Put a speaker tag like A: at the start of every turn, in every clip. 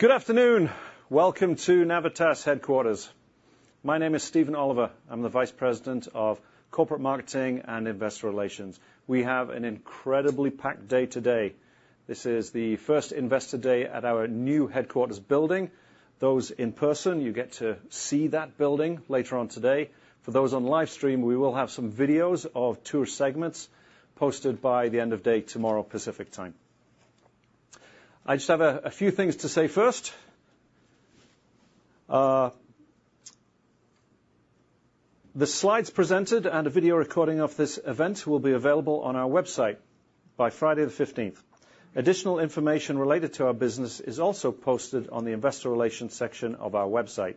A: Good afternoon. Welcome to Navitas headquarters. My name is Stephen Oliver. I'm the Vice President of Corporate Marketing and Investor Relations. We have an incredibly packed day today. This is the first Investor Day at our new headquarters building. Those in person, you get to see that building later on today. For those on live stream, we will have some videos of tour segments posted by the end of day tomorrow, Pacific Time. I just have a few things to say first. The slides presented and a video recording of this event will be available on our website by Friday the 15th. Additional information related to our business is also posted on the investor relations section of our website.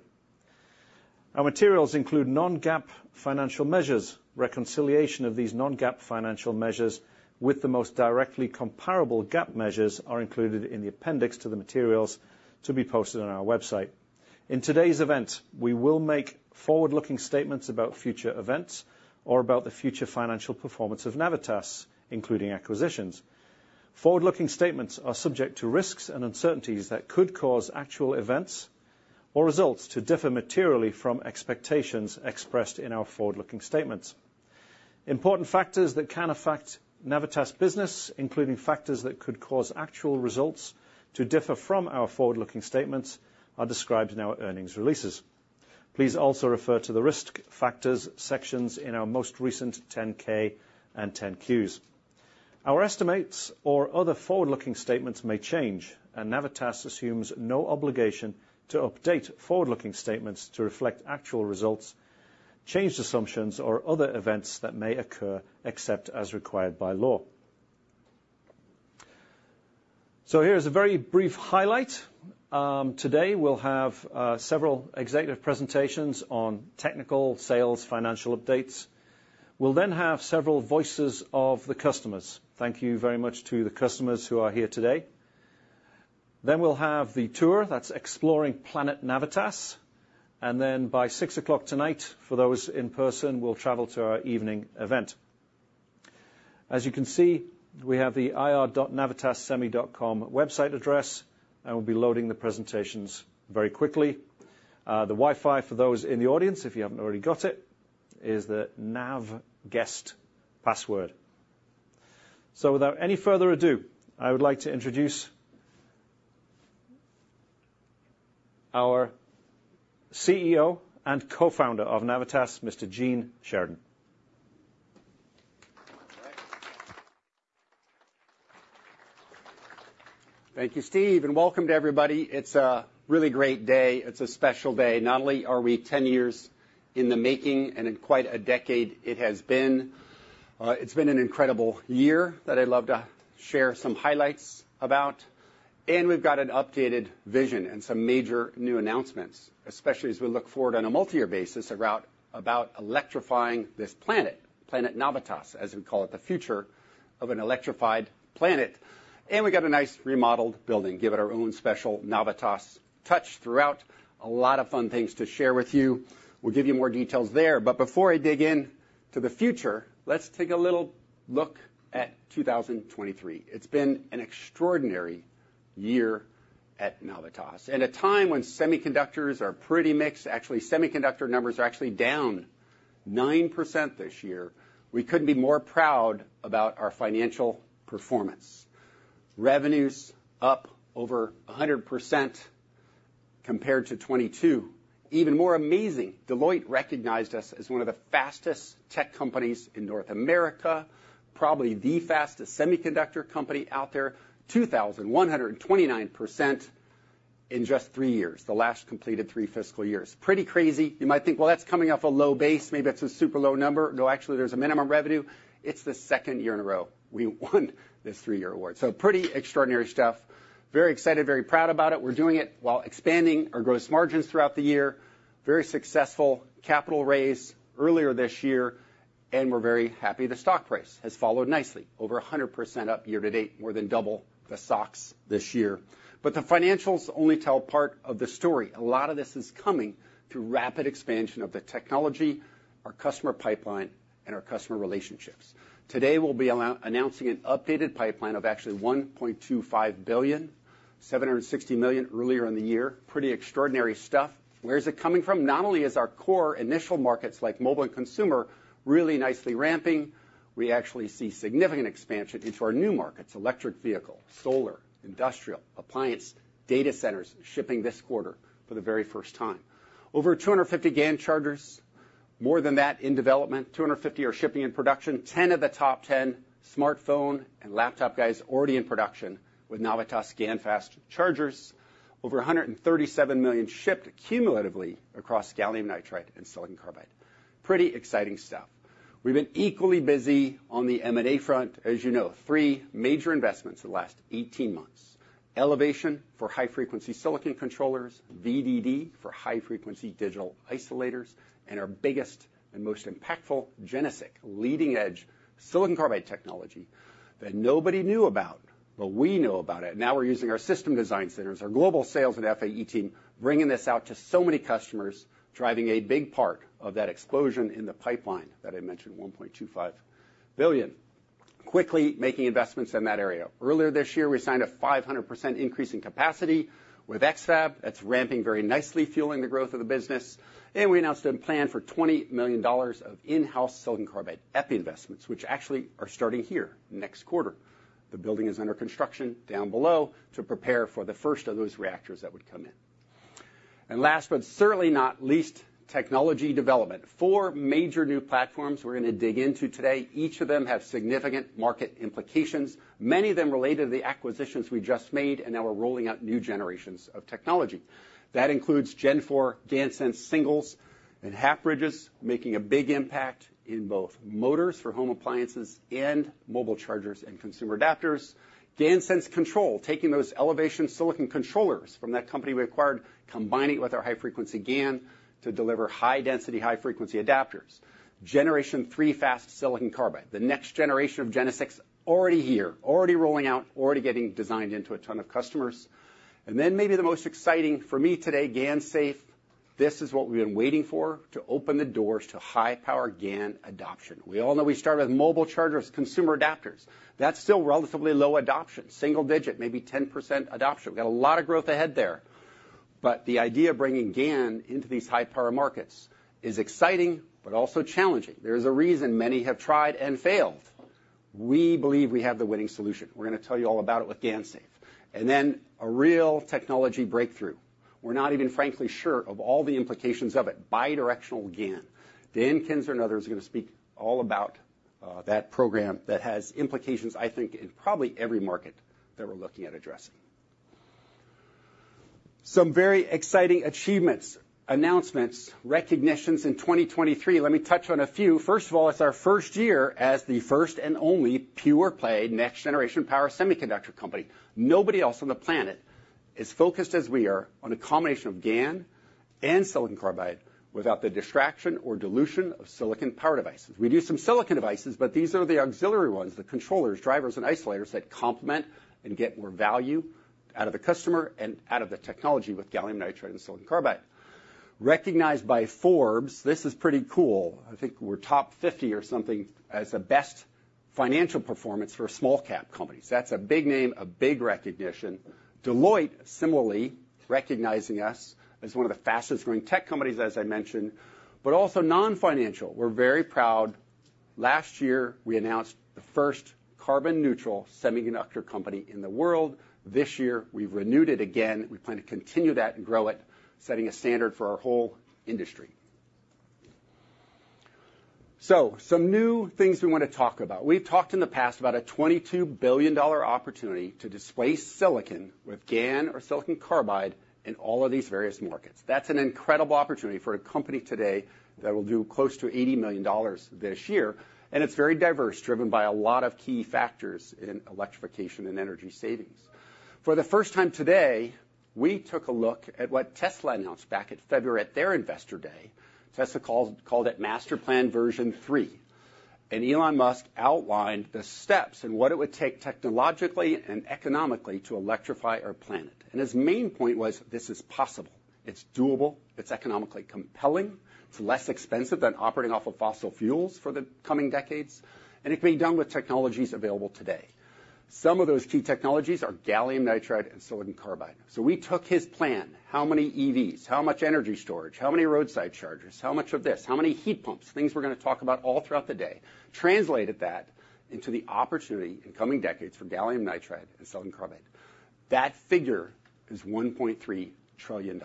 A: Our materials include non-GAAP financial measures. Reconciliation of these non-GAAP financial measures with the most directly comparable GAAP measures are included in the appendix to the materials to be posted on our website. In today's event, we will make forward-looking statements about future events or about the future financial performance of Navitas, including acquisitions. Forward-looking statements are subject to risks and uncertainties that could cause actual events or results to differ materially from expectations expressed in our forward-looking statements. Important factors that can affect Navitas' business, including factors that could cause actual results to differ from our forward-looking statements, are described in our earnings releases. Please also refer to the Risk Factors sections in our most recent 10-K and 10-Qs. Our estimates or other forward-looking statements may change, and Navitas assumes no obligation to update forward-looking statements to reflect actual results, changed assumptions, or other events that may occur, except as required by law. So here is a very brief highlight. Today, we'll have several executive presentations on technical, sales, financial updates. We'll then have several voices of the customers. Thank you very much to the customers who are here today. Then we'll have the tour, that's exploring Planet Navitas, and then by 6:00 P.M. tonight, for those in person, we'll travel to our evening event. As you can see, we have the ir.navitassemi.com website address, and we'll be loading the presentations very quickly. The Wi-Fi for those in the audience, if you haven't already got it, is the Nav guest password. So without any further ado, I would like to introduce our CEO and co-founder of Navitas, Mr. Gene Sheridan.
B: Thank you, Steve, and welcome to everybody. It's a really great day. It's a special day. Not only are we ten years in the making, and in quite a decade it has been, it's been an incredible year that I'd love to share some highlights about, and we've got an updated vision and some major new announcements, especially as we look forward on a multi-year basis about, about electrifying this planet, Planet Navitas, as we call it, the future of an electrified planet. And we've got a nice remodeled building, give it our own special Navitas touch throughout. A lot of fun things to share with you. We'll give you more details there, but before I dig in to the future, let's take a little look at 2023. It's been an extraordinary year at Navitas. At a time when semiconductors are pretty mixed, actually, semiconductor numbers are actually down 9% this year, we couldn't be more proud about our financial performance. Revenue's up over 100% compared to 2022. Even more amazing, Deloitte recognized us as one of the fastest tech companies in North America, probably the fastest semiconductor company out there, 2,129% in just three years, the last completed three fiscal years. Pretty crazy. You might think, "Well, that's coming off a low base. Maybe that's a super low number." No, actually, there's a minimum revenue. It's the second year in a row we won this three-year award, so pretty extraordinary stuff. Very excited, very proud about it. We're doing it while expanding our gross margins throughout the year. Very successful capital raise earlier this year, and we're very happy the stock price has followed nicely, over 100% up year to date, more than double the SOX this year. But the financials only tell part of the story. A lot of this is coming through rapid expansion of the technology, our customer pipeline, and our customer relationships. Today, we'll be announcing an updated pipeline of actually $1.25 billion, $760 million earlier in the year. Pretty extraordinary stuff. Where is it coming from? Not only is our core initial markets, like mobile and consumer, really nicely ramping, we actually see significant expansion into our new markets, electric vehicle, solar, industrial, appliance, data centers, shipping this quarter for the very first time. Over 250 GaN chargers, more than that in development, 250 are shipping in production, 10 of the top 10 smartphone and laptop guys already in production with Navitas GaNFast Chargers. Over 137 million shipped cumulatively across gallium nitride and silicon carbide. Pretty exciting stuff. We've been equally busy on the M&A front. As you know, three major investments in the last 18 months, Elevation for high-frequency silicon controllers, VDD for high-frequency digital isolators, and our biggest and most impactful, GeneSiC, leading-edge silicon carbide technology that nobody knew about, but we know about it. Now we're using our system design centers, our global sales and FAE team, bringing this out to so many customers, driving a big part of that explosion in the pipeline that I mentioned, $1.25 billion. Quickly making investments in that area. Earlier this year, we signed a 500% increase in capacity with X-FAB. That's ramping very nicely, fueling the growth of the business. We announced a plan for $20 million of in-house silicon carbide epi investments, which actually are starting here next quarter. The building is under construction down below to prepare for the first of those reactors that would come in. Last, but certainly not least, technology development. Four major new platforms we're gonna dig into today, each of them have significant market implications, many of them related to the acquisitions we just made, and now we're rolling out new generations of technology. That includes Gen-4 GaNSense singles and half-bridges, making a big impact in both motors for home appliances and mobile chargers and consumer adapters. GaNSense Control, taking those Elevation silicon controllers from that company we acquired, combining it with our high-frequency GaN to deliver high density, high-frequency adapters. Generation three fast silicon carbide, the next generation of GeneSiC, already here, already rolling out, already getting designed into a ton of customers. And then maybe the most exciting for me today, GaNSafe. This is what we've been waiting for to open the doors to high-power GaN adoption. We all know we started with mobile chargers, consumer adapters. That's still relatively low adoption, single digit, maybe 10% adoption. We've got a lot of growth ahead there, but the idea of bringing GaN into these high-power markets is exciting but also challenging. There's a reason many have tried and failed. We believe we have the winning solution. We're gonna tell you all about it with GaNSafe. And then, a real technology breakthrough, we're not even frankly sure of all the implications of it, bidirectional GaN. Dan Kinzer and others are gonna speak all about that program that has implications, I think, in probably every market that we're looking at addressing. Some very exciting achievements, announcements, recognitions in 2023. Let me touch on a few. First of all, it's our first year as the first and only pure-play, next-generation power semiconductor company. Nobody else on the planet is focused as we are on a combination of GaN and silicon carbide, without the distraction or dilution of silicon power devices. We do some silicon devices, but these are the auxiliary ones, the controllers, drivers, and isolators that complement and get more value out of the customer and out of the technology with gallium nitride and silicon carbide. Recognized by Forbes, this is pretty cool. I think we're top 50 or something as the best financial performance for small-cap companies. That's a big name, a big recognition. Deloitte, similarly, recognizing us as one of the fastest growing tech companies, as I mentioned, but also non-financial. We're very proud. Last year, we announced the first carbon-neutral semiconductor company in the world. This year, we've renewed it again. We plan to continue that and grow it, setting a standard for our whole industry. So some new things we want to talk about. We've talked in the past about a $22 billion opportunity to displace silicon with GaN or silicon carbide in all of these various markets. That's an incredible opportunity for a company today that will do close to $80 million this year, and it's very diverse, driven by a lot of key factors in electrification and energy savings. For the first time today, we took a look at what Tesla announced back at February, at their Investor Day. Tesla called it Master Plan Version Three, and Elon Musk outlined the steps and what it would take technologically and economically to electrify our planet. And his main point was, this is possible, it's doable, it's economically compelling, it's less expensive than operating off of fossil fuels for the coming decades, and it can be done with technologies available today. Some of those key technologies are gallium nitride and silicon carbide. So we took his plan, how many EVs, how much energy storage, how many roadside chargers, how much of this, how many heat pumps, things we're gonna talk about all throughout the day, translated that into the opportunity in coming decades for gallium nitride and silicon carbide. That figure is $1.3 trillion.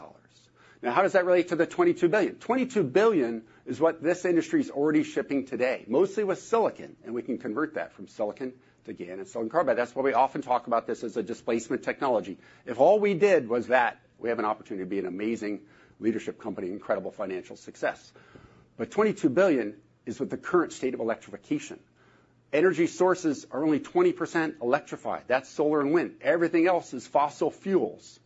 B: Now, how does that relate to the $22 billion? $22 billion is what this industry is already shipping today, mostly with silicon, and we can convert that from silicon to GaN and silicon carbide. That's why we often talk about this as a displacement technology. If all we did was that, we have an opportunity to be an amazing leadership company, incredible financial success. But $22 billion is with the current state of electrification. Energy sources are only 20% electrified. That's solar and wind. Everything else is fossil fuels.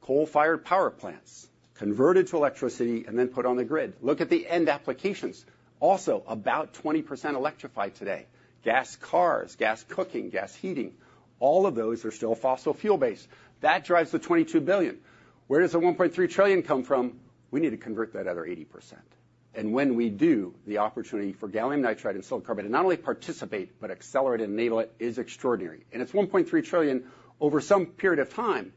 B: Coal-fired power plants converted to electricity and then put on the grid. Look at the end applications, also about 20% electrified today. Gas cars, gas cooking, gas heating, all of those are still fossil fuel-based. That drives the $22 billion. Where does the $1.3 trillion come from? We need to convert that other 80%. When we do, the opportunity for gallium nitride and silicon carbide to not only participate, but accelerate and enable it, is extraordinary, and it's $1.3 trillion over some period of time.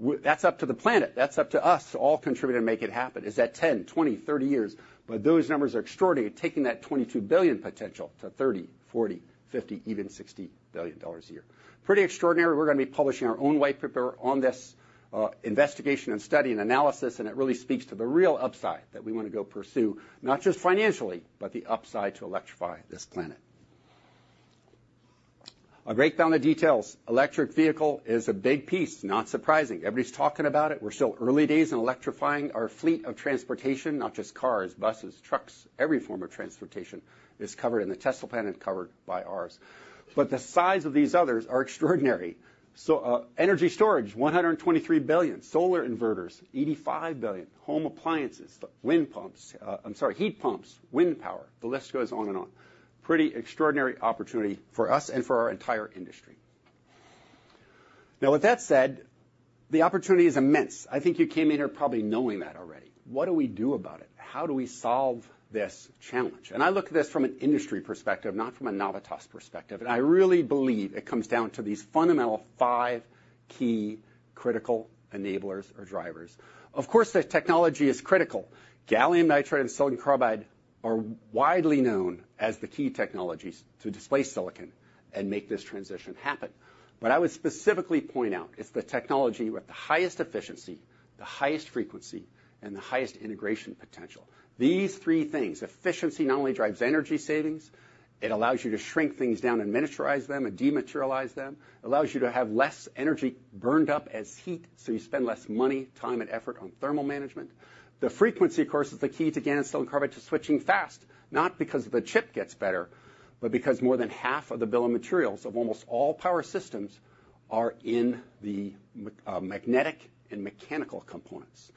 B: That's up to the planet, that's up to us to all contribute and make it happen. Is that 10, 20, 30 years? Those numbers are extraordinary. Taking that $22 billion potential to $30 billion, $40 billion, $50 billion, even $60 billion a year. Pretty extraordinary. We're gonna be publishing our own white paper on this, investigation and study and analysis, and it really speaks to the real upside that we want to go pursue, not just financially, but the upside to electrify this planet. I'll break down the details. Electric vehicle is a big piece. Not surprising. Everybody's talking about it. We're still early days in electrifying our fleet of transportation, not just cars, buses, trucks. Every form of transportation is covered in the Tesla plan and covered by ours, but the size of these others are extraordinary. So, energy storage, $123 billion, solar inverters, $85 billion, home appliances, wind pumps, I'm sorry, heat pumps, wind power. The list goes on and on. Pretty extraordinary opportunity for us and for our entire industry. Now, with that said, the opportunity is immense. I think you came in here probably knowing that already. What do we do about it? How do we solve this challenge? And I look at this from an industry perspective, not from a Navitas perspective, and I really believe it comes down to these fundamental five key critical enablers or drivers. Of course, the technology is critical. Gallium nitride and silicon carbide are widely known as the key technologies to displace silicon and make this transition happen. But I would specifically point out, it's the technology with the highest efficiency, the highest frequency, and the highest integration potential. These three things, efficiency not only drives energy savings, it allows you to shrink things down and miniaturize them and dematerialize them. Allows you to have less energy burned up as heat, so you spend less money, time, and effort on thermal management. The frequency, of course, is the key to GaN and silicon carbide to switching fast, not because the chip gets better, but because more than half of the bill of materials of almost all power systems are in the magnetic and mechanical components.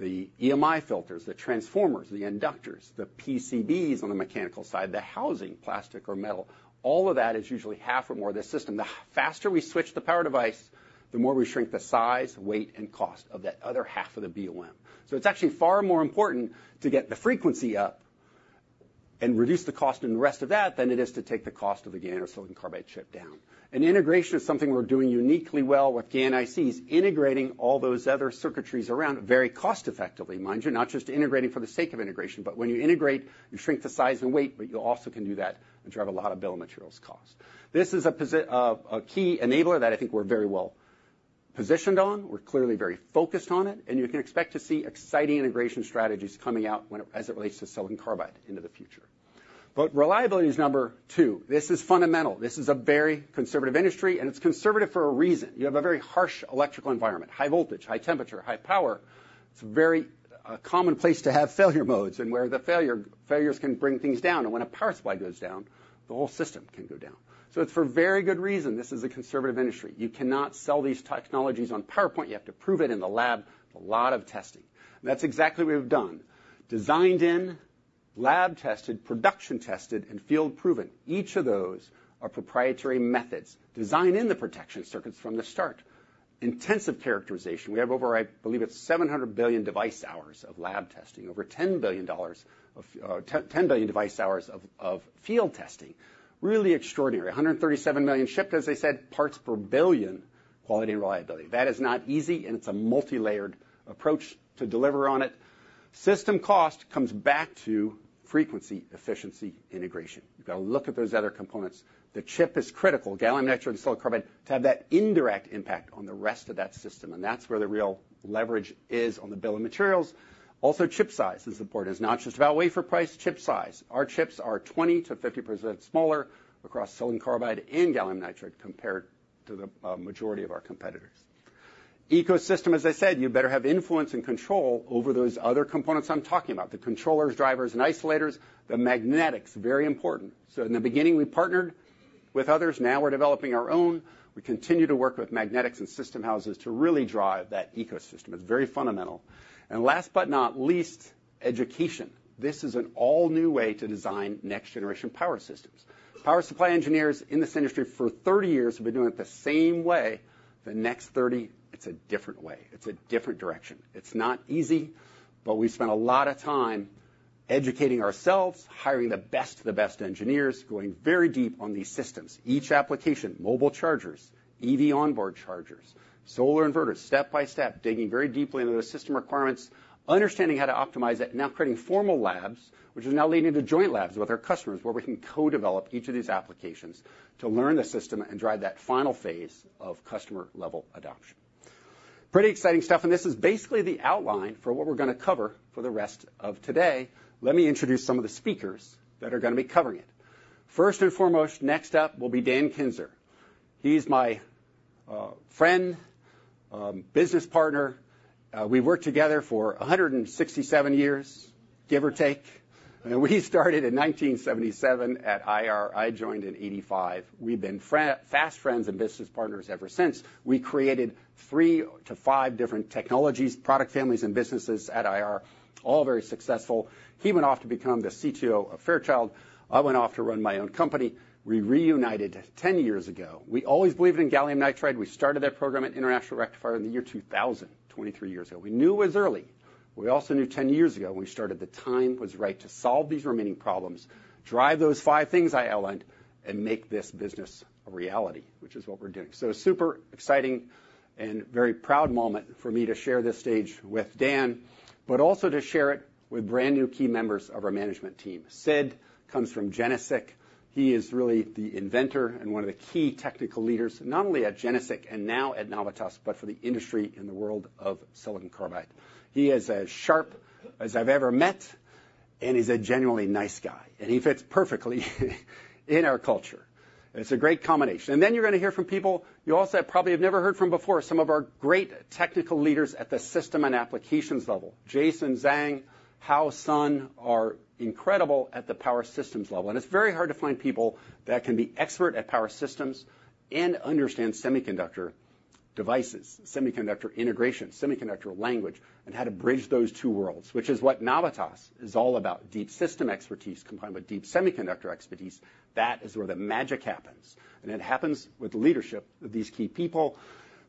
B: The EMI filters, the transformers, the inductors, the PCBs on the mechanical side, the housing, plastic or metal, all of that is usually half or more of the system. The faster we switch the power device, the more we shrink the size, weight, and cost of that other half of the BOM. So it's actually far more important to get the frequency up and reduce the cost in the rest of that than it is to take the cost of the GaN or silicon carbide chip down. And integration is something we're doing uniquely well with GaN ICs, integrating all those other circuitries around very cost effectively, mind you, not just integrating for the sake of integration, but when you integrate, you shrink the size and weight, but you also can do that and drive a lot of bill of materials costs. This is a key enabler that I think we're very well positioned on. We're clearly very focused on it, and you can expect to see exciting integration strategies coming out, as it relates to silicon carbide into the future. But reliability is number two. This is fundamental. This is a very conservative industry, and it's conservative for a reason. You have a very harsh electrical environment, high voltage, high temperature, high power. It's very, a common place to have failure modes, and where the failures can bring things down, and when a power supply goes down, the whole system can go down. So it's for very good reason, this is a conservative industry. You cannot sell these technologies on PowerPoint. You have to prove it in the lab, a lot of testing. That's exactly what we've done. Designed in, lab tested, production tested, and field proven. Each of those are proprietary methods, designed in the protection circuits from the start. Intensive characterization. We have over, I believe, it's 700 billion device hours of lab testing, over 10 billion device hours of field testing. Really extraordinary. 137 million shipped, as I said, parts per billion, quality and reliability. That is not easy, and it's a multilayered approach to deliver on it. System cost comes back to frequency, efficiency, integration. You've got to look at those other components. The chip is critical, gallium nitride and silicon carbide, to have that indirect impact on the rest of that system, and that's where the real leverage is on the bill of materials. Also, chip size is important. It's not just about wafer price, chip size. Our chips are 20%-50% smaller across Silicon Carbide and Gallium Nitride compared to the majority of our competitors. Ecosystem, as I said, you better have influence and control over those other components I'm talking about, the controllers, drivers, and isolators, the magnetics, very important. So in the beginning, we partnered with others, now we're developing our own. We continue to work with magnetics and system houses to really drive that ecosystem. It's very fundamental. And last but not least, education. This is an all-new way to design next-generation power systems. Power supply engineers in this industry for 30 years have been doing it the same way. The next 30, it's a different way. It's a different direction. It's not easy, but we've spent a lot of time educating ourselves, hiring the best of the best engineers, going very deep on these systems. Each application, mobile chargers, EV onboard chargers, solar inverters, step by step, digging very deeply into the system requirements, understanding how to optimize it, and now creating formal labs, which is now leading to joint labs with our customers, where we can co-develop each of these applications to learn the system and drive that final phase of customer-level adoption. Pretty exciting stuff, and this is basically the outline for what we're gonna cover for the rest of today. Let me introduce some of the speakers that are gonna be covering it. First and foremost, next up will be Dan Kinzer. He's my friend, business partner. We've worked together for 167 years, give or take. We started in 1977 at IR. I joined in 1985. We've been fast friends and business partners ever since. We created three to five different technologies, product families, and businesses at IR, all very successful. He went off to become the CTO of Fairchild. I went off to run my own company. We reunited 10 years ago. We always believed in gallium nitride. We started that program at International Rectifier in the year 2000, 23 years ago. We knew it was early. We also knew 10 years ago when we started, the time was right to solve these remaining problems, drive those five things I outlined, and make this business a reality, which is what we're doing. So super exciting and very proud moment for me to share this stage with Dan, but also to share it with brand-new key members of our management team. Sid comes from GeneSiC. He is really the inventor and one of the key technical leaders, not only at GeneSiC and now at Navitas, but for the industry in the world of silicon carbide. He is as sharp as I've ever met and is a genuinely nice guy, and he fits perfectly in our culture. It's a great combination. And then you're gonna hear from people you also probably have never heard from before, some of our great technical leaders at the system and applications level. Jason Zhang, Hao Sun, are incredible at the power systems level, and it's very hard to find people that can be expert at power systems and understand semiconductor devices, semiconductor integration, semiconductor language, and how to bridge those two worlds, which is what Navitas is all about. Deep system expertise combined with deep semiconductor expertise, that is where the magic happens, and it happens with the leadership of these key people.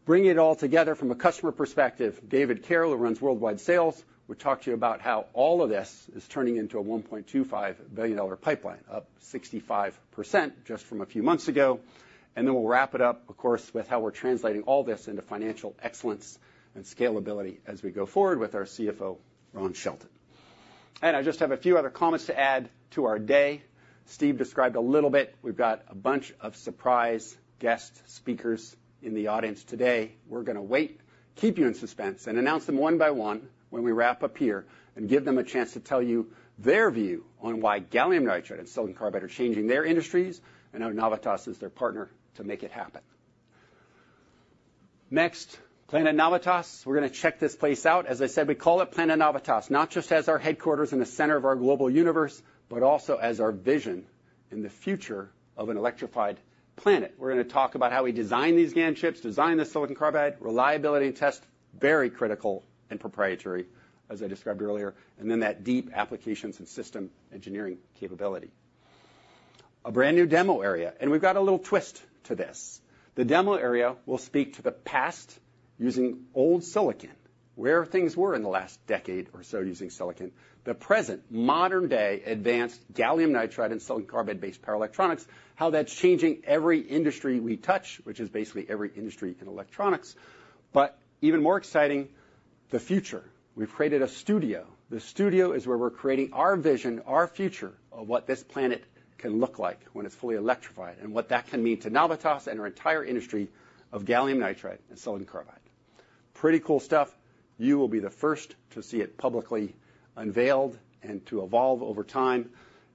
B: Bringing it all together from a customer perspective, David Carroll, who runs worldwide sales, will talk to you about how all of this is turning into a $1.25 billion pipeline, up 65% just from a few months ago. And then we'll wrap it up, of course, with how we're translating all this into financial excellence and scalability as we go forward with our CFO, Ron Shelton. And I just have a few other comments to add to our day. Steve described a little bit. We've got a bunch of surprise guest speakers in the audience today. We're going to wait, keep you in suspense, and announce them one by one when we wrap up here and give them a chance to tell you their view on why gallium nitride and silicon carbide are changing their industries, and how Navitas is their partner to make it happen. Next, Planet Navitas. We're going to check this place out. As I said, we call it Planet Navitas, not just as our headquarters in the center of our global universe, but also as our vision in the future of an electrified planet. We're going to talk about how we design these GaN chips, design the silicon carbide, reliability and test, very critical and proprietary, as I described earlier, and then that deep applications and system engineering capability. A brand-new demo area, and we've got a little twist to this. The demo area will speak to the past, using old silicon, where things were in the last decade or so using silicon. The present, modern-day, advanced gallium nitride and silicon carbide-based power electronics, how that's changing every industry we touch, which is basically every industry in electronics. But even more exciting, the future. We've created a studio. The studio is where we're creating our vision, our future of what this planet can look like when it's fully electrified, and what that can mean to Navitas and our entire industry of gallium nitride and silicon carbide. Pretty cool stuff. You will be the first to see it publicly unveiled and to evolve over time,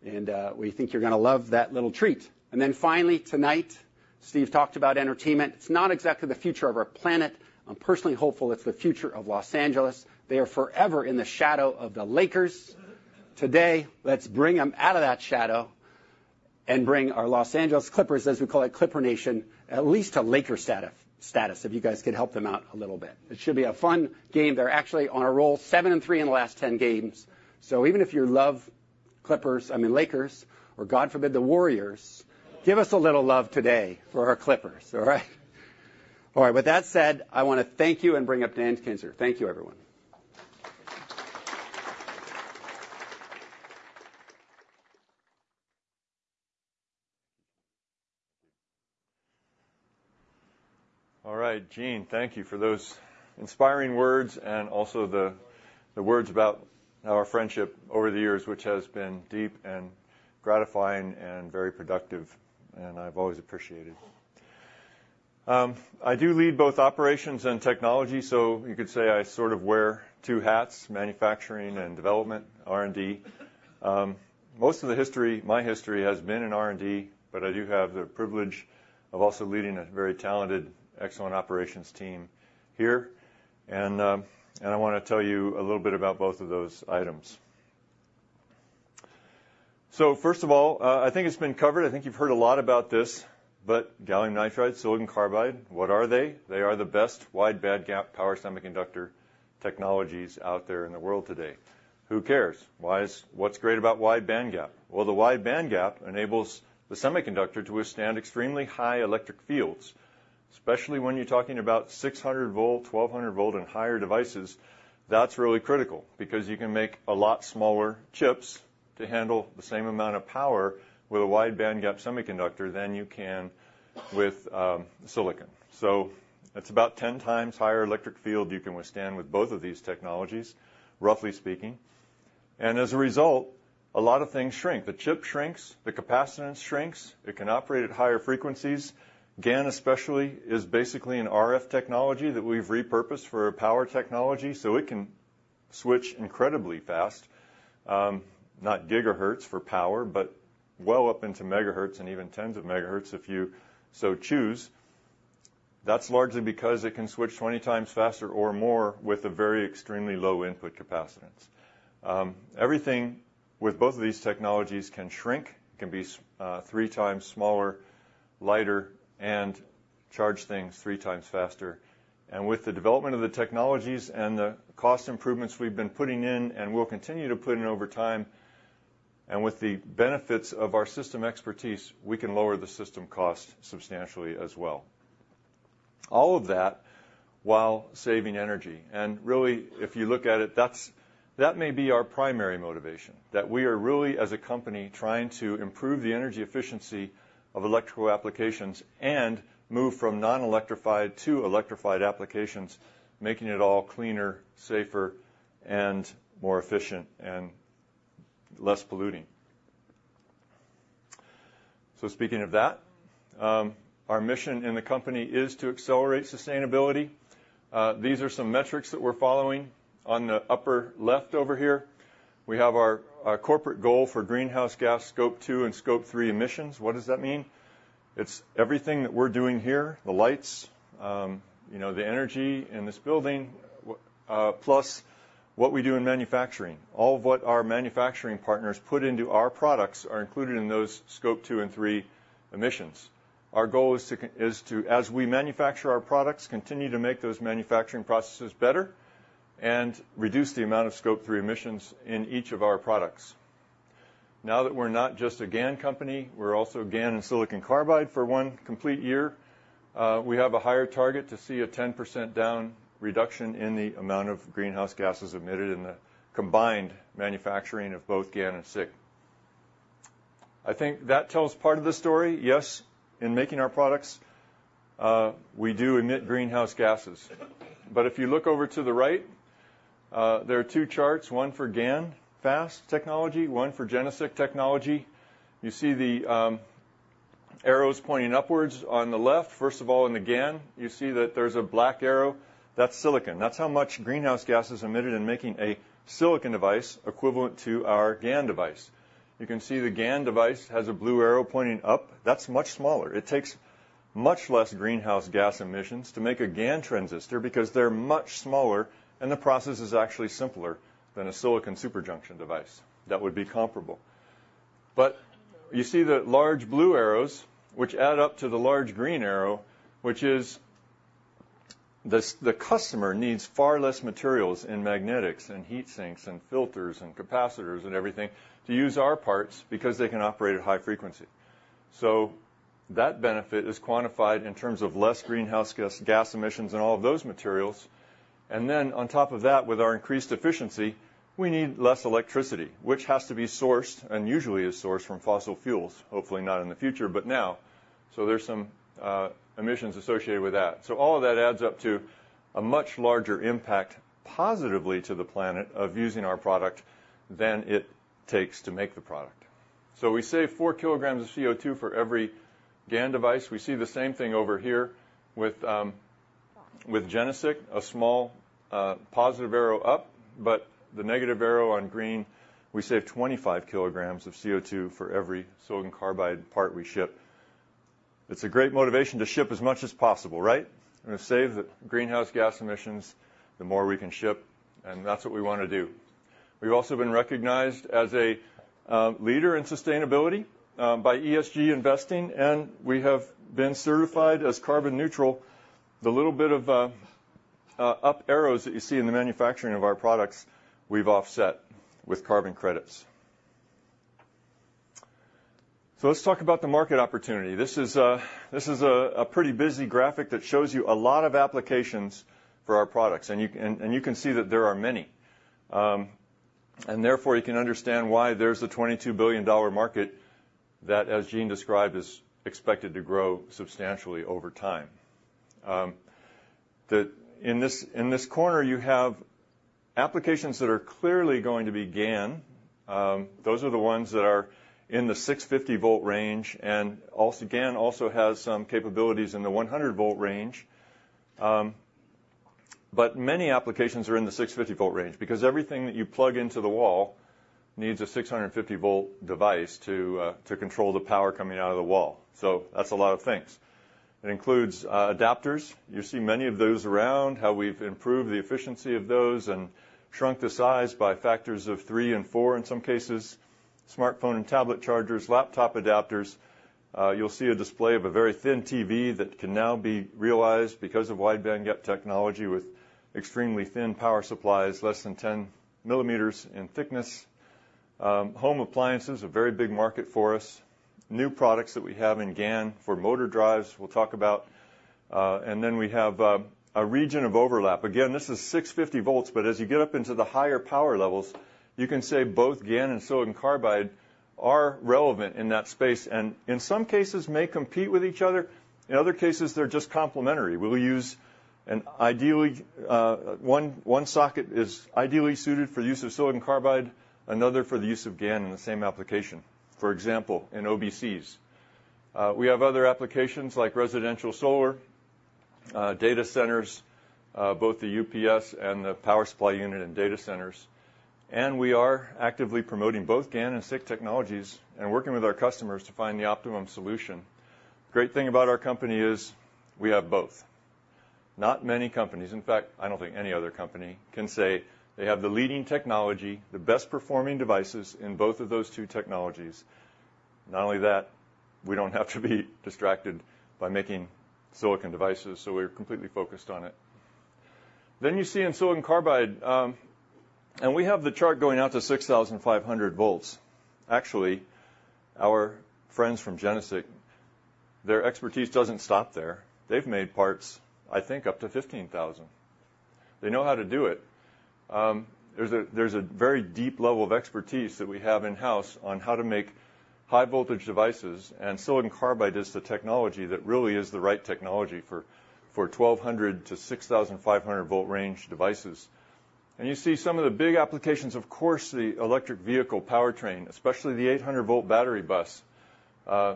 B: and we think you're going to love that little treat. And then finally, tonight, Steve talked about entertainment. It's not exactly the future of our planet. I'm personally hopeful it's the future of Los Angeles. They are forever in the shadow of the Lakers. Today, let's bring them out of that shadow and bring our Los Angeles Clippers, as we call it, Clipper Nation, at least to Laker status, if you guys could help them out a little bit. It should be a fun game. They're actually on a roll, seven-three in the last 10 games. So even if you love Clippers, I mean, Lakers, or God forbid, the Warriors, give us a little love today for our Clippers, all right? All right, with that said, I want to thank you and bring up Dan Kinzer. Thank you, everyone.
C: All right, Gene, thank you for those inspiring words and also the words about our friendship over the years, which has been deep and gratifying and very productive, and I've always appreciated. I do lead both operations and technology, so you could say I sort of wear two hats, manufacturing and development, R&D. Most of the history, my history, has been in R&D, but I do have the privilege of also leading a very talented, excellent operations team here. And I want to tell you a little bit about both of those items. So first of all, I think it's been covered, I think you've heard a lot about this, but gallium nitride, silicon carbide, what are they? They are the best wide bandgap power semiconductor technologies out there in the world today. Who cares? What's great about wide bandgap? Well, the wide bandgap enables the semiconductor to withstand extremely high electric fields, especially when you're talking about 600-volt, 1,200-volt, and higher devices. That's really critical because you can make a lot smaller chips to handle the same amount of power with a wide bandgap semiconductor than you can with, silicon. So it's about 10x higher electric field you can withstand with both of these technologies, roughly speaking. And as a result, a lot of things shrink. The chip shrinks, the capacitance shrinks, it can operate at higher frequencies. GaN, especially, is basically an RF technology that we've repurposed for power technology, so it can switch incredibly fast, not gigahertz for power, but well up into megahertz and even tens of megahertz, if you so choose. That's largely because it can switch 20x faster or more with a very extremely low input capacitance. Everything with both of these technologies can shrink, can be 3x smaller, lighter, and charge things 3x faster. With the development of the technologies and the cost improvements we've been putting in and will continue to put in over time, and with the benefits of our system expertise, we can lower the system cost substantially as well. All of that while saving energy. Really, if you look at it, that may be our primary motivation, that we are really, as a company, trying to improve the energy efficiency of electrical applications and move from non-electrified to electrified applications, making it all cleaner, safer, and more efficient and less polluting. Speaking of that, our mission in the company is to accelerate sustainability. These are some metrics that we're following. On the upper left over here, we have our corporate goal for greenhouse gas Scope 2 and Scope 3 emissions. What does that mean? It's everything that we're doing here, the lights, you know, the energy in this building, plus what we do in manufacturing. All of what our manufacturing partners put into our products are included in those Scope 2 and 3 emissions. Our goal is to, as we manufacture our products, continue to make those manufacturing processes better and reduce the amount of Scope 3 emissions in each of our products. Now that we're not just a GaN company, we're also GaN and silicon carbide for one complete year, we have a higher target to see a 10% down reduction in the amount of greenhouse gases emitted in the combined manufacturing of both GaN and SiC. I think that tells part of the story. Yes, in making our products, we do emit greenhouse gases. But if you look over to the right, there are two charts, one for GaNFast technology, one for GeneSiC technology. You see the arrows pointing upwards on the left. First of all, in the GaN, you see that there's a black arrow. That's silicon. That's how much greenhouse gas is emitted in making a silicon device equivalent to our GaN device. You can see the GaN device has a blue arrow pointing up. That's much smaller. It takes much less greenhouse gas emissions to make a GaN transistor because they're much smaller, and the process is actually simpler than a silicon superjunction device that would be comparable. But you see the large blue arrows, which add up to the large green arrow, which is the customer needs far less materials in magnetics and heat sinks and filters and capacitors and everything to use our parts because they can operate at high frequency. So that benefit is quantified in terms of less greenhouse gas emissions and all of those materials. And then on top of that, with our increased efficiency, we need less electricity, which has to be sourced and usually is sourced from fossil fuels. Hopefully not in the future, but now. So there's some emissions associated with that. So all of that adds up to a much larger impact positively to the planet of using our product than it takes to make the product. So we save 4 kg of CO2 for every GaN device. We see the same thing over here with, with GeneSiC, a small, positive arrow up, but the negative arrow on green, we save 25 kg of CO2 for every silicon carbide part we ship. It's a great motivation to ship as much as possible, right? We're gonna save the greenhouse gas emissions, the more we can ship, and that's what we wanna do. We've also been recognized as a, leader in sustainability, by ESG Investing, and we have been certified as carbon neutral. The little bit of, up arrows that you see in the manufacturing of our products, we've offset with carbon credits. So let's talk about the market opportunity. This is a pretty busy graphic that shows you a lot of applications for our products, and you can see that there are many. And therefore, you can understand why there's a $22 billion market that, as Gene described, is expected to grow substantially over time. In this corner, you have applications that are clearly going to be GaN. Those are the ones that are in the 650-volt range, and also GaN also has some capabilities in the 100-volt range. But many applications are in the 650-volt range because everything that you plug into the wall needs a 650-volt device to control the power coming out of the wall. So that's a lot of things. It includes adapters. You see many of those around, how we've improved the efficiency of those and shrunk the size by factors of three and four in some cases, smartphone and tablet chargers, laptop adapters. You'll see a display of a very thin TV that can now be realized because of wide bandgap technology with extremely thin power supplies, less than 10 millimeters in thickness. Home appliances, a very big market for us. New products that we have in GaN for motor drives, we'll talk about. And then we have a region of overlap. Again, this is 650 volts, but as you get up into the higher power levels, you can say both GaN and silicon carbide are relevant in that space, and in some cases, may compete with each other. In other cases, they're just complementary. One socket is ideally suited for the use of silicon carbide, another for the use of GaN in the same application, for example, in OBCs. We have other applications like residential solar, data centers, both the UPS and the power supply unit and data centers, and we are actively promoting both GaN and SiC technologies and working with our customers to find the optimum solution. Great thing about our company is we have both. Not many companies, in fact, I don't think any other company, can say they have the leading technology, the best performing devices in both of those two technologies. Not only that, we don't have to be distracted by making silicon devices, so we're completely focused on it. Then you see in silicon carbide, and we have the chart going out to 6,500 volts. Actually, our friends from GeneSiC, their expertise doesn't stop there. They've made parts, I think, up to 15,000. They know how to do it. There's a very deep level of expertise that we have in-house on how to make high-voltage devices, and silicon carbide is the technology that really is the right technology for 1,200-6,500-volt range devices. And you see some of the big applications, of course, the electric vehicle powertrain, especially the 800-volt battery bus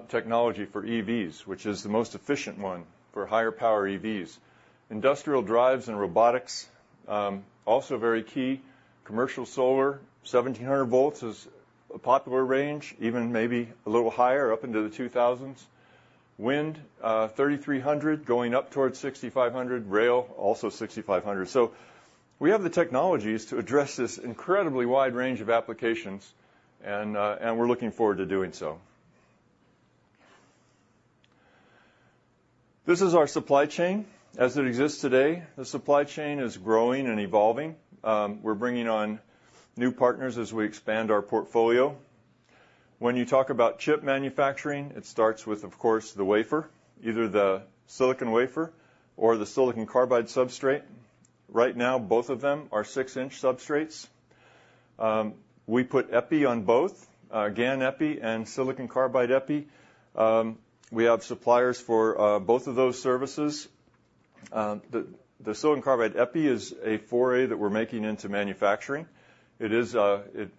C: technology for EVs, which is the most efficient one for higher power EVs. Industrial drives and robotics also very key. Commercial solar, 1,700 volts, is a popular range, even maybe a little higher up into the 2,000s. Wind, 3,300, going up towards 6,500. Rail, also 6,500. So we have the technologies to address this incredibly wide range of applications, and we're looking forward to doing so. This is our supply chain as it exists today. The supply chain is growing and evolving. We're bringing on new partners as we expand our portfolio. When you talk about chip manufacturing, it starts with, of course, the wafer, either the silicon wafer or the silicon carbide substrate. Right now, both of them are six inch substrates. We put epi on both, GaN epi and silicon carbide epi. We have suppliers for both of those services. The silicon carbide epi is a foray that we're making into manufacturing. It is,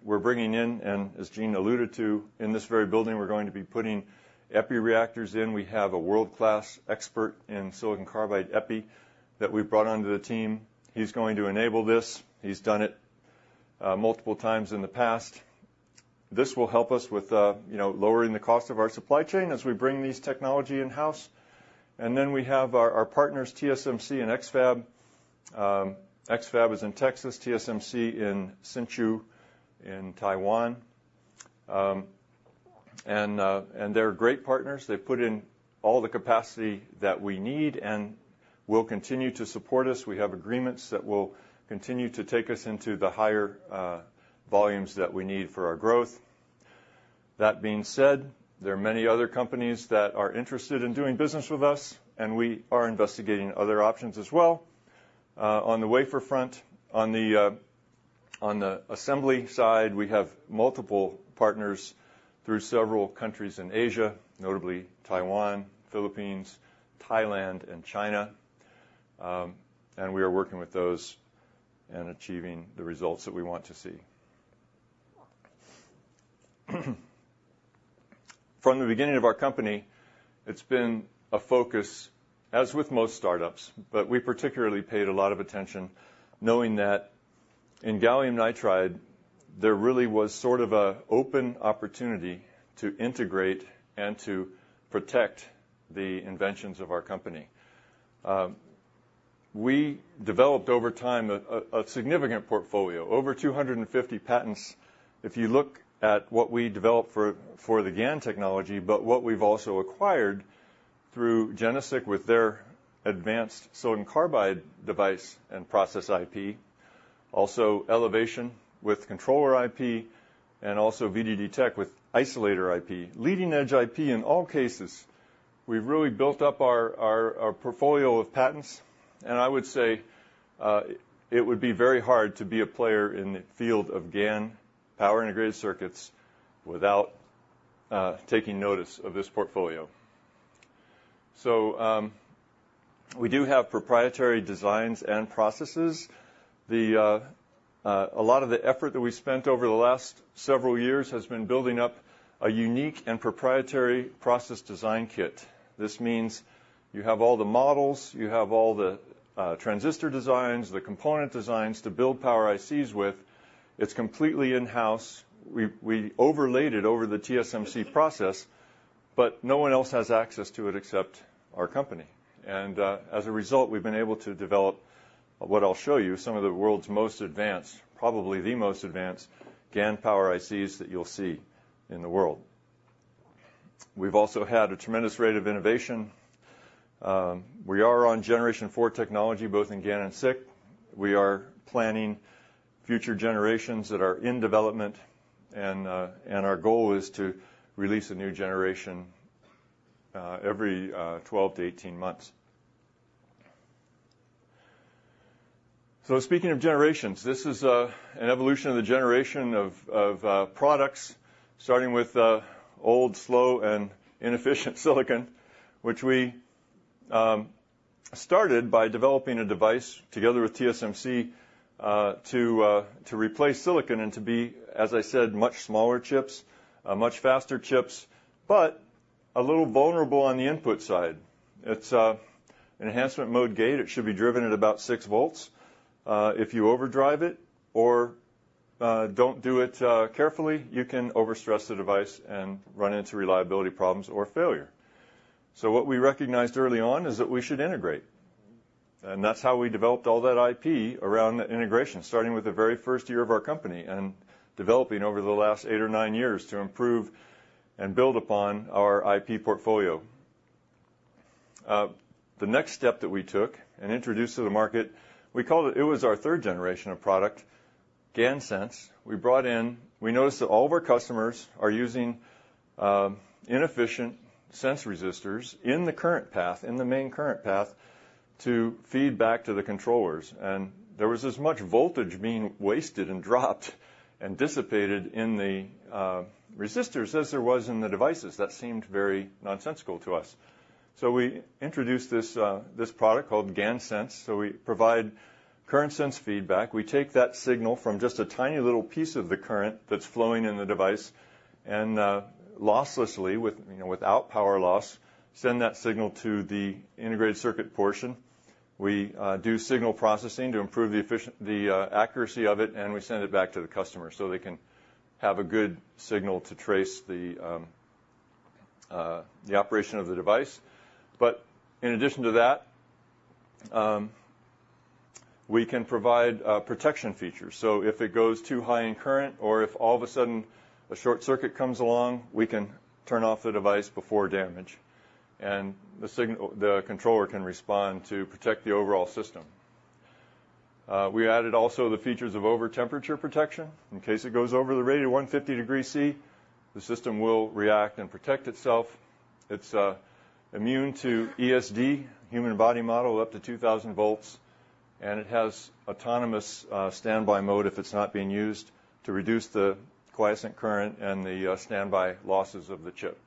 C: we're bringing in, and as Gene alluded to, in this very building, we're going to be putting epi reactors in. We have a world-class expert in silicon carbide epi that we've brought onto the team. He's going to enable this. He's done it, multiple times in the past. This will help us with, you know, lowering the cost of our supply chain as we bring these technology in-house. And then we have our partners, TSMC and X-FAB. X-FAB is in Texas, TSMC in Hsinchu in Taiwan. And they're great partners. They've put in all the capacity that we need and will continue to support us. We have agreements that will continue to take us into the higher, volumes that we need for our growth. That being said, there are many other companies that are interested in doing business with us, and we are investigating other options as well. On the wafer front, on the assembly side, we have multiple partners through several countries in Asia, notably Taiwan, Philippines, Thailand, and China. We are working with those and achieving the results that we want to see. From the beginning of our company, it's been a focus, as with most startups, but we particularly paid a lot of attention, knowing that in gallium nitride, there really was sort of a open opportunity to integrate and to protect the inventions of our company. We developed over time a significant portfolio, over 250 patents, if you look at what we developed for the GaN technology, but what we've also acquired through GeneSiC with their advanced silicon carbide device and process IP, also Elevation with controller IP, and also VDD Tech with isolator IP, leading-edge IP in all cases. We've really built up our portfolio of patents, and I would say it would be very hard to be a player in the field of GaN power integrated circuits without taking notice of this portfolio. So, we do have proprietary designs and processes. A lot of the effort that we spent over the last several years has been building up a unique and proprietary process design kit. This means you have all the models, you have all the transistor designs, the component designs to build power ICs with. It's completely in-house. We overlaid it over the TSMC process, but no one else has access to it except our company. As a result, we've been able to develop what I'll show you, some of the world's most advanced, probably the most advanced, GaN power ICs that you'll see in the world. We've also had a tremendous rate of innovation. We are on generation 4 technology, both in GaN and SiC. We are planning future generations that are in development, and our goal is to release a new generation every 12-18 months. Speaking of generations, this is an evolution of the generation of products, starting with old, slow, and inefficient silicon, which we started by developing a device together with TSMC to replace silicon and to be, as I said, much smaller chips, much faster chips, but a little vulnerable on the input side. It's an enhancement mode gate. It should be driven at about six volts. If you overdrive it or don't do it carefully, you can overstress the device and run into reliability problems or failure. So what we recognized early on is that we should integrate, and that's how we developed all that IP around that integration, starting with the very first year of our company and developing over the last eight or nine years to improve and build upon our IP portfolio. The next step that we took and introduced to the market, we called It was our third generation of product, GaNSense. We brought in. We noticed that all of our customers are using inefficient sense resistors in the current path, in the main current path, to feed back to the controllers. There was as much voltage being wasted and dropped and dissipated in the resistors as there was in the devices. That seemed very nonsensical to us. So we introduced this, this product called GaNSense. So we provide current sense feedback. We take that signal from just a tiny little piece of the current that's flowing in the device and, losslessly, with, you know, without power loss, send that signal to the integrated circuit portion. We do signal processing to improve the efficient, the accuracy of it, and we send it back to the customer so they can have a good signal to trace the the operation of the device. But in addition to that, we can provide protection features. So if it goes too high in current or if all of a sudden a short circuit comes along, we can turn off the device before damage, and the signal, the controller can respond to protect the overall system. We added also the features of over-temperature protection. In case it goes over the rate of 150 degrees Celsius, the system will react and protect itself. It's immune to ESD, human body model up to 2,000 volts, and it has autonomous standby mode if it's not being used, to reduce the quiescent current and the standby losses of the chip.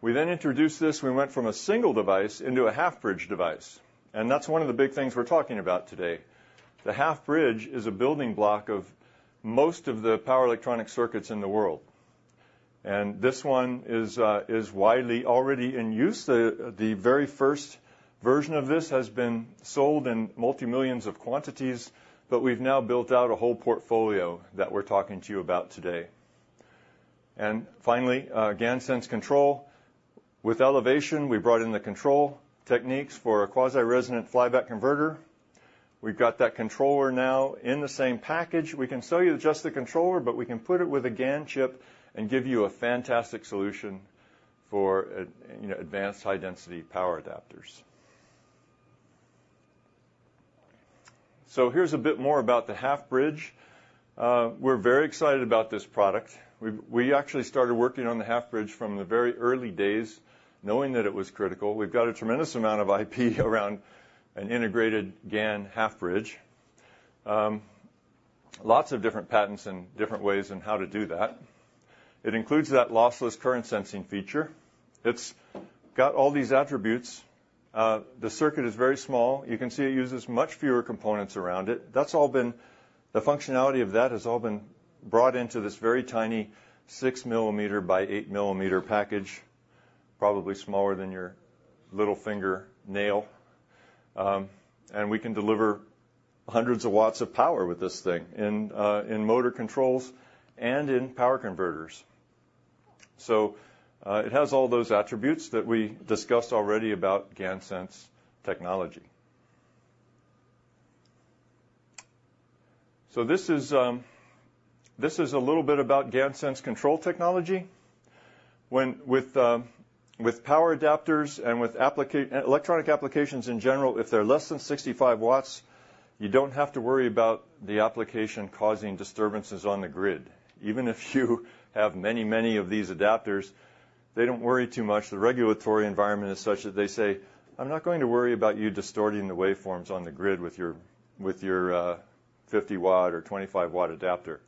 C: We then introduced this. We went from a single device into a half-bridge device, and that's one of the big things we're talking about today. The half-bridge is a building block of most of the power electronic circuits in the world, and this one is widely already in use. The very first version of this has been sold in multi-millions of quantities, but we've now built out a whole portfolio that we're talking to you about today. Finally, GaNSense Control. With Elevation, we brought in the control techniques for a quasi-resonant flyback converter. We've got that controller now in the same package. We can sell you just the controller, but we can put it with a GaN chip and give you a fantastic solution for, you know, advanced high-density power adapters. So here's a bit more about the half-bridge. We're very excited about this product. We actually started working on the half-bridge from the very early days, knowing that it was critical. We've got a tremendous amount of IP around an integrated GaN half-bridge. Lots of different patents and different ways on how to do that. It includes that lossless current sensing feature. It's got all these attributes. The circuit is very small. You can see it uses much fewer components around it. That's all been, the functionality of that has all been brought into this very tiny 6 mm by 8 mm package, probably smaller than your little fingernail. And we can deliver hundreds of watts of power with this thing in, in motor controls and in power converters. So, it has all those attributes that we discussed already about GaNSense technology. So this is, this is a little bit about GaNSense control technology. When with power adapters and with electronic applications in general, if they're less than 65 W, you don't have to worry about the application causing disturbances on the grid. Even if you have many, many of these adapters, they don't worry too much. The regulatory environment is such that they say, "I'm not going to worry about you distorting the waveforms on the grid with your 50 W or 25 W adapter."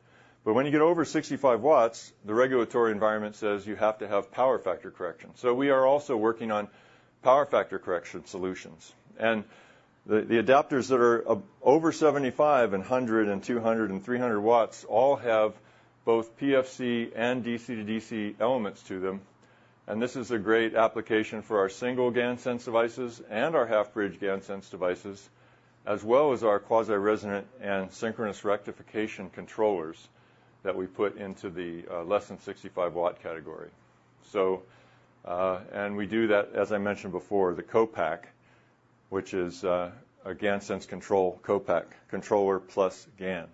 C: But when you get over 65 W, the regulatory environment says you have to have power factor correction. So we are also working on power factor correction solutions. And the adapters that are over 75 W and 100 W and 200 W and 300 W all have both PFC and DC-DC elements to them, and this is a great application for our single GaNSense devices and our half-bridge GaNSense devices, as well as our quasi-resonant and synchronous rectification controllers that we put into the less than 65 W category. So, and we do that, as I mentioned before, the co-pack, which is a GaNSense control, co-pack, controller plus GaN.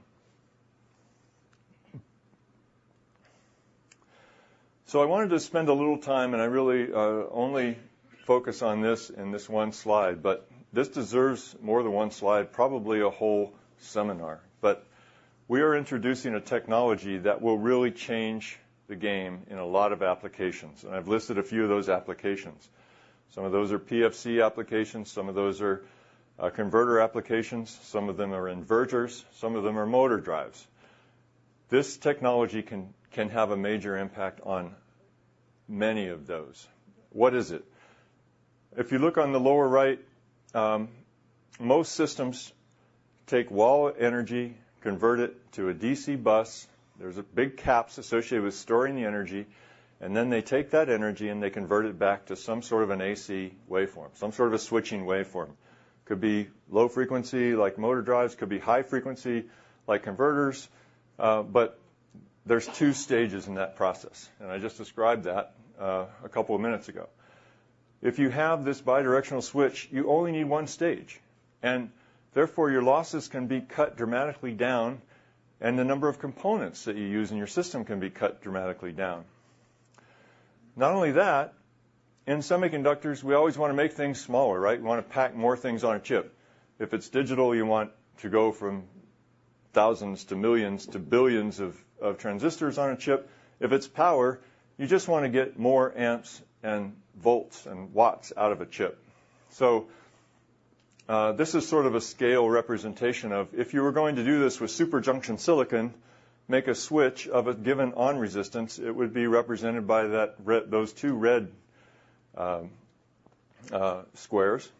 C: So I wanted to spend a little time, and I really only focus on this in this one slide, but this deserves more than one slide, probably a whole seminar. But we are introducing a technology that will really change the game in a lot of applications, and I've listed a few of those applications. Some of those are PFC applications, some of those are, converter applications, some of them are inverters, some of them are motor drives. This technology can, can have a major impact on many of those. What is it? If you look on the lower right, most systems take wall energy, convert it to a DC bus, there's, big caps associated with storing the energy, and then they take that energy, and they convert it back to some sort of an AC waveform, some sort of a switching waveform. Could be low frequency, like motor drives, could be high frequency, like converters, but there's two stages in that process, and I just described that, a couple of minutes ago. If you have this bidirectional switch, you only need one stage, and therefore, your losses can be cut dramatically down, and the number of components that you use in your system can be cut dramatically down. Not only that, in semiconductors, we always wanna make things smaller, right? We wanna pack more things on a chip. If it's digital, you want to go from thousands to millions to billions of transistors on a chip. If it's power, you just wanna get more amps and volts and watts out of a chip. So, this is sort of a scale representation of if you were going to do this with superjunction silicon, make a switch of a given on resistance, it would be represented by those two red squares.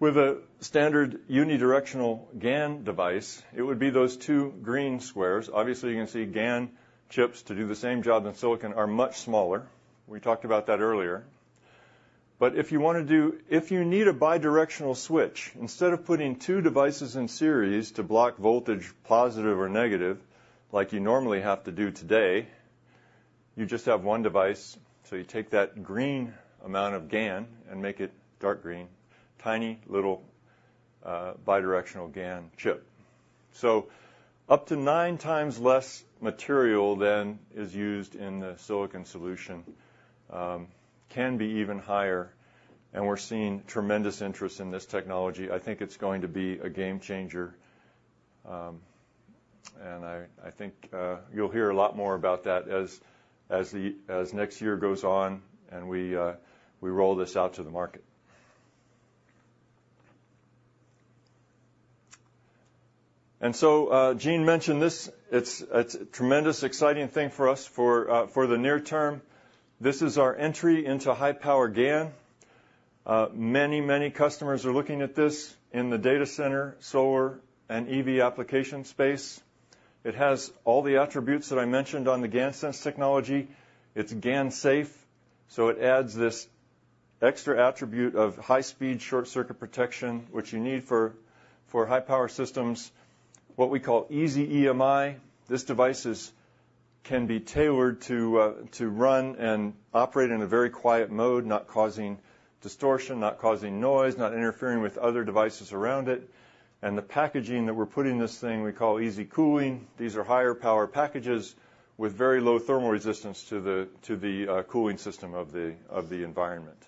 C: With a standard unidirectional GaN device, it would be those two green squares. Obviously, you can see GaN chips to do the same job in silicon are much smaller. We talked about that earlier. But if you need a bidirectional switch, instead of putting two devices in series to block voltage, positive or negative, like you normally have to do today, you just have one device. So you take that green amount of GaN and make it dark green, tiny little, bidirectional GaN chip. So up to 9x less material than is used in the silicon solution, can be even higher, and we're seeing tremendous interest in this technology. I think it's going to be a game changer. I think you'll hear a lot more about that as next year goes on, and we roll this out to the market. And so, Gene mentioned this. It's a tremendous exciting thing for us for the near term. This is our entry into high-power GaN. Many customers are looking at this in the data center, solar, and EV application space. It has all the attributes that I mentioned on the GaNSense technology. It's GaNSafe, so it adds this extra attribute of high-speed, short-circuit protection, which you need for high-power systems, what we call easy EMI. These devices can be tailored to run and operate in a very quiet mode, not causing distortion, not causing noise, not interfering with other devices around it. The packaging that we're putting this thing, we call easy cooling. These are higher power packages with very low thermal resistance to the cooling system of the environment.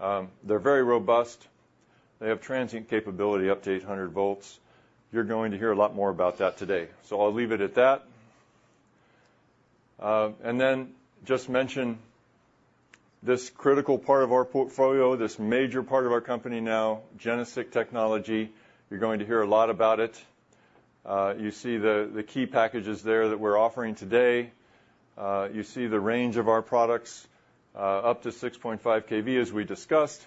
C: They're very robust. They have transient capability, up to 800 volts. You're going to hear a lot more about that today, so I'll leave it at that. And then just mention this critical part of our portfolio, this major part of our company now, GeneSiC Technology. You're going to hear a lot about it. You see the key packages there that we're offering today. You see the range of our products, up to 6.5 kV, as we discussed.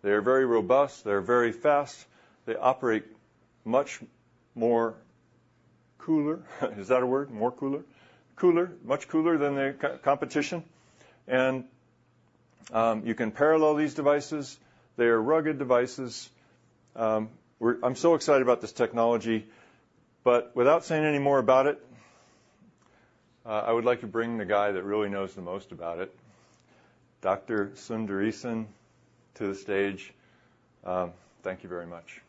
C: They're very robust. They're very fast. They operate much more cooler. Is that a word? More cooler? Cooler, much cooler than the competition. You can parallel these devices. They are rugged devices. I'm so excited about this technology, but without saying any more about it, I would like to bring the guy that really knows the most about it, Dr. Sundaresan, to the stage. Thank you very much.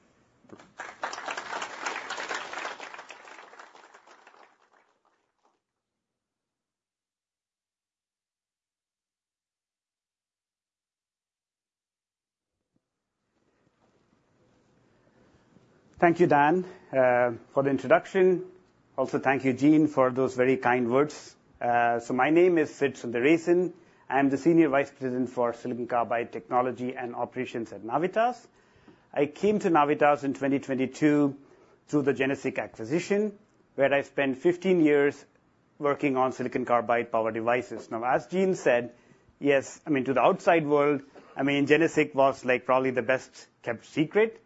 D: Thank you, Dan, for the introduction. Also, thank you, Gene, for those very kind words. So my name is Sid Sundaresan. I'm the Senior Vice President for Silicon Carbide Technology and Operations at Navitas. I came to Navitas in 2022 through the GeneSiC acquisition, where I spent 15 years working on silicon carbide power devices. Now, as Gene said, yes, I mean, to the outside world, I mean, GeneSiC was like probably the best-kept secret.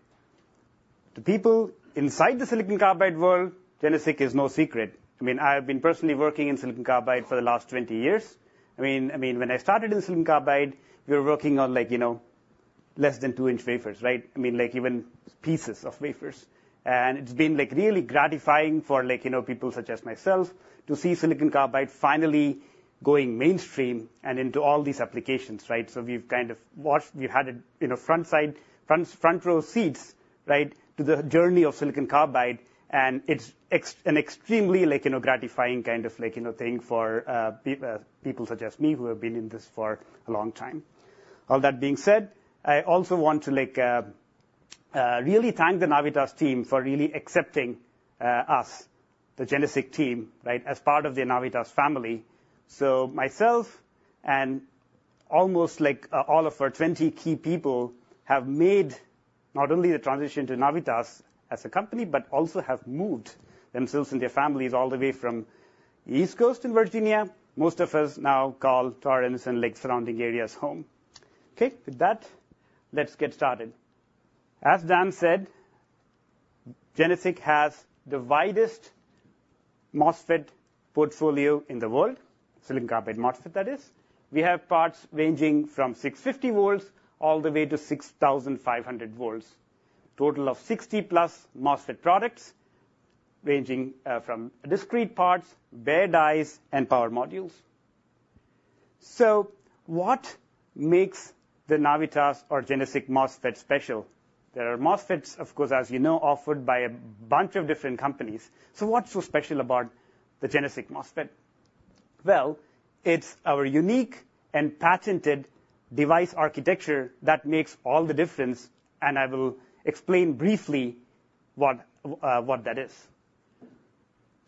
D: To people inside the silicon carbide world, GeneSiC is no secret. I mean, I have been personally working in silicon carbide for the last 20 years. I mean, I mean, when I started in silicon carbide, we were working on like, you know, less than two inch wafers, right? I mean, like, even pieces of wafers. It's been, like, really gratifying for like, you know, people such as myself to see silicon carbide finally going mainstream and into all these applications, right? So we've kind of watched—we've had it, you know, front-row seats, right, to the journey of silicon carbide, and it's an extremely, like, you know, gratifying kind of like, you know, thing for people such as me, who have been in this for a long time. All that being said, I also want to, like, really thank the Navitas team for really accepting us, the GeneSiC team, right, as part of the Navitas family. So myself and almost like all of our 20 key people have made not only the transition to Navitas as a company, but also have moved themselves and their families all the way from the East Coast in Virginia. Most of us now call Torrance and Lake Forest surrounding areas home. Okay, with that, let's get started. As Dan said, GeneSiC has the widest MOSFET portfolio in the world, silicon carbide MOSFET, that is. We have parts ranging from 650 volts all the way to 6,500 volts. Total of 60+ MOSFET products, ranging from discrete parts, bare dies, and power modules. So what makes the Navitas or GeneSiC MOSFET special? There are MOSFETs, of course, as you know, offered by a bunch of different companies. So what's so special about the GeneSiC MOSFET? Well, it's our unique and patented device architecture that makes all the difference, and I will explain briefly what, what that is.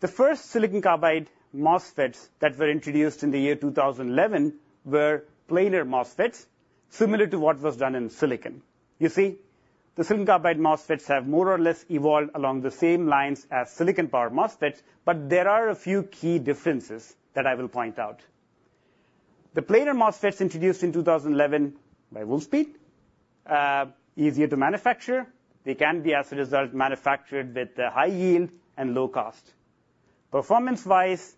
D: The first silicon carbide MOSFETs that were introduced in the year 2011 were planar MOSFETs, similar to what was done in silicon. You see, the silicon carbide MOSFETs have more or less evolved along the same lines as silicon power MOSFETs, but there are a few key differences that I will point out. The planar MOSFETs introduced in 2011 by Wolfspeed, easier to manufacture. They can be, as a result, manufactured with, high yield and low cost. Performance-wise,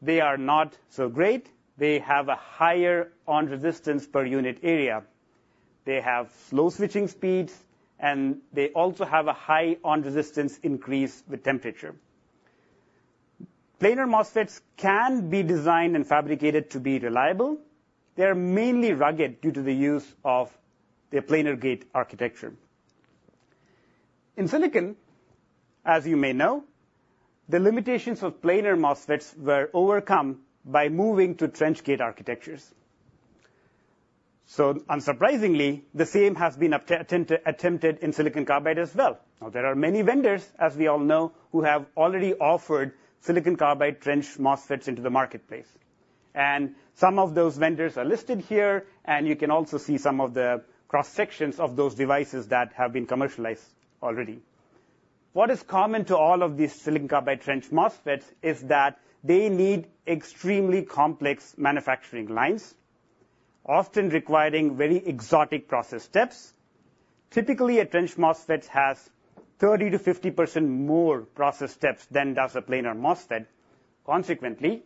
D: they are not so great. They have a higher on-resistance per unit area. They have slow switching speeds, and they also have a high on-resistance increase with temperature. Planar MOSFETs can be designed and fabricated to be reliable. They are mainly rugged due to the use of the planar gate architecture. In silicon, as you may know, the limitations of planar MOSFETs were overcome by moving to trench gate architectures. So unsurprisingly, the same has been attempted in silicon carbide as well. Now, there are many vendors, as we all know, who have already offered silicon carbide trench MOSFETs into the marketplace, and some of those vendors are listed here, and you can also see some of the cross-sections of those devices that have been commercialized already. What is common to all of these silicon carbide trench MOSFETs is that they need extremely complex manufacturing lines, often requiring very exotic process steps. Typically, a trench MOSFET has 30%-50% more process steps than does a planar MOSFET. Consequently,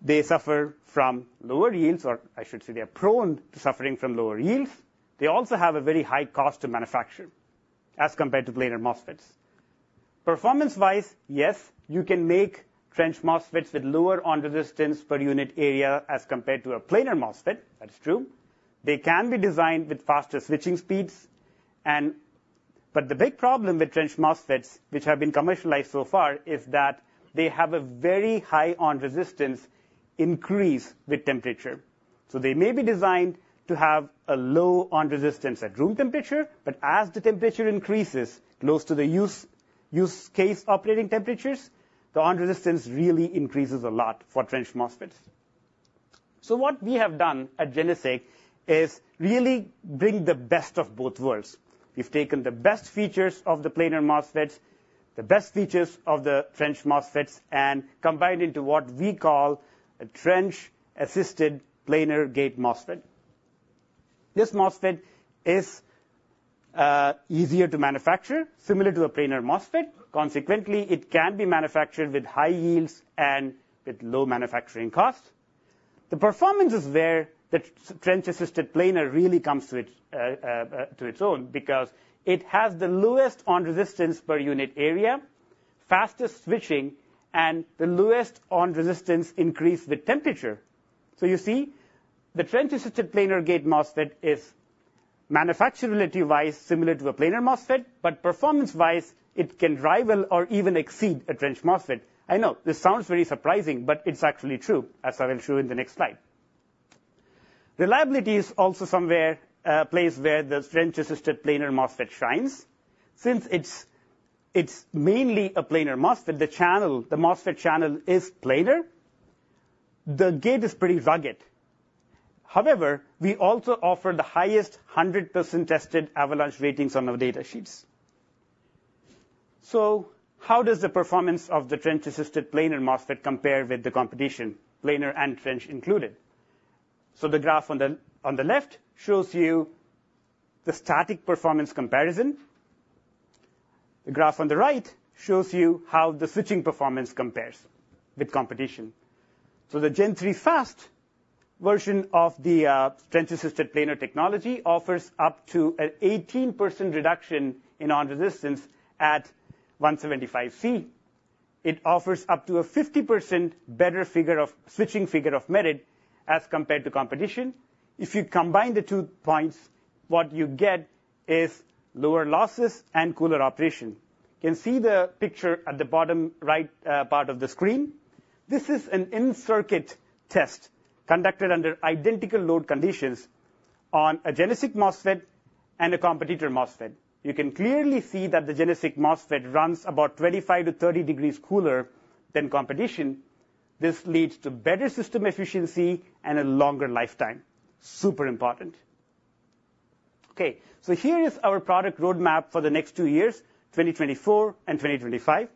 D: they suffer from lower yields, or I should say they are prone to suffering from lower yields. They also have a very high cost to manufacture as compared to planar MOSFETs. Performance-wise, yes, you can make trench MOSFETs with lower on-resistance per unit area as compared to a planar MOSFET. That is true. They can be designed with faster switching speeds but the big problem with trench MOSFETs, which have been commercialized so far, is that they have a very high on-resistance increase with temperature. So they may be designed to have a low on-resistance at room temperature, but as the temperature increases, close to the use case operating temperatures, the on-resistance really increases a lot for trench MOSFETs. So what we have done at GeneSiC is really bring the best of both worlds. We've taken the best features of the planar MOSFETs, the best features of the trench MOSFETs, and combined into what we call a Trench-Assisted Planar gate MOSFET. This MOSFET is easier to manufacture, similar to a planar MOSFET. Consequently, it can be manufactured with high yields and with low manufacturing costs. The performance is where the Trench-Assisted Planar really comes to its own, because it has the lowest on-resistance per unit area, fastest switching, and the lowest on-resistance increase with temperature. So you see, the Trench-Assisted Planar gate MOSFET is manufacturability-wise, similar to a planar MOSFET, but performance-wise, it can rival or even exceed a trench MOSFET. I know this sounds very surprising, but it's actually true, as I will show in the next slide. Reliability is also somewhere place where the Trench-Assisted Planar MOSFET shines. Since it's mainly a planar MOSFET, the channel, the MOSFET channel is planar. The gate is pretty rugged. However, we also offer the highest 100% tested avalanche ratings on our data sheets. So how does the performance of the trench-assisted planar MOSFET compare with the competition, planar and trench included? So the graph on the left shows you the static performance comparison. The graph on the right shows you how the switching performance compares with competition. So the Gen-3 Fast version of the trench-assisted planar technology offers up to an 18% reduction in on-resistance at 175 degrees Celsius. It offers up to a 50% better switching figure of merit as compared to competition. If you combine the two points, what you get is lower losses and cooler operation. You can see the picture at the bottom right, part of the screen. This is an in-circuit test conducted under identical load conditions on a GeneSiC MOSFET and a competitor MOSFET. You can clearly see that the GeneSiC MOSFET runs about 25-30 degrees cooler than competition. This leads to better system efficiency and a longer lifetime. Super important! Okay, so here is our product roadmap for the next two years, 2024 and 2025.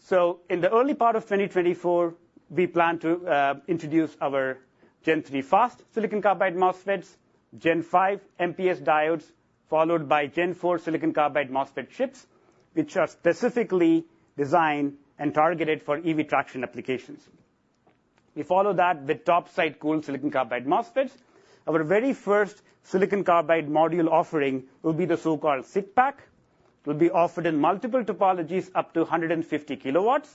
D: So in the early part of 2024, we plan to introduce our Gen-3 Fast silicon carbide MOSFETs, Gen-5 MPS diodes, followed by Gen-4 silicon carbide MOSFET chips, which are specifically designed and targeted for EV traction applications. We follow that with top side cool silicon carbide MOSFETs. Our very first silicon carbide module offering will be the so-called SiCPAK, will be offered in multiple topologies, up to 150 kW.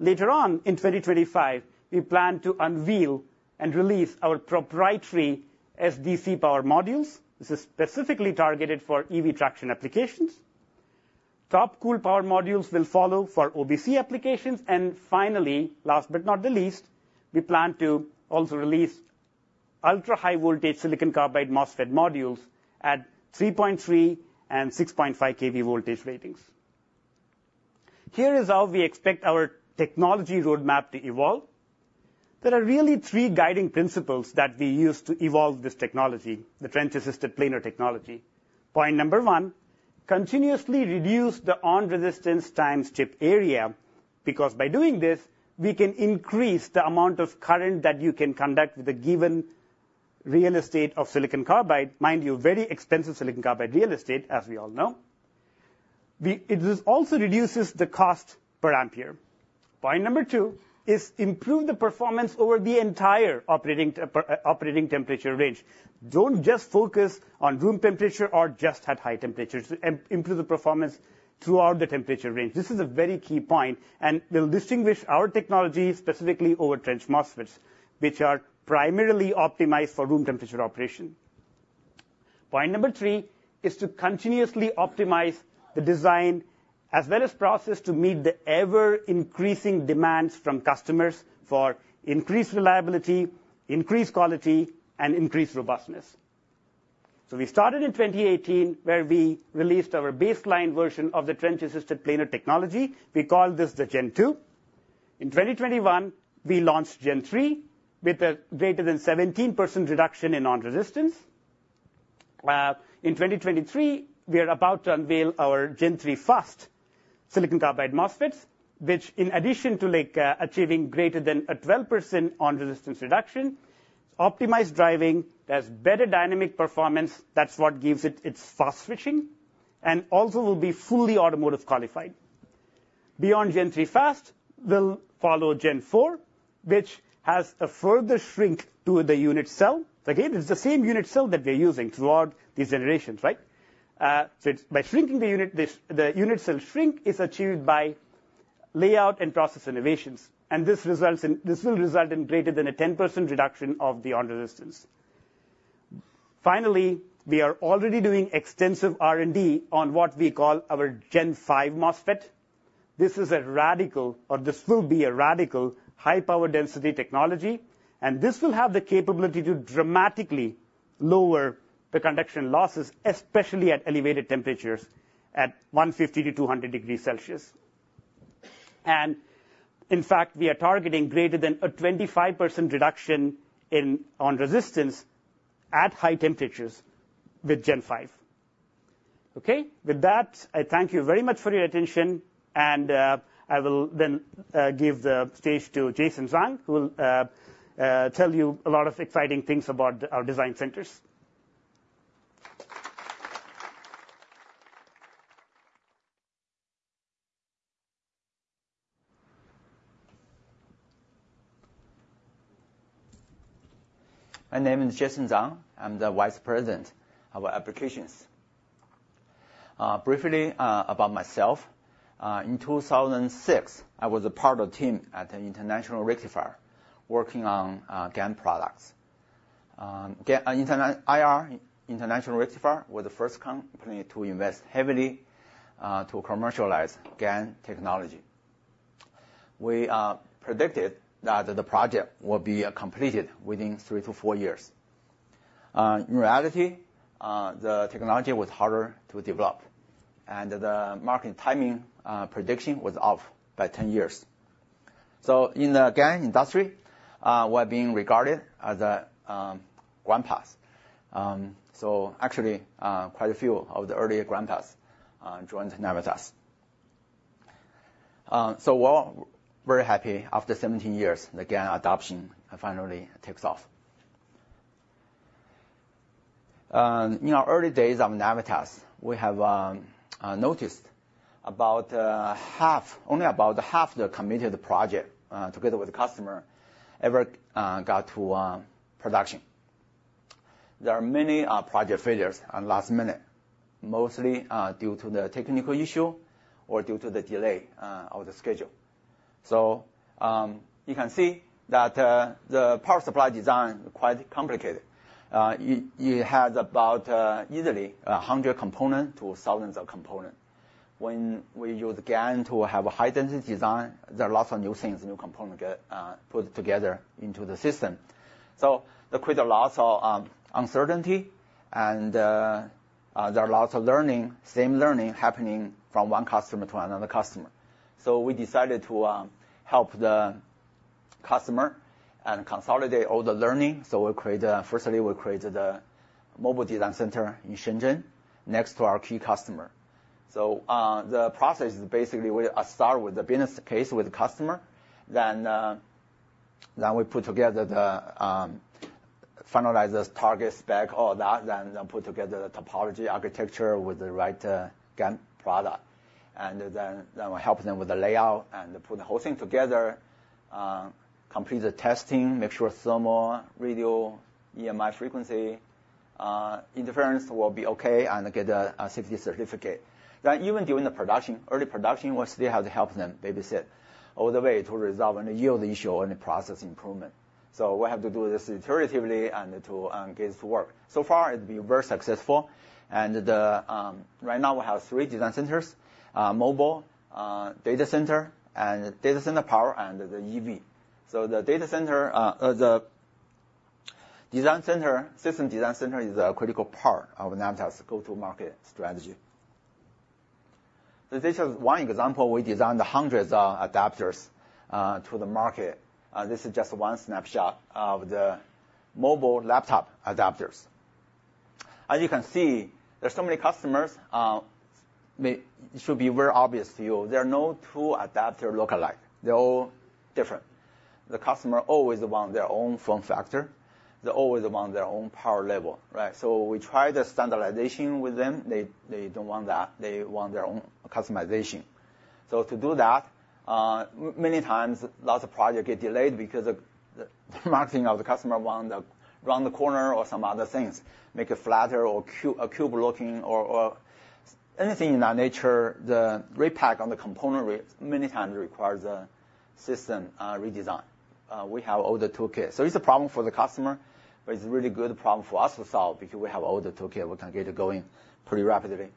D: Later on, in 2025, we plan to unveil and release our proprietary SiC power modules. This is specifically targeted for EV traction applications. Top-cool power modules will follow for OBC applications. And finally, last but not the least, we plan to also release ultra-high voltage silicon carbide MOSFET modules at 3.3 and 6.5 kV voltage ratings. Here is how we expect our technology roadmap to evolve. There are really three guiding principles that we use to evolve this technology, the trench-assisted planar technology. Point number on-: continuously reduce the on-resistance times chip area, because by doing this, we can increase the amount of current that you can conduct with a given real estate of silicon carbide. Mind you, very expensive silicon carbide real estate, as we all know. It also reduces the cost per ampere. Point number two is improve the performance over the entire operating temperature range. Don't just focus on room temperature or just at high temperatures. Improve the performance throughout the temperature range. This is a very key point, and will distinguish our technology specifically over trench MOSFETs, which are primarily optimized for room temperature operation. Point number three is to continuously optimize the design as well as process, to meet the ever-increasing demands from customers for increased reliability, increased quality, and increased robustness. So we started in 2018, where we released our baseline version of the trench-assisted planar technology. We call this the Gen-2. In 2021, we launched Gen-3, with a greater than 17% reduction in on-resistance. In 2023, we are about to unveil our Gen-3 Fast silicon carbide MOSFETs, which in addition to, like, achieving greater than a 12% on-resistance reduction, optimized driving, has better dynamic performance, that's what gives it its fast switching, and also will be fully automotive qualified. Beyond Gen-3 Fast, will follow Gen-4, which has a further shrink to the unit cell. Again, it's the same unit cell that we're using throughout these generations, right? So it's by shrinking the unit, this, the unit cell shrink is achieved by layout and process innovations, and this results in this will result in greater than a 10% reduction of the on-resistance. Finally, we are already doing extensive R&D on what we call our Gen-5 MOSFET. This is a radical, or this will be a radical, high-power density technology, and this will have the capability to dramatically lower the conduction losses, especially at elevated temperatures at 150 to 200 degrees Celsius. And in fact, we are targeting greater than a 25% reduction in on-resistance at high temperatures with Gen-5. Okay? With that, I thank you very much for your attention and, I will then, give the stage to Jason Zhang, who will, tell you a lot of exciting things about our design centers.
E: My name is Jason Zhang. I'm the Vice President of Applications. Briefly, about myself, in 2006, I was a part of the team at International Rectifier, working on GaN products. GaN, IR, International Rectifier, was the first company to invest heavily to commercialize GaN technology. We predicted that the project will be completed within three to four years. In reality, the technology was harder to develop, and the market timing prediction was off by 10 years. So in the GaN industry, we're being regarded as grandpas. So actually, quite a few of the earlier grandpas joined Navitas. So we're all very happy after 17 years, the GaN adoption finally takes off. In our early days of Navitas, we have noticed about only about half the committed project together with the customer ever got to production. There are many project failures at last minute, mostly due to the technical issue or due to the delay of the schedule. So, you can see that the power supply design is quite complicated. You had about easily 100 component to thousands of component. When we use GaN to have a high-density design, there are lots of new things, new component get put together into the system. So there create a lot of uncertainty, and there are lots of learning, same learning happening from one customer to another customer. So we decided to help the customer and consolidate all the learning. So, firstly, we created a mobile design center in Shenzhen, next to our key customer. So, the process is basically, we start with the business case with the customer, then we put together the finalizes target spec, all that, then put together the topology architecture with the right GaN product. And then we help them with the layout and put the whole thing together, complete the testing, make sure thermal, radio, EMI frequency interference will be okay, and get a safety certificate. Then even during the production, early production, we still have to help them babysit all the way to resolve any yield issue and process improvement. So we have to do this iteratively and to get it to work. So far, it's been very successful, and right now we have three design centers: mobile, data center, and data center power, and the EV. So the data center, or the design center, system design center is a critical part of Navitas' go-to-market strategy.... So this is one example. We designed hundreds of adapters to the market. This is just one snapshot of the mobile laptop adapters. As you can see, there's so many customers. It should be very obvious to you, there are no two adapter lookalike. They're all different. The customer always want their own form factor. They always want their own power level, right? So we try the standardization with them, they, they don't want that. They want their own customization. So to do that, many times lots of projects get delayed because of the marketing of the customer want the round the corner or some other things, make it flatter or a cube looking, or anything in that nature. The repack on the component many times requires a system redesign. We have all the toolkit. So it's a problem for the customer, but it's a really good problem for us to solve because we have all the toolkit. We can get it going pretty rapidly.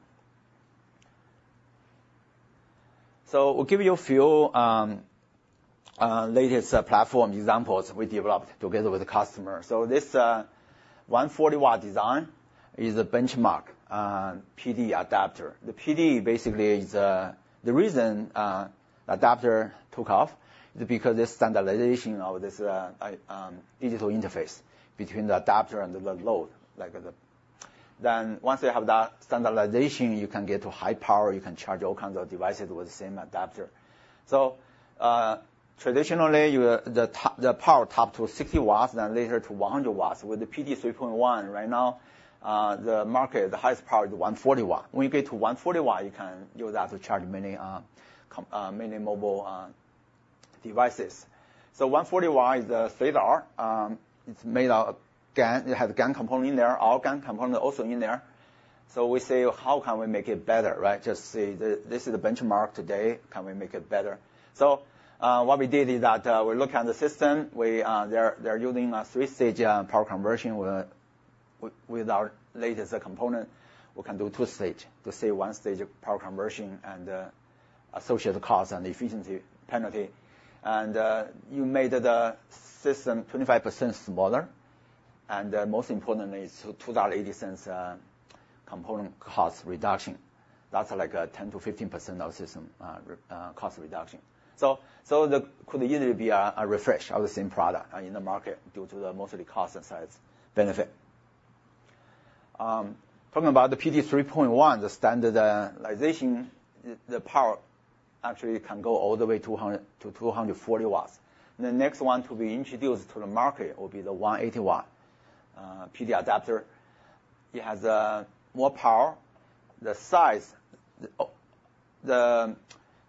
E: So we'll give you a few latest platform examples we developed together with the customer. So this 140 W design is a benchmark PD adapter. The PD basically is the reason adapter took off is because the standardization of this digital interface between the adapter and the load. Like the... Then once you have that standardization, you can get to high power, you can charge all kinds of devices with the same adapter. So, traditionally, the power top to 60 W, then later to 100 W. With the PD 3.1, right now, the market, the highest power is 140 W. When you get to 140 W, you can use that to charge many, many mobile devices. So 140 W is the state-of-the-art. It's made out of GaN. It has a GaN component in there, all GaN component also in there. So we say: How can we make it better, right? Just say, "This is the benchmark today. Can we make it better?" So, what we did is that, we look at the system. They're using a three-stage power conversion with our latest component. We can do two-stage to save one stage of power conversion, and associated cost and efficiency penalty. And you made the system 25% smaller, and most importantly, a $2.80 component cost reduction. That's like a 10%-15% of system cost reduction. So they could easily be a refresh of the same product in the market due mostly to the cost and size benefit. Talking about the PD 3.1, the standardization, the power actually can go all the way to 100 W-240 W. The next one to be introduced to the market will be the 180 W PD adapter. It has more power, the size, the... Oh,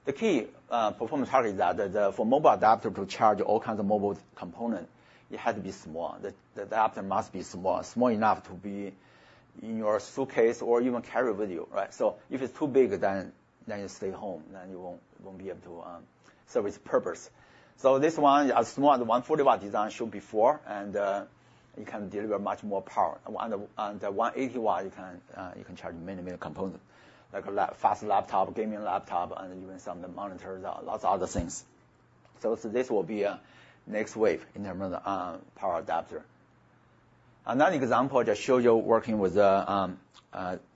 E: the key performance target is that the, for mobile adapter to charge all kinds of mobile component, it had to be small. The adapter must be small, small enough to be in your suitcase or even carry with you, right? So if it's too big, then you stay home, then you won't be able to serve its purpose. So this one, as small as the 140 W design showed before, and it can deliver much more power. On the 180 W, you can charge many, many components, like a fast laptop, gaming laptop, and even some of the monitors, lots of other things. So this will be a next wave in terms of power adapter. Another example, just show you working with a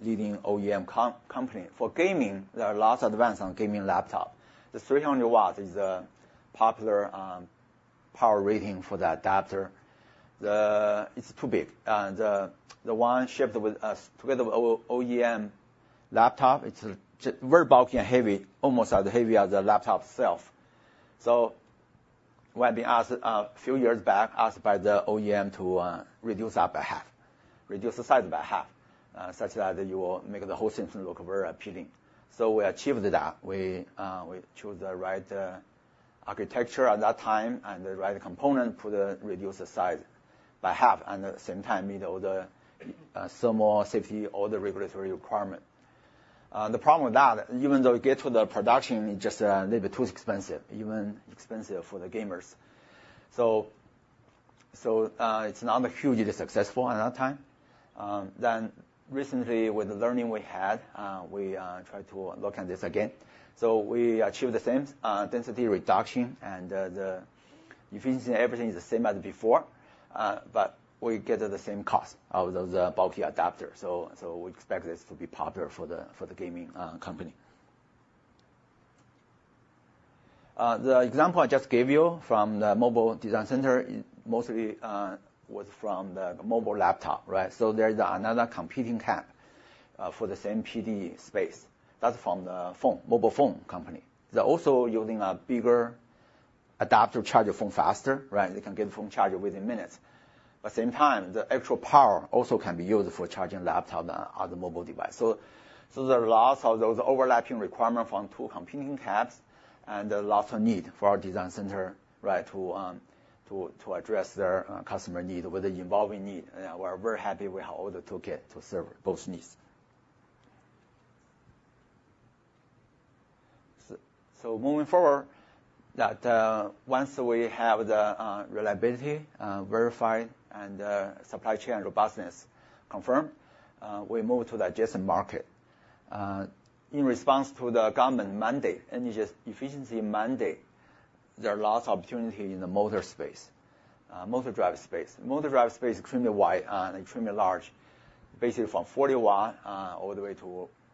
E: leading OEM company. For gaming, there are lots of advances on gaming laptop. The 300 W is the popular power rating for the adapter. It's too big, and the one shipped with together with OEM laptop, it's very bulky and heavy, almost as heavy as the laptop itself. So when we asked a few years back, asked by the OEM to reduce that by half, reduce the size by half, such that you will make the whole system look very appealing. So we achieved that. We, we chose the right architecture at that time and the right component to put reduce the size by half, and at the same time, meet all the thermal safety, all the regulatory requirement. The problem with that, even though we get to the production, it's just a little bit too expensive, even expensive for the gamers. So it's not hugely successful at that time. Then recently, with the learning we had, we tried to look at this again. So we achieved the same density reduction and the efficiency. Everything is the same as before, but we get the same cost of those bulky adapters. So we expect this to be popular for the gaming company. The example I just gave you from the mobile design center mostly was from the mobile laptop, right? So there's another competing camp for the same PD space. That's from the phone, mobile phone company. They're also using a bigger adapter to charge your phone faster, right? They can get phone charger within minutes, but same time, the actual power also can be used for charging laptop and other mobile device. So there are lots of those overlapping requirements from two competing camps, and there are lots of need for our design center, right, to address their customer need, with the evolving need. And we're very happy with how all the toolkit to serve both needs. So moving forward, once we have the reliability verified and the supply chain robustness confirmed, we move to the adjacent market. In response to the government mandate, energy efficiency mandate. There are lots of opportunity in the motor space, motor drive space. Motor drive space is extremely wide and extremely large, basically from 40 W, all the way to,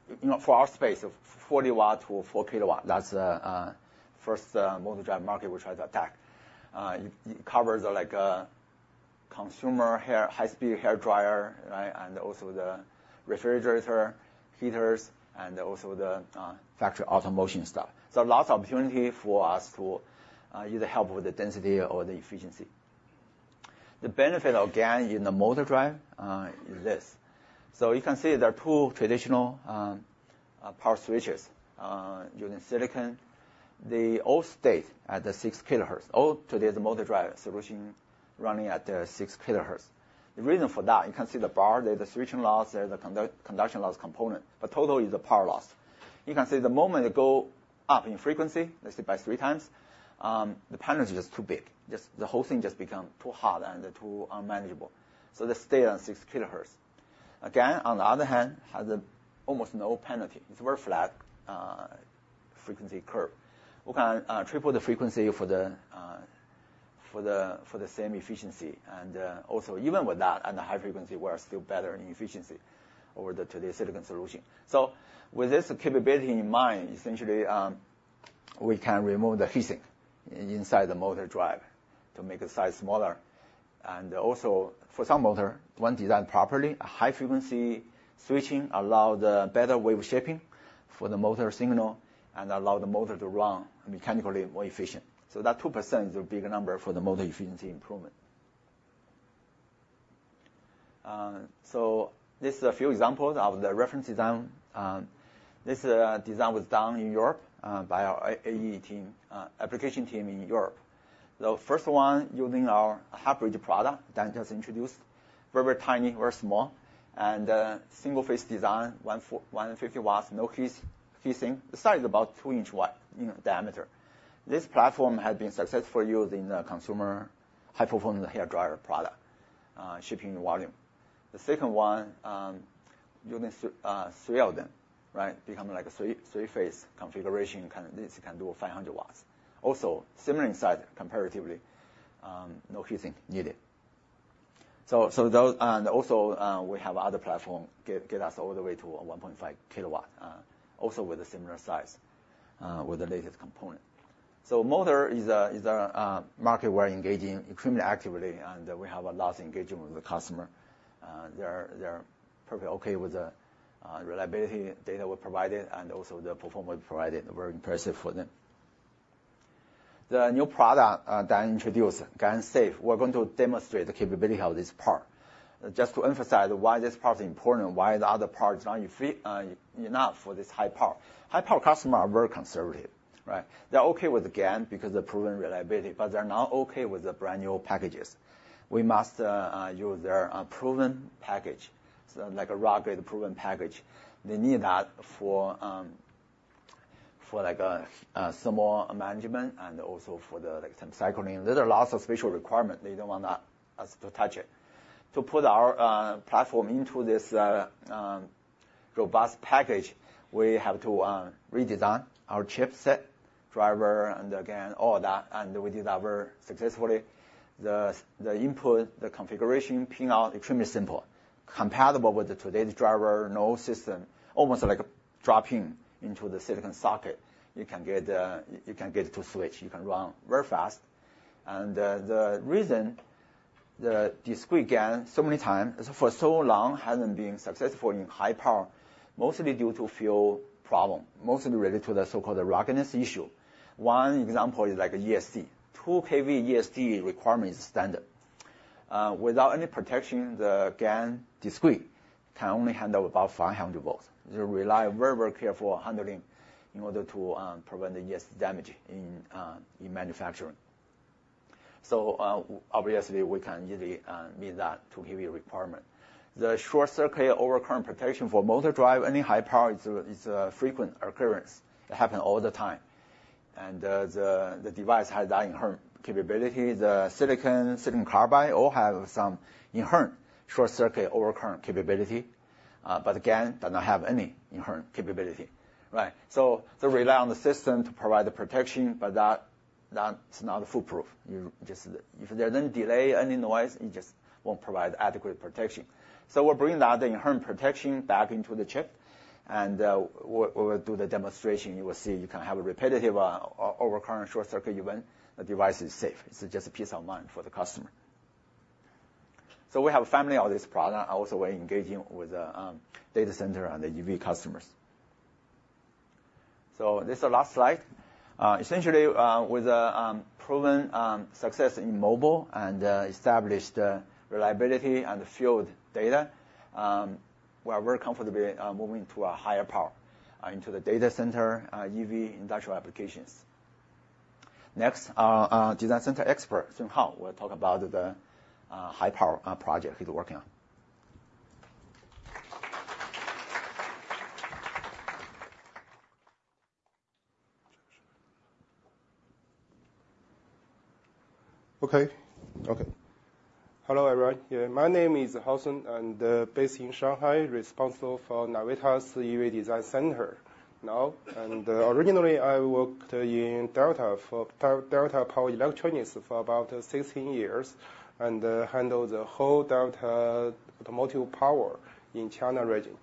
E: you know, for our space, of 40 W to 4 kW. That's the first motor drive market we try to attack. It covers like consumer hair high-speed hairdryer, right, and also the refrigerator, heaters, and also the factory automation stuff. So lots of opportunity for us to either help with the density or the efficiency. The benefit of GaN in the motor drive is this. So you can see there are two traditional power switches using silicon. They all state at the 6 kHz, all today's motor driver solution running at the 6 kHz. The reason for that, you can see the bar there, the switching loss there, the conduction loss component, but total is the power loss. You can see the moment they go up in frequency, let's say by 3x, the penalty is just too big. Just the whole thing just become too hard and too unmanageable, so they stay on 6 kHz. Again, on the other hand, has a almost no penalty. It's very flat, frequency curve. We can triple the frequency for the same efficiency. And also, even with that, at the high frequency, we're still better in efficiency over the today's silicon solution. So with this capability in mind, essentially, we can remove the heat sink inside the motor drive to make the size smaller. And also, for some motor, when designed properly, a high-frequency switching allow the better wave shaping for the motor signal and allow the motor to run mechanically more efficient. So that 2% is a big number for the motor efficiency improvement. So this is a few examples of the reference design. This design was done in Europe by our AE team, application team in Europe. The first one using our hybrid product, Dan just introduced, very, very tiny or small, and single-phase design, 150 W, no heat sink. The size is about two inch wide, you know, diameter. This platform has been successfully used in the consumer high-performance hairdryer product, shipping volume. The second one, using three of them, right? Becoming like a three-phase configuration, kind of this can do 500 W. Also, similar in size, comparatively, no heat sink needed. So those. And also, we have other platform get us all the way to a 1.5 kW, also with a similar size, with the latest component. So motor is a market we're engaging extremely actively, and we have a lot of engagement with the customer. They're perfectly okay with the reliability data we provided and also the performance we provided. Very impressive for them. The new product Dan introduced, GaNSafe. We're going to demonstrate the capability of this part. Just to emphasize why this part is important, why the other parts are not enough for this high power. High-power customers are very conservative, right? They're okay with GaN because the proven reliability, but they're not okay with the brand-new packages. We must use their proven package, so like a rock-solid proven package. They need that for thermal management and also for the long-term cycling. There are lots of special requirements. They don't want us to touch it. To put our platform into this robust package, we have to redesign our chipset, driver, and again, all that, and we did that very successfully. The input, the configuration, pinout, extremely simple, compatible with today's driver, no system, almost like a drop-in into the silicon socket. You can get it to switch. You can run very fast. And the reason the discrete GaN, so many times, for so long, hasn't been successful in high power, mostly due to a few problems, mostly related to the so-called ruggedness issue. One example is like ESD. Too heavy ESD requirement is standard. Without any protection, the GaN discrete can only handle about 500 volts. They rely very, very careful handling in order to prevent the ESD damage in manufacturing. So, obviously, we can easily meet that to give you a requirement. The short circuit overcurrent protection for motor drive, any high power, it's a frequent occurrence. It happen all the time, and the device has that inherent capability. The silicon, silicon carbide, all have some inherent short circuit overcurrent capability, but GaN does not have any inherent capability, right? So they rely on the system to provide the protection, but that's not foolproof. If there's any delay, any noise, it just won't provide adequate protection. So we're bringing that inherent protection back into the chip, and, we'll do the demonstration. You will see you can have a repetitive, overcurrent, short circuit event, the device is safe. It's just a peace of mind for the customer. So we have a family of this product. Also, we're engaging with, data center and the EV customers. So this is the last slide. Essentially, with proven success in mobile and, established, reliability and field data, we are very comfortably moving to a higher power, into the data center, EV industrial applications. Next, our design center expert, Hao Sun, will talk about the, high power, project he's working on.
F: Okay. Hello, everyone. Yeah, my name is Hao Sun, and based in Shanghai, responsible for Navitas EV Design Center now. And originally, I worked in Delta for Delta Power Electronics for about 16 years, and handled the whole Delta automotive power in China region.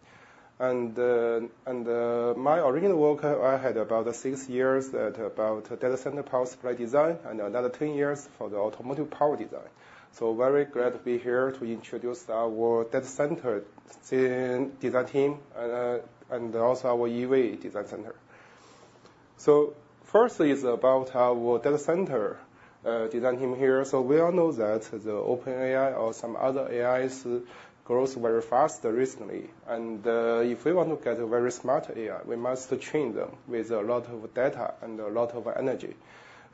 F: And my original work, I had about six years in data center power supply design, and another two years for the automotive power design. So very glad to be here to introduce our data center design team, and also our EV design center. So firstly, is about our data center design team here. So we all know that the OpenAI or some other AIs grows very fast recently, and if we want to get a very smart AI, we must train them with a lot of data and a lot of energy.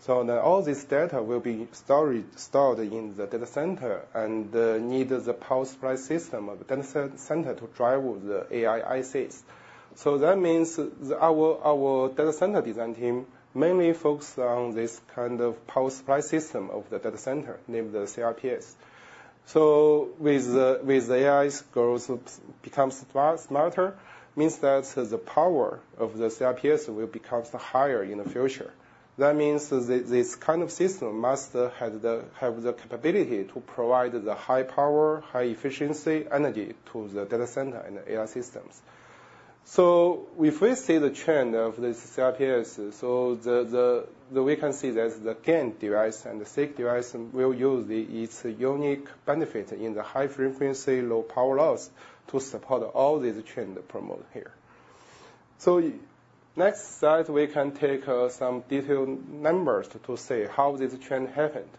F: So all this data will be stored, stored in the data center, and need the power supply system of the data center to drive the AI systems. So that means our data center design team mainly focus on this kind of power supply system of the data center, named the CRPS. So with the AI grows, becomes smart, smarter, means that the power of the CRPS will becomes higher in the future. That means that this kind of system must have the capability to provide the high power, high efficiency energy to the data center and AI systems. So if we see the trend of this CRPS, we can see that the GaN device and the SiC device will use its unique benefit in the high frequency, low power loss, to support all these trend promote here. So next slide, we can take some detailed numbers to say how this trend happened.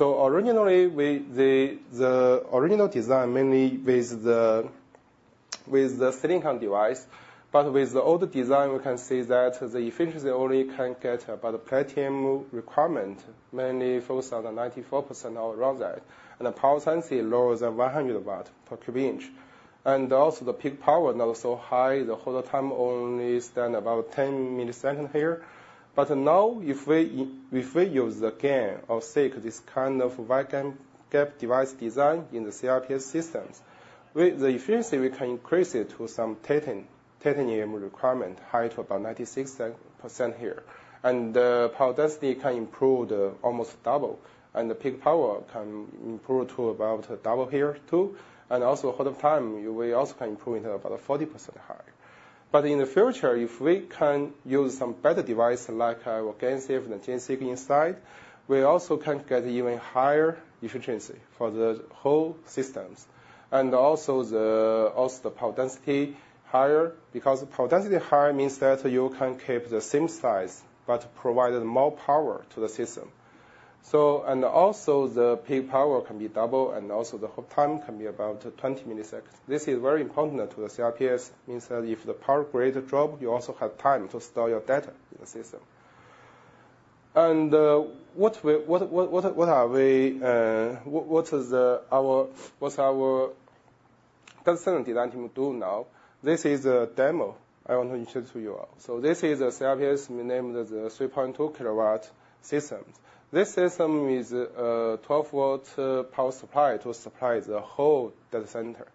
F: Originally, the original design, mainly with the silicon device, but with the old design, we can see that the efficiency only can get about a Platinum requirement, mainly focus on the 94% or around that, and the power density lower than 100 W/in³. Also, the peak power not so high, the hold time only stand about 10 ms here. But now, if we use the GaN or SiC, this kind of Wide Bandgap device design in the CRPS systems, with the efficiency, we can increase it to some Titanium requirement, high to about 96% here. And power density can improve almost double, and the peak power can improve to about double here, too. And also, hold up time, we also can improve it about 40% higher. But in the future, if we can use some better device, like our GaNSafe and the GeneSiC inside, we also can get even higher efficiency for the whole systems. And also the, also the power density higher, because power density higher means that you can keep the same size, but provide more power to the system. So, and also the peak power can be double, and also the hold time can be about 20 milliseconds. This is very important to the CRPS, means that if the power grid drop, you also have time to store your data in the system. And, what is our data center design team do now? This is a demo I want to introduce to you all. So this is a CRPS. We named the 3.2 kW systems. This system is a 12 V power supply to supply the whole data center,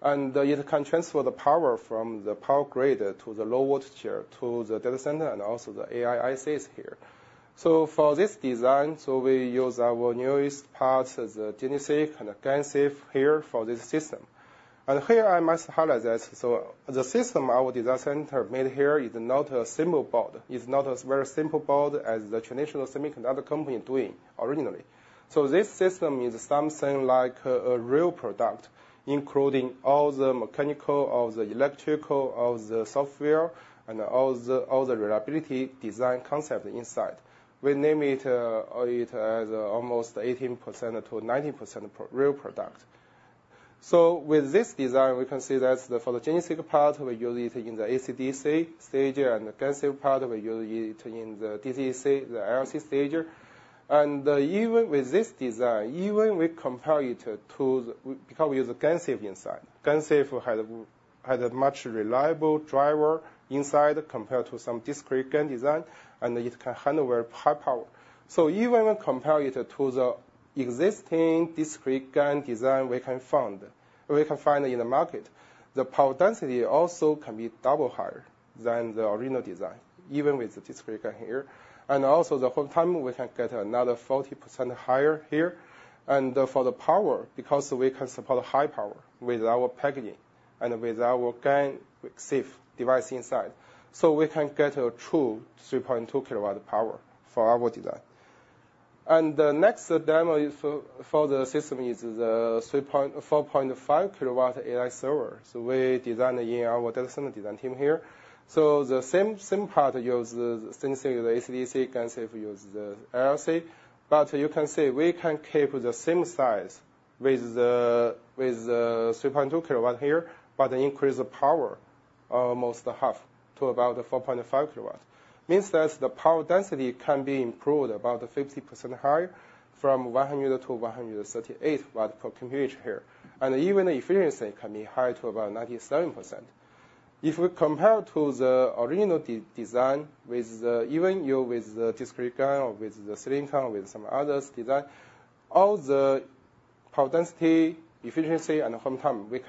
F: and it can transfer the power from the power grid to the low voltage to the data center, and also the AI systems here. For this design, we use our newest parts as the GeneSiC and the GaNSafe here for this system. And here, I must highlight that the system our data center made here is not a simple board. It's not a very simple board as the traditional semiconductor company doing originally. So this system is something like a real product, including all the mechanical, all the electrical, all the software, and all the reliability design concept inside. We name it as almost 80%-90% real product. So with this design, we can see that the PFC part, we use it in the AC/DC stage, and the GaNSafe part, we use it in the DC-DC, the LLC stage. Even with this design, even we compare it to, to the- because we use the GaNSafe inside. GaNSafe has a much reliable driver inside compared to some discrete GaN design, and it can handle very high power. So even compare it to the existing discrete GaN design we can find in the market, the power density also can be double higher than the original design, even with the discrete GaN here. And also, the hold time, we can get another 40% higher here. For the power, because we can support high power with our packaging and with our GaNSafe device inside, so we can get a true 3.2 kW power for our design. The next demo is for, for the system is the 3 kW-4.5 kW AI server. We designed in our data center design team here. The same, same part use the same thing, the AC/DC, GaNSafe use the LLC. You can see, we can keep the same size with the, with the, three point two kW here, but increase the power almost half to about 4.5 kW. Means that the power density can be improved about 50% higher, from 100 to 138 W per cubic inch here. Even the efficiency can be higher to about 97%. If we compare to the original design with the, even with the discrete GaN or with the silicon, with some other designs, all the power density, efficiency, and performance, we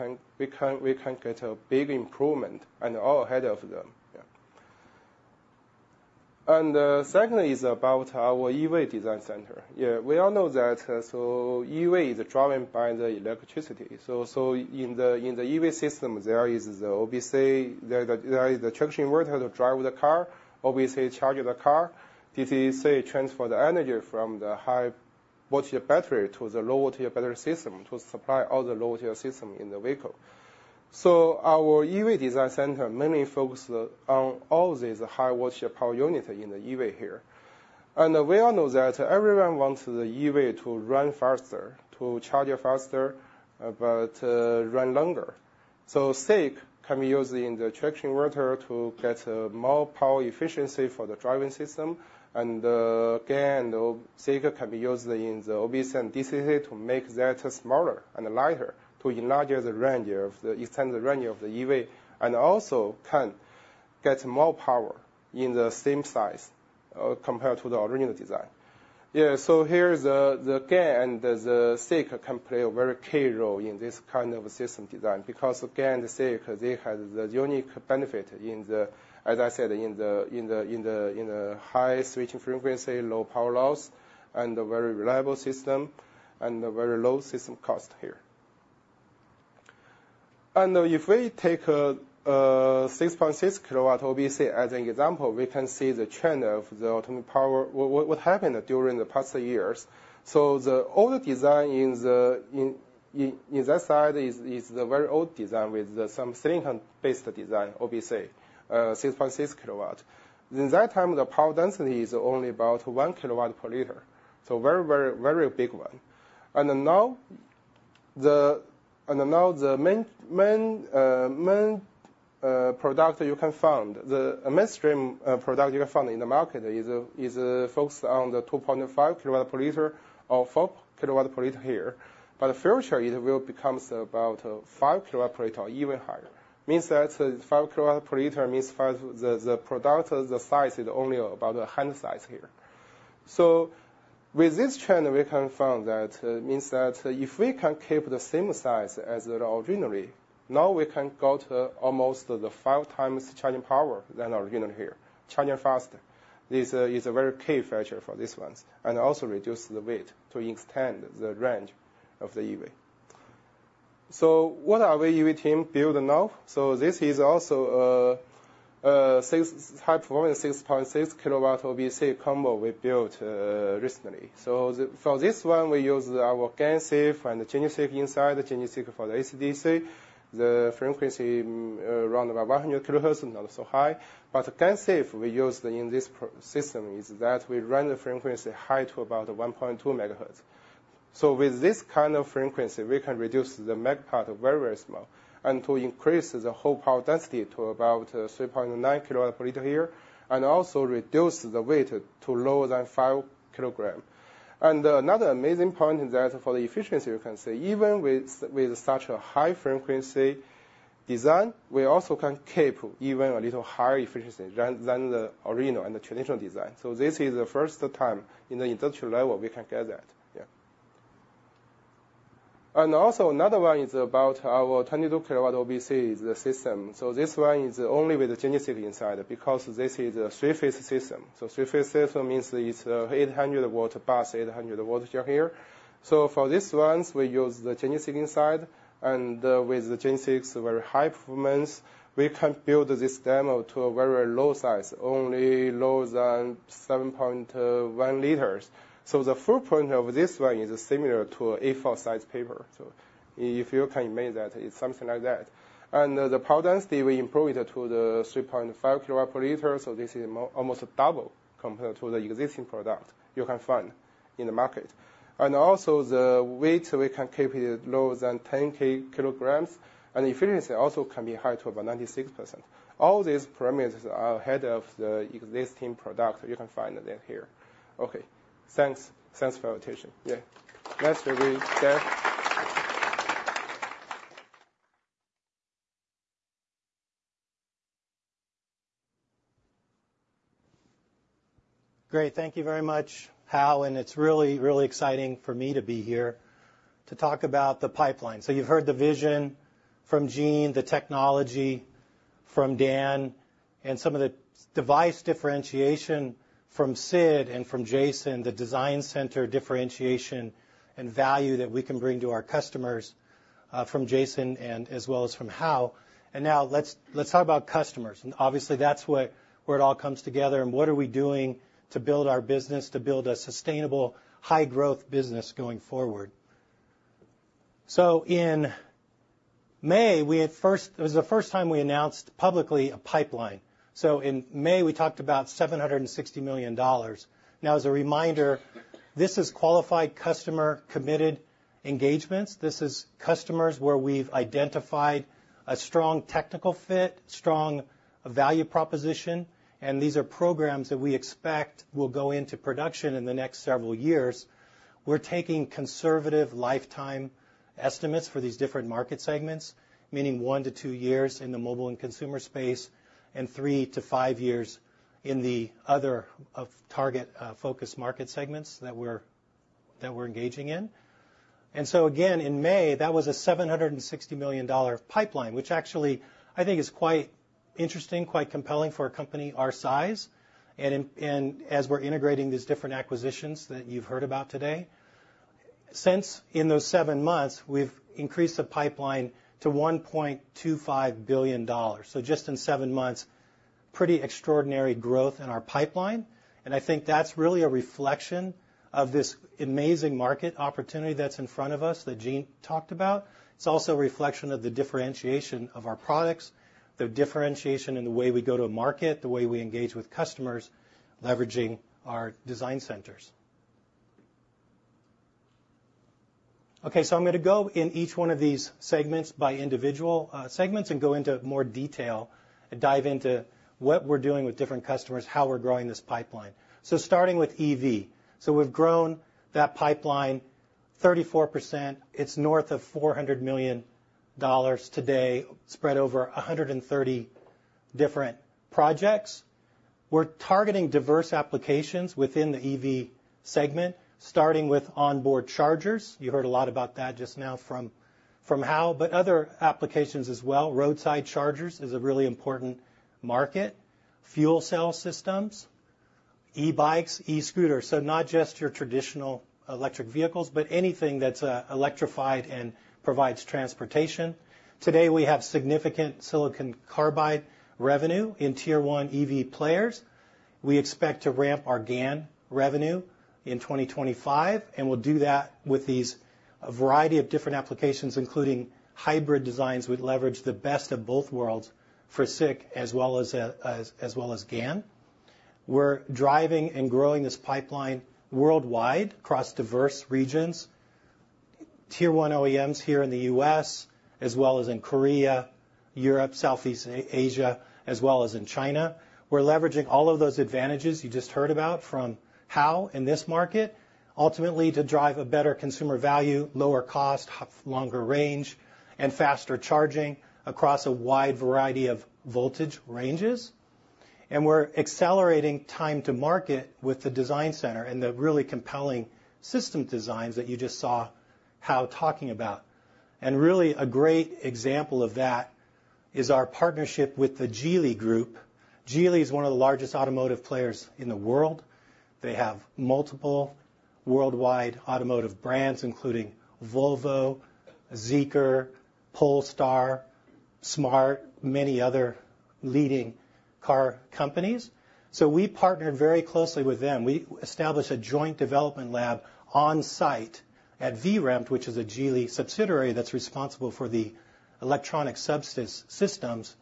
F: can get a big improvement and all ahead of them. Yeah. And secondly is about our EV design center. Yeah, we all know that, so EV is driven by the electricity. So in the EV system, there is the OBC, there is the traction inverter to drive the car, obviously charge the car. DC-DC transfer the energy from the high-voltage battery to the low-voltage battery system to supply all the low-voltage system in the vehicle. So our EV design center mainly focus on all these high-voltage power units in the EV here. We all know that everyone wants the EV to run faster, to charge faster, but run longer. So SiC can be used in the traction inverter to get more power efficiency for the driving system, and GaN or SiC can be used in the OBC and DC-DC to make that smaller and lighter, to enlarge the range of the—extend the range of the EV, and also can get more power in the same size, compared to the original design. Yeah, so here, the GaN, the SiC can play a very key role in this kind of system design, because, again, the SiC, they have the unique benefit in the—as I said, in the high switching frequency, low power loss, and a very reliable system, and a very low system cost here. If we take a 6.6 kW OBC as an example, we can see the trend of the ultimate power, what happened during the past years. The older design in that slide is the very old design, with some silicon-based design, OBC, 6.6 kW. In that time, the power density is only about 1 kW/L, so very, very, very big one. And now the main product you can find, the mainstream product you can find in the market is focused on the 2.5 kW/L or 4 kW/L here, but the future, it will becomes about 5 kW/L or even higher. Means that 5 kW/L means five—the product, the size is only about a hand size here. So with this trend, we can find that means that if we can keep the same size as the ordinary, now we can go to almost the 5x charging power than ordinary here. Charging faster is a very key feature for these ones, and also reduce the weight to extend the range of the EV. So what our EV team build now? So this is also a high-performance 6.6 kW OBC combo we built recently. So for this one, we use our GaNSafe and the GeneSiC inside, the GeneSiC for the AC/DC. The frequency around about 100 kHz, not so high, but the GaNSafe we use in this prototype system is that we run the frequency high to about 1.2 MHz. So with this kind of frequency, we can reduce the mag part very, very small, and to increase the whole power density to about 3.9 kW/L here, and also reduce the weight to lower than 5 kg. Another amazing point is that for the efficiency, you can see, even with such a high-frequency design, we also can keep even a little higher efficiency than the original and the traditional design. So this is the first time in the industrial level we can get that. Yeah. Also, another one is about our 22 kW OBC system. So this one is only with the GaNSafe inside, because this is a three-phase system. So three-phase system means it's 800 V plus 800 V here. So for this ones, we use the GaNSafe inside, and with the GaNSafe's very high performance, we can build this demo to a very low size, only lower than 7.1 liters. So the footprint of this one is similar to a A4-sized paper. So if you can imagine that, it's something like that. And the power density, we improved it to the 3.5 kW per liter, so this is almost double compared to the existing product you can find in the market. And also, the weight, we can keep it lower than 10 kg, and efficiency also can be higher to about 96%. All these parameters are ahead of the existing product you can find there. Okay, thanks. Thanks for your attention. Yeah. Next, we have Dave.
G: Great. Thank you very much, Hao, and it's really, really exciting for me to be here to talk about the pipeline. So you've heard the vision from Gene, the technology from Dan, and some of the device differentiation from Sid and from Jason, the design center differentiation and value that we can bring to our customers from Jason and as well as from Hao. And now let's, let's talk about customers, and obviously, that's what- where it all comes together, and what are we doing to build our business, to build a sustainable, high-growth business going forward. So in May, we had first—it was the first time we announced publicly a pipeline. So in May, we talked about $760 million. Now, as a reminder, this is qualified customer-committed engagements. This is customers where we've identified a strong technical fit, strong value proposition, and these are programs that we expect will go into production in the next several years. We're taking conservative lifetime estimates for these different market segments, meaning one to two years in the mobile and consumer space, and three to five years in the other target focus market segments that we're, that we're engaging in. And so again, in May, that was a $760 million pipeline, which actually I think is quite interesting, quite compelling for a company our size, and as we're integrating these different acquisitions that you've heard about today. Since in those seven months, we've increased the pipeline to $1.25 billion. So just in seven months, pretty extraordinary growth in our pipeline, and I think that's really a reflection of this amazing market opportunity that's in front of us, that Gene talked about. It's also a reflection of the differentiation of our products, the differentiation in the way we go to market, the way we engage with customers, leveraging our design centers. Okay, so I'm gonna go in each one of these segments by individual, segments and go into more detail and dive into what we're doing with different customers, how we're growing this pipeline. So starting with EV. We've grown that pipeline 34%. It's north of $400 million today, spread over 130 different projects. We're targeting diverse applications within the EV segment, starting with onboard chargers. You heard a lot about that just now from Hao, but other applications as well. Roadside chargers is a really important market, fuel cell systems, e-bikes, e-scooters. So not just your traditional electric vehicles, but anything that's electrified and provides transportation. Today, we have significant silicon carbide revenue in Tier One EV players. We expect to ramp our GaN revenue in 2025, and we'll do that with these, a variety of different applications, including hybrid designs, which leverage the best of both worlds for SiC as well as GaN. We're driving and growing this pipeline worldwide across diverse regions, Tier One OEMs here in the U.S., as well as in Korea, Europe, Southeast Asia, as well as in China. We're leveraging all of those advantages you just heard about from Hao in this market, ultimately to drive a better consumer value, lower cost, longer range, and faster charging across a wide variety of voltage ranges. We're accelerating time to market with the design center and the really compelling system designs that you just saw Hao talking about. And really, a great example of that is our partnership with the Geely Group. Geely is one of the largest automotive players in the world. They have multiple worldwide automotive brands, including Volvo, Zeekr, Polestar, Smart, many other leading car companies. So we partnered very closely with them. We established a joint development lab on-site at VREMT, which is a Geely subsidiary that's responsible for the electronic systems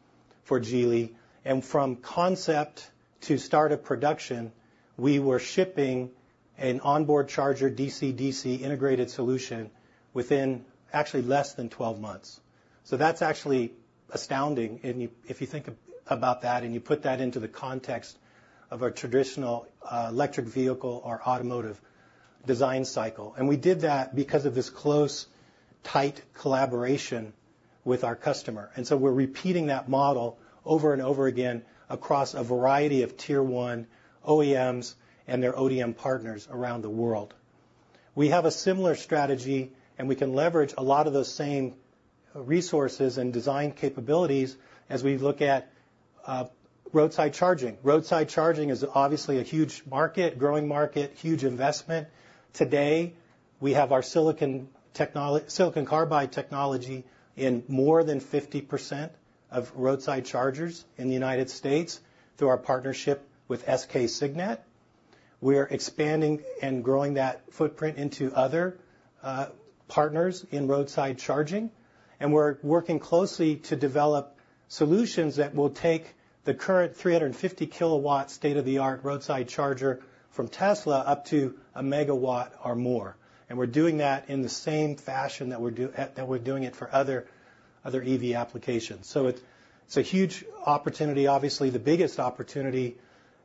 G: for Geely. And from concept to start of production, we were shipping an onboard charger, DC-DC integrated solution, within actually less than 12 months. So that's actually astounding, and if you, if you think about that, and you put that into the context of a traditional electric vehicle or automotive design cycle. And we did that because of this close, tight collaboration with our customer. So we're repeating that model over and over again across a variety of Tier One OEMs and their ODM partners around the world. We have a similar strategy, and we can leverage a lot of those same resources and design capabilities as we look at roadside charging. Roadside charging is obviously a huge market, growing market, huge investment. Today, we have our silicon carbide technology in more than 50% of roadside chargers in the United States through our partnership with SK Signet. We are expanding and growing that footprint into other partners in roadside charging, and we're working closely to develop solutions that will take the current 350 kW state-of-the-art roadside charger from Tesla up to a megawatt or more. And we're doing that in the same fashion that we're doing it for other, other EV applications. So it's, it's a huge opportunity. Obviously, the biggest opportunity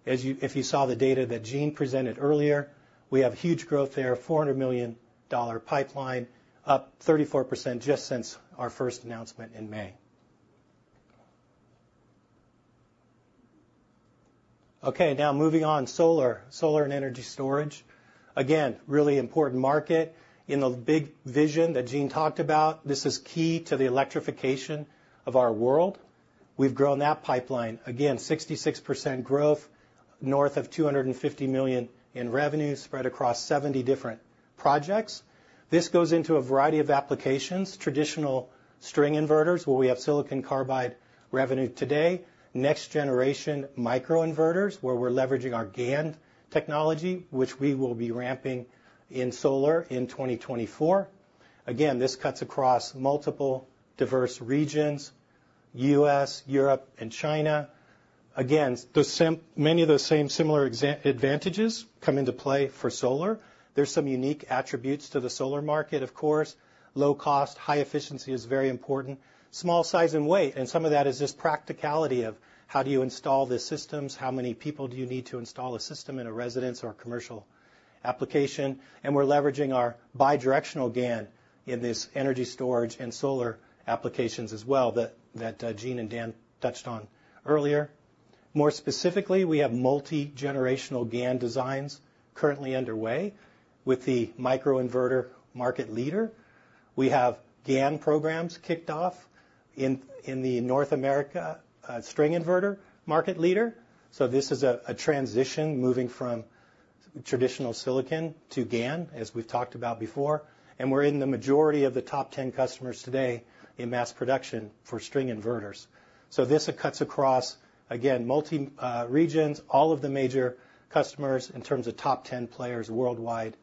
G: is if you saw the data that Gene presented earlier, we have huge growth there, $400 million pipeline, up 34% just since our first announcement in May. Okay, now moving on: solar, solar and energy storage. Again, really important market. In the big vision that Gene talked about, this is key to the electrification of our world. We've grown that pipeline. Again, 66% growth, north of $250 million in revenue, spread across 70 different projects. This goes into a variety of applications, traditional string inverters, where we have silicon carbide revenue today, next generation microinverters, where we're leveraging our GaN technology, which we will be ramping in solar in 2024. Again, this cuts across multiple diverse regions, U.S., Europe, and China. Again, the many of those same similar advantages come into play for solar. There's some unique attributes to the solar market, of course. Low cost, high efficiency is very important. Small size and weight, and some of that is just practicality of: How do you install the systems? How many people do you need to install a system in a residence or commercial application? And we're leveraging our bidirectional GaN in this energy storage and solar applications as well, that, that, Gene and Dan touched on earlier. More specifically, we have multi-generational GaN designs currently underway with the microinverter market leader. We have GaN programs kicked off in, in the North America, string inverter market leader. So this is a transition moving from traditional silicon to GaN, as we've talked about before, and we're in the majority of the top ten customers today in mass production for string inverters. So this cuts across, again, multiple regions, all of the major customers in terms of top ten players worldwide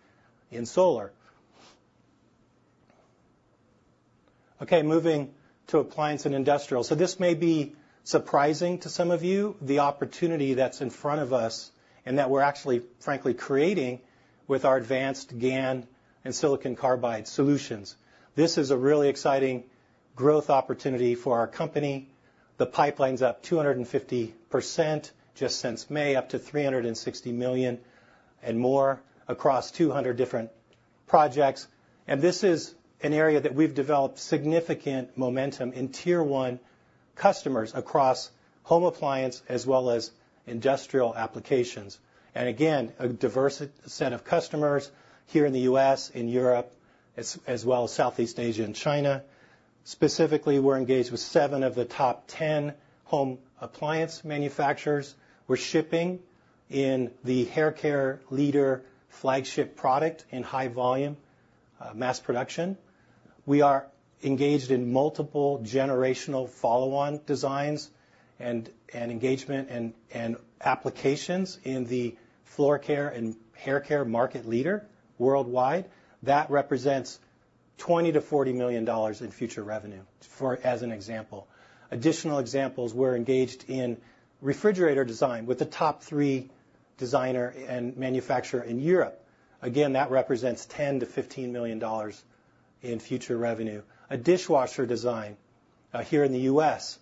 G: in solar. Okay, moving to appliance and industrial. So this may be surprising to some of you, the opportunity that's in front of us and that we're actually, frankly, creating with our advanced GaN and silicon carbide solutions. This is a really exciting growth opportunity for our company. The pipeline's up 250% just since May, up to $360 million and more across 200 different projects. And this is an area that we've developed significant momentum in Tier One customers across home appliance as well as industrial applications. Again, a diverse set of customers here in the U.S., in Europe, as well as Southeast Asia and China. Specifically, we're engaged with seven of the top 10 home appliance manufacturers. We're shipping in the haircare leader flagship product in high volume, mass production. We are engaged in multiple generational follow-on designs and engagement and applications in the floor care and haircare market leader worldwide. That represents $20 million-$40 million in future revenue, for example. Additional examples, we're engaged in refrigerator design with the top three designer and manufacturer in Europe. Again, that represents $10 million-$15 million in future revenue. A dishwasher design here in the U.S.,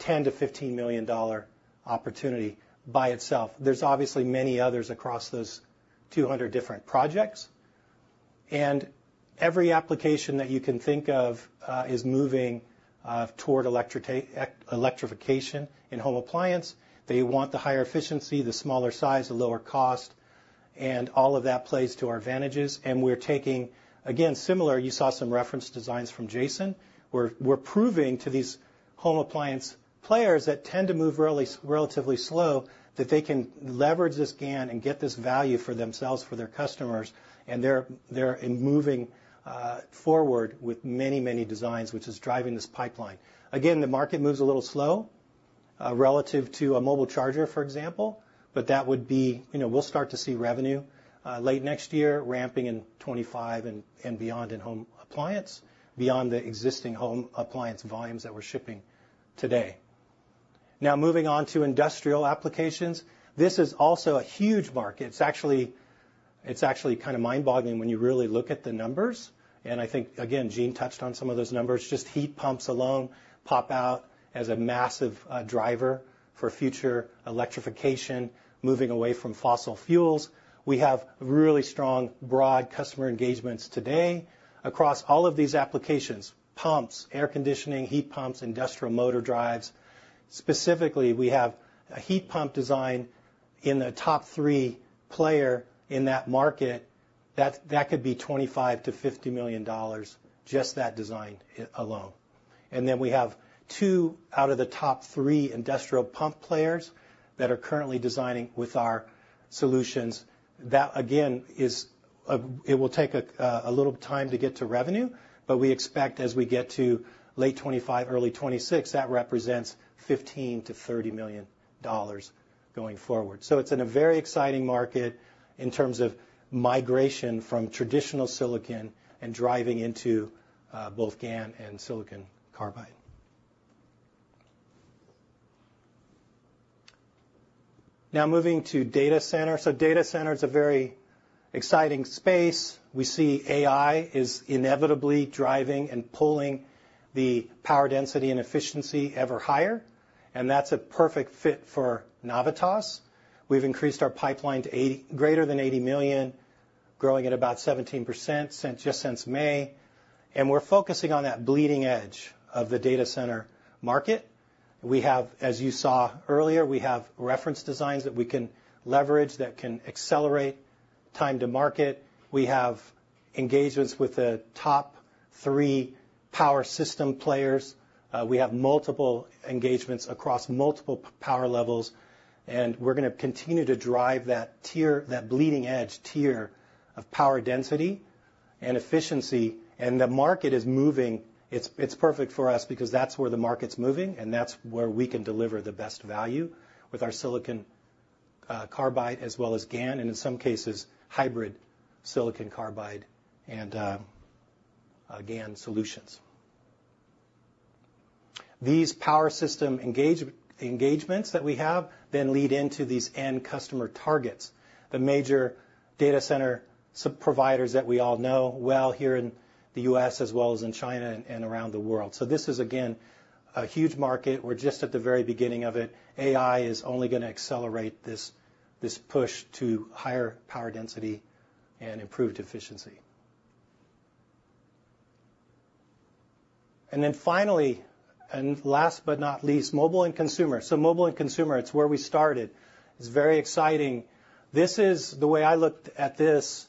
G: $10 million-$15 million opportunity by itself. There's obviously many others across those 200 different projects, and every application that you can think of is moving toward electrification in home appliance. They want the higher efficiency, the smaller size, the lower cost, and all of that plays to our advantages. And we're taking... Again, similar, you saw some reference designs from Jason, we're proving to these home appliance players that tend to move really relatively slow, that they can leverage this GaN and get this value for themselves, for their customers, and they're moving forward with many, many designs, which is driving this pipeline. Again, the market moves a little slow, relative to a mobile charger, for example, but that would be, you know, we'll start to see revenue, late next year, ramping in 25 and, and beyond in home appliance, beyond the existing home appliance volumes that we're shipping today. Now, moving on to industrial applications. This is also a huge market. It's actually, it's actually kind of mind-boggling when you really look at the numbers, and I think, again, Gene touched on some of those numbers. Just heat pumps alone pop out as a massive, driver for future electrification, moving away from fossil fuels. We have really strong, broad customer engagements today across all of these applications: pumps, air conditioning, heat pumps, industrial motor drives. Specifically, we have a heat pump design in the top three player in that market. That, that could be $25 million-$50 million, just that design alone. And then we have two out of the top three industrial pump players that are currently designing with our solutions. That, again, it will take a little time to get to revenue, but we expect as we get to late 2025, early 2026, that represents $15 million-$30 million going forward. So it's in a very exciting market in terms of migration from traditional silicon and driving into both GaN and silicon carbide. Now, moving to data center. So data center is a very exciting space. We see AI is inevitably driving and pulling the power density and efficiency ever higher, and that's a perfect fit for Navitas. We've increased our pipeline to greater than $80 million, growing at about 17% since, just since May, and we're focusing on that bleeding edge of the data center market. We have, as you saw earlier, we have reference designs that we can leverage, that can accelerate time to market. We have engagements with the top three power system players. We have multiple engagements across multiple power levels, and we're gonna continue to drive that tier, that bleeding edge tier of power density and efficiency. And the market is moving. It's, it's perfect for us because that's where the market's moving, and that's where we can deliver the best value with our silicon carbide as well as GaN, and in some cases, hybrid silicon carbide and GaN solutions. These power system engagements that we have then lead into these end customer targets, the major data center sub-providers that we all know well here in the U.S. as well as in China and around the world. So this is, again, a huge market. We're just at the very beginning of it. AI is only gonna accelerate this this push to higher power density and improved efficiency. And then finally, and last but not least, mobile and consumer. So mobile and consumer, it's where we started. It's very exciting. This is the way I looked at this.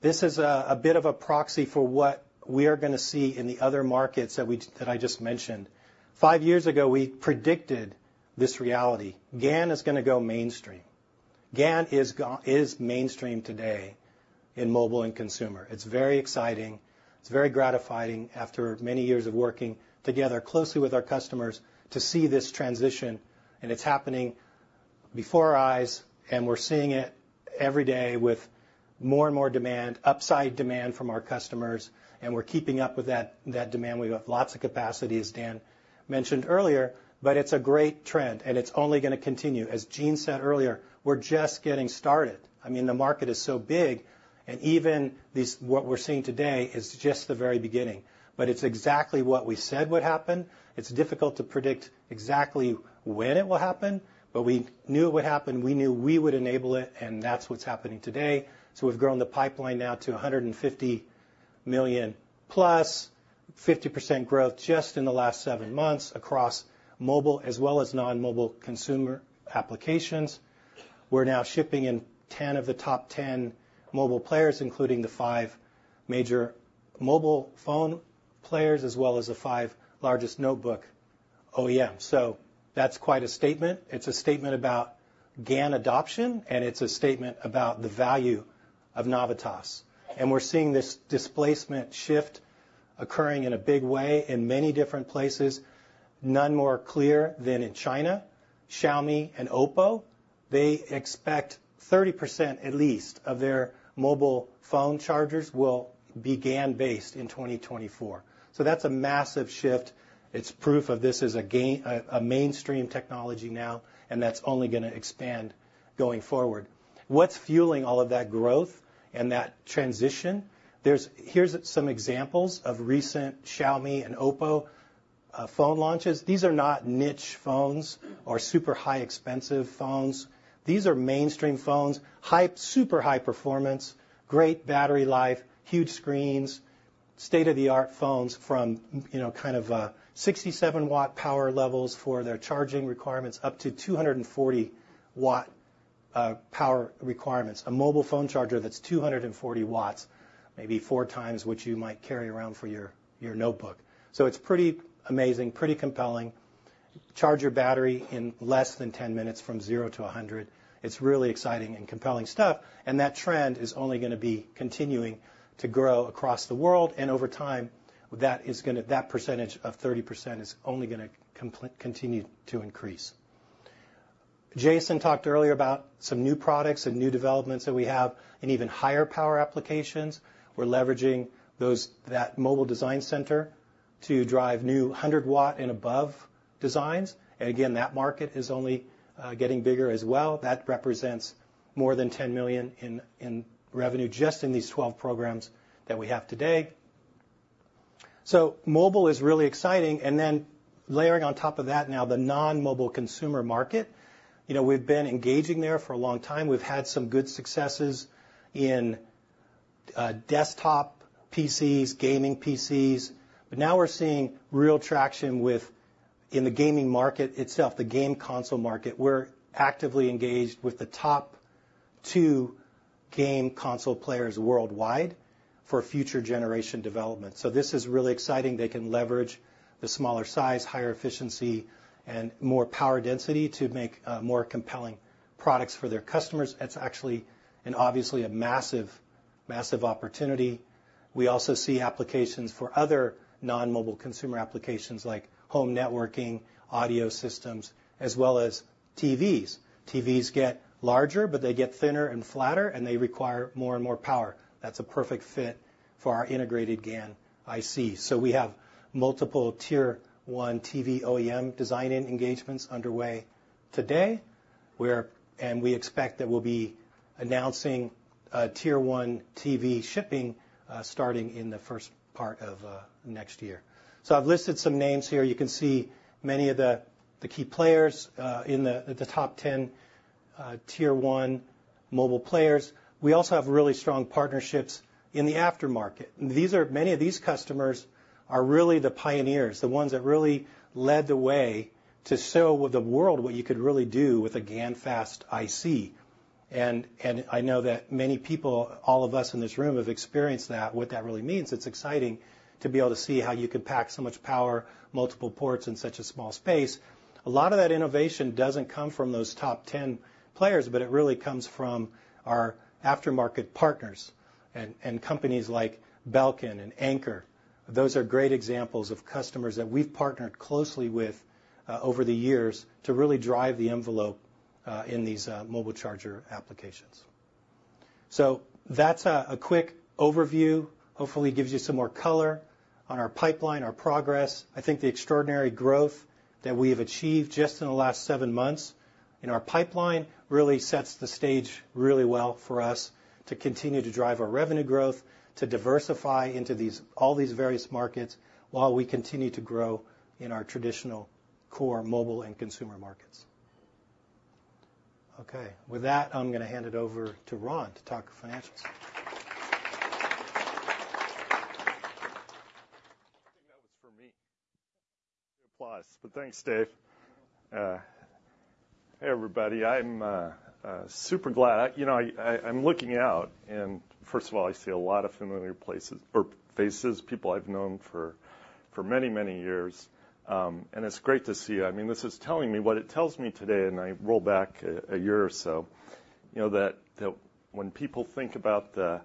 G: This is a bit of a proxy for what we are gonna see in the other markets that I just mentioned. Five years ago, we predicted this reality. GaN is gonna go mainstream. GaN is mainstream today in mobile and consumer. It's very exciting. It's very gratifying, after many years of working together closely with our customers, to see this transition, and it's happening before our eyes, and we're seeing it every day with more and more demand, upside demand from our customers, and we're keeping up with that demand. We have lots of capacity, as Dan mentioned earlier, but it's a great trend, and it's only gonna continue. As Gene said earlier, we're just getting started. I mean, the market is so big, and even these, what we're seeing today is just the very beginning. But it's exactly what we said would happen. It's difficult to predict exactly when it will happen, but we knew it would happen. We knew we would enable it, and that's what's happening today. So we've grown the pipeline now to $150 million+, 50% growth just in the last seven months across mobile as well as non-mobile consumer applications. We're now shipping in 10 of the top 10 mobile players, including the five major mobile phone players, as well as the five largest notebook OEM. So that's quite a statement. It's a statement about GaN adoption, and it's a statement about the value of Navitas. And we're seeing this displacement shift occurring in a big way in many different places, none more clear than in China. Xiaomi and OPPO, they expect 30%, at least, of their mobile phone chargers will be GaN-based in 2024. So that's a massive shift. It's proof of this as a GaN as a mainstream technology now, and that's only gonna expand going forward. What's fueling all of that growth and that transition? Here's some examples of recent Xiaomi and OPPO phone launches. These are not niche phones or super high expensive phones. These are mainstream phones, super high performance, great battery life, huge screens, state-of-the-art phones from, you know, kind of, 67 W power levels for their charging requirements, up to 240 W power requirements. A mobile phone charger that's 240 W, maybe 4x what you might carry around for your notebook. So it's pretty amazing, pretty compelling. Charge your battery in less than 10 minutes from 0 to 100. It's really exciting and compelling stuff, and that trend is only gonna be continuing to grow across the world, and over time, that is gonna—that 30% is only gonna continue to increase. Jason talked earlier about some new products and new developments that we have in even higher power applications. We're leveraging that mobile design center to drive new 100 W and above designs, and again, that market is only getting bigger as well. That represents more than $10 million in revenue just in these 12 programs that we have today. So mobile is really exciting, and then layering on top of that now, the non-mobile consumer market. You know, we've been engaging there for a long time. We've had some good successes in desktop PCs, gaming PCs, but now we're seeing real traction with... in the gaming market itself, the game console market. We're actively engaged with the top two game console players worldwide for future generation development. So this is really exciting. They can leverage the smaller size, higher efficiency, and more power density to make more compelling products for their customers. That's actually and obviously a massive, massive opportunity. We also see applications for other non-mobile consumer applications like home networking, audio systems, as well as TVs. TVs get larger, but they get thinner and flatter, and they require more and more power. That's a perfect fit for our integrated GaN IC. So we have multiple Tier One TV OEM design-in engagements underway today, and we expect that we'll be announcing Tier One TV shipping starting in the first part of next year. So I've listed some names here. You can see many of the key players in the top 10 Tier One mobile players. We also have really strong partnerships in the aftermarket, and these are many of these customers are really the pioneers, the ones that really led the way to show the world what you could really do with a GaNFast IC. And I know that many people, all of us in this room, have experienced that, what that really means. It's exciting to be able to see how you can pack so much power, multiple ports in such a small space. A lot of that innovation doesn't come from those top ten players, but it really comes from our aftermarket partners and companies like Belkin and Anker. Those are great examples of customers that we've partnered closely with over the years to really drive the envelope in these mobile charger applications. So that's a quick overview. Hopefully gives you some more color on our pipeline, our progress. I think the extraordinary growth that we have achieved just in the last seven months in our pipeline really sets the stage really well for us to continue to drive our revenue growth, to diversify into these, all these various markets, while we continue to grow in our traditional core mobile and consumer markets. Okay. With that, I'm gonna hand it over to Ron to talk financials....
H: I think that was for me. Applause, but thanks, Dave. Hey, everybody. I'm super glad. You know, I'm looking out, and first of all, I see a lot of familiar places or faces, people I've known for many, many years, and it's great to see you. I mean, this is telling me. What it tells me today, and I roll back a year or so, you know, that when people think about the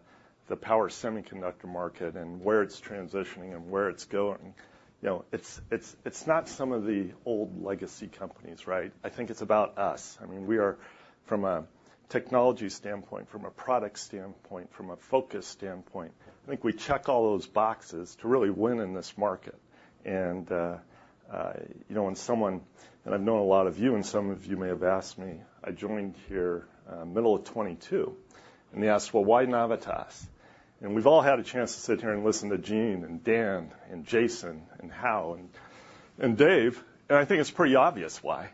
H: power semiconductor market and where it's transitioning and where it's going, you know, it's not some of the old legacy companies, right? I think it's about us. I mean, we are, from a technology standpoint, from a product standpoint, from a focus standpoint, I think we check all those boxes to really win in this market. And, you know, when someone... I've known a lot of you, and some of you may have asked me, I joined here, middle of 2022, and they asked, "Well, why Navitas?" We've all had a chance to sit here and listen to Gene and Dan and Jason and Hao and, and Dave, and I think it's pretty obvious why.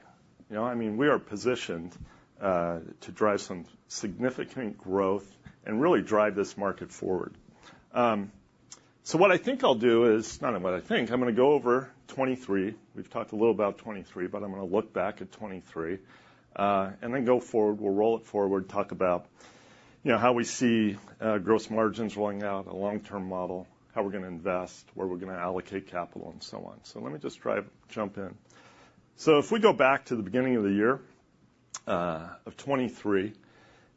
H: You know, I mean, we are positioned, to drive some significant growth and really drive this market forward. So what I think I'll do is, not what I think, I'm gonna go over 2023. We've talked a little about 2023, but I'm gonna look back at 2023, and then go forward. We'll roll it forward, talk about, you know, how we see, gross margins rolling out, a long-term model, how we're gonna invest, where we're gonna allocate capital, and so on. So let me just dive, jump in. So if we go back to the beginning of the year, of 2023,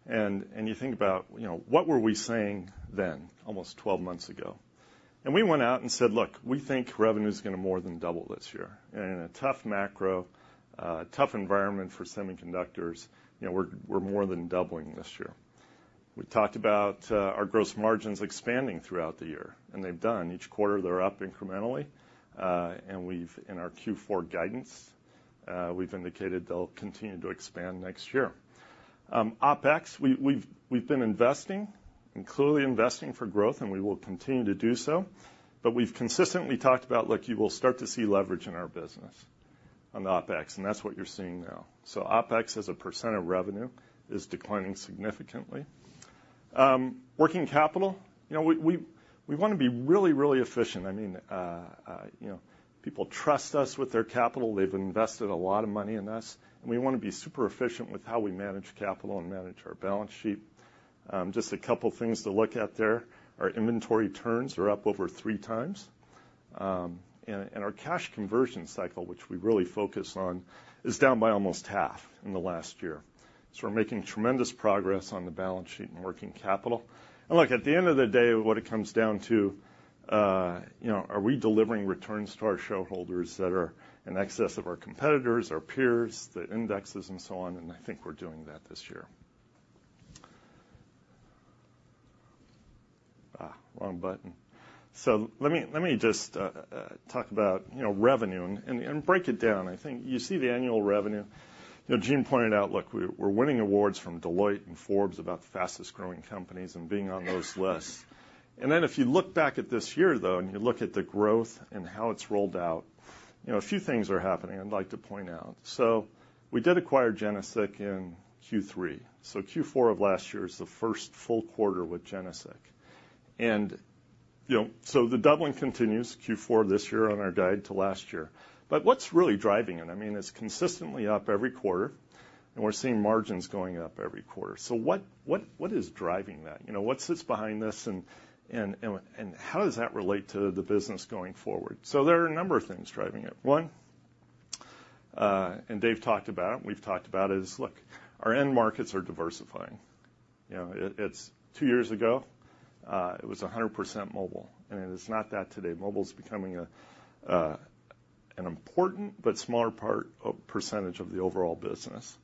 H: and you think about, you know, what were we saying then, almost 12 months ago? And we went out and said, "Look, we think revenue is gonna more than double this year." And in a tough macro, tough environment for semiconductors, you know, we're more than doubling this year. We talked about our gross margins expanding throughout the year, and they've done. Each quarter, they're up incrementally, and we've, in our Q4 guidance, we've indicated they'll continue to expand next year. OpEx, we've been investing and clearly investing for growth, and we will continue to do so, but we've consistently talked about, look, you will start to see leverage in our business on OpEx, and that's what you're seeing now. So OpEx, as a % of revenue, is declining significantly. Working capital, you know, we wanna be really, really efficient. I mean, you know, people trust us with their capital. They've invested a lot of money in us, and we wanna be super efficient with how we manage capital and manage our balance sheet. Just a couple things to look at there. Our inventory turns are up over 3x, and our cash conversion cycle, which we really focus on, is down by almost half in the last year. So we're making tremendous progress on the balance sheet and working capital. And look, at the end of the day, what it comes down to, you know, are we delivering returns to our shareholders that are in excess of our competitors, our peers, the indexes, and so on? I think we're doing that this year. So let me, let me just, talk about, you know, revenue and, and break it down. I think you see the annual revenue. You know, Gene pointed out, look, we're, we're winning awards from Deloitte and Forbes about the fastest-growing companies and being on those lists. And then if you look back at this year, though, and you look at the growth and how it's rolled out, you know, a few things are happening I'd like to point out. So we did acquire GeneSiC in Q3, so Q4 of last year is the Q1 with GeneSiC. And, you know, so the doubling continues, Q4 this year on our guide to last year. But what's really driving it? I mean, it's consistently up every quarter, and we're seeing margins going up every quarter. So what is driving that? You know, what sits behind this, and how does that relate to the business going forward? So there are a number of things driving it. One, and Dave talked about, we've talked about is, look, our end markets are diversifying. You know, it, it's two years ago, it was 100% mobile, and it is not that today. Mobile's becoming a, an important but smaller part of percentage of the overall business.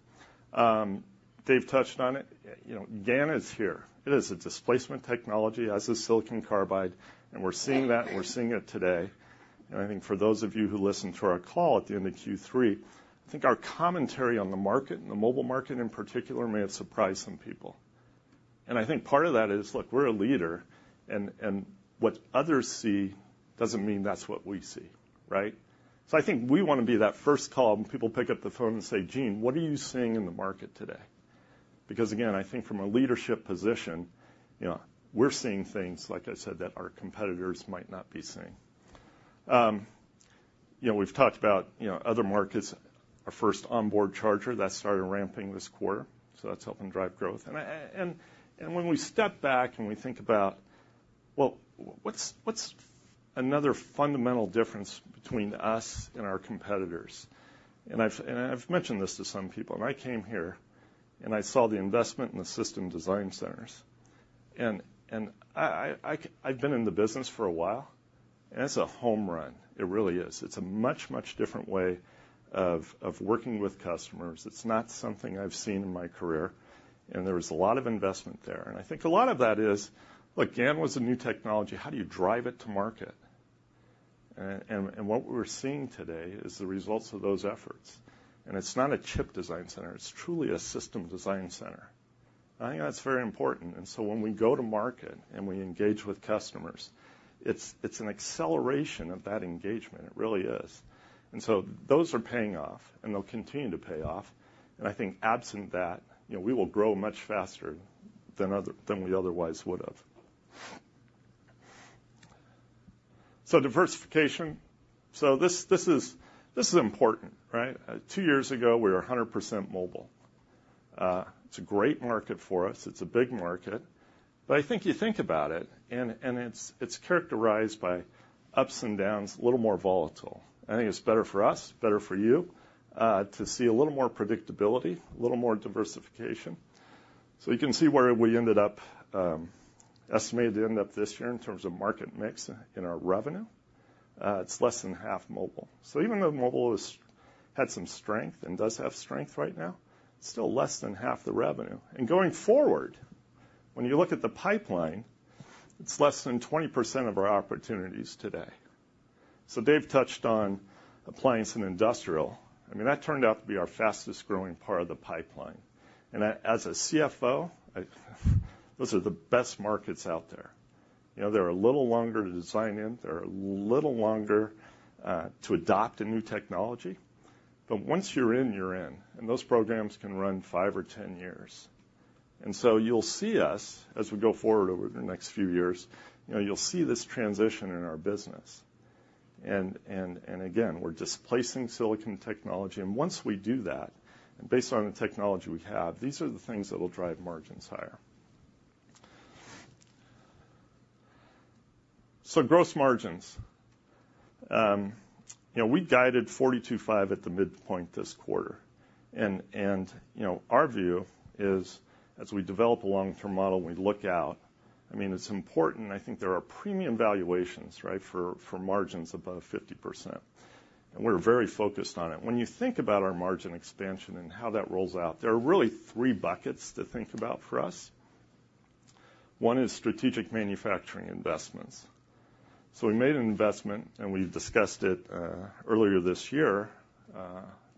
H: Dave touched on it. You know, GaN is here. It is a displacement technology, as is silicon carbide, and we're seeing that, and we're seeing it today. And I think for those of you who listened to our call at the end of Q3, I think our commentary on the market, and the mobile market in particular, may have surprised some people. I think part of that is, look, we're a leader, and, and what others see doesn't mean that's what we see, right? So I think we wanna be that first call when people pick up the phone and say, "Gene, what are you seeing in the market today?" Because, again, I think from a leadership position, you know, we're seeing things, like I said, that our competitors might not be seeing. You know, we've talked about, you know, other markets, our first onboard charger that started ramping this quarter, so that's helping drive growth. And when we step back, and we think about, well, what's, what's another fundamental difference between us and our competitors? And I've mentioned this to some people, and I came here, and I saw the investment in the system design centers, and I've been in the business for a while, and it's a home run. It really is. It's a much different way of working with customers. It's not something I've seen in my career, and there is a lot of investment there. I think a lot of that is, look, GaN was a new technology. How do you drive it to market? And what we're seeing today is the results of those efforts, and it's not a chip design center. It's truly a system design center. I think that's very important, and so when we go to market and we engage with customers, it's an acceleration of that engagement. It really is. And so those are paying off, and they'll continue to pay off, and I think absent that, you know, we will grow much faster than other, than we otherwise would've. So diversification. So this, this is, this is important, right? Two years ago, we were 100% mobile. It's a great market for us. It's a big market, but I think you think about it, and, and it's, it's characterized by ups and downs, a little more volatile. I think it's better for us, better for you, to see a little more predictability, a little more diversification. So you can see where we ended up, estimated to end up this year in terms of market mix in our revenue. It's less than half mobile. So even though mobile has had some strength and does have strength right now, it's still less than half the revenue. And going forward, when you look at the pipeline, it's less than 20% of our opportunities today. So Dave touched on appliance and industrial. I mean, that turned out to be our fastest-growing part of the pipeline. And as a CFO, those are the best markets out there. You know, they're a little longer to design in, they're a little longer to adopt a new technology, but once you're in, you're in, and those programs can run five or 10 years. And so you'll see us, as we go forward over the next few years, you know, you'll see this transition in our business. Again, we're displacing silicon technology, and once we do that, and based on the technology we have, these are the things that will drive margins higher. So gross margins. You know, we guided 42.5 at the midpoint this quarter, and you know, our view is as we develop a long-term model, and we look out, I mean, it's important, I think there are premium valuations, right, for, for margins above 50%, and we're very focused on it. When you think about our margin expansion and how that rolls out, there are really three buckets to think about for us. One is strategic manufacturing investments. So we made an investment, and we've discussed it, earlier this year,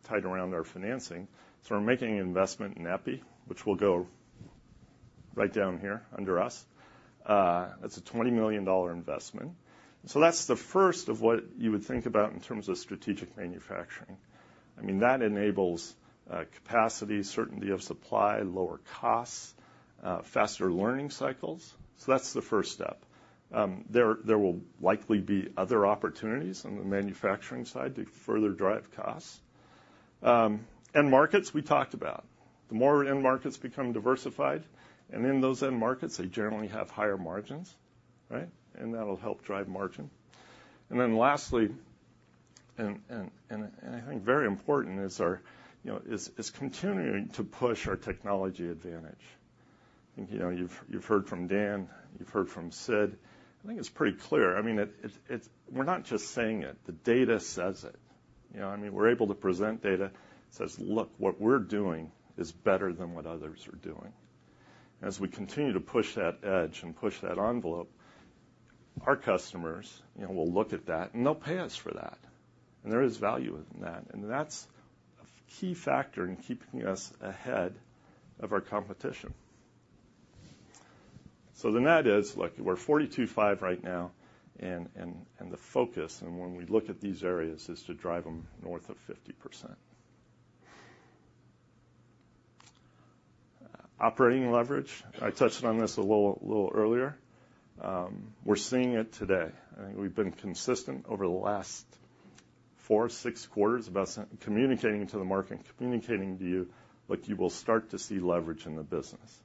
H: tied around our financing. So we're making an investment in epi, which will go right down here under us. It's a $20 million investment. So that's the first of what you would think about in terms of strategic manufacturing. I mean, that enables capacity, certainty of supply, lower costs, faster learning cycles. So that's the first step. There will likely be other opportunities on the manufacturing side to further drive costs. End markets, we talked about. The more end markets become diversified, and in those end markets, they generally have higher margins, right? And that'll help drive margin. And then lastly, I think very important is our, you know, continuing to push our technology advantage. I think, you know, you've heard from Dan, you've heard from Sid. I think it's pretty clear. I mean, it's. We're not just saying it, the data says it. You know, I mean, we're able to present data, says, "Look, what we're doing is better than what others are doing." As we continue to push that edge and push that envelope, our customers, you know, will look at that, and they'll pay us for that, and there is value in that, and that's a key factor in keeping us ahead of our competition. So the net is, look, we're 42.5% right now, and the focus, and when we look at these areas, is to drive them north of 50%. Operating leverage, I touched on this a little earlier. We're seeing it today. I think we've been consistent over the last four to six quarters about communicating to the market, communicating to you, like you will start to see leverage in the business,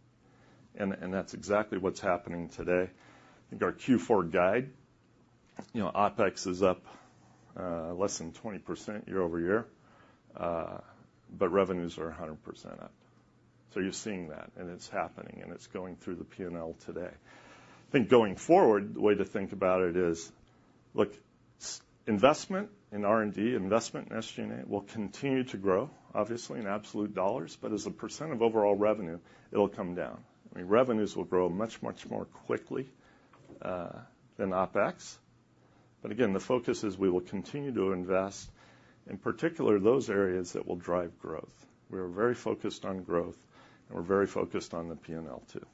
H: and that's exactly what's happening today. I think our Q4 guide, you know, OpEx is up less than 20% year-over-year, but revenues are 100% up. So you're seeing that, and it's happening, and it's going through the P&L today. I think going forward, the way to think about it is, look, investment in R&D, investment in SG&A will continue to grow, obviously, in absolute dollars, but as a percent of overall revenue, it'll come down. I mean, revenues will grow much, much more quickly than OpEx. But again, the focus is we will continue to invest, in particular, those areas that will drive growth. We are very focused on growth, and we're very focused on the P&L, too.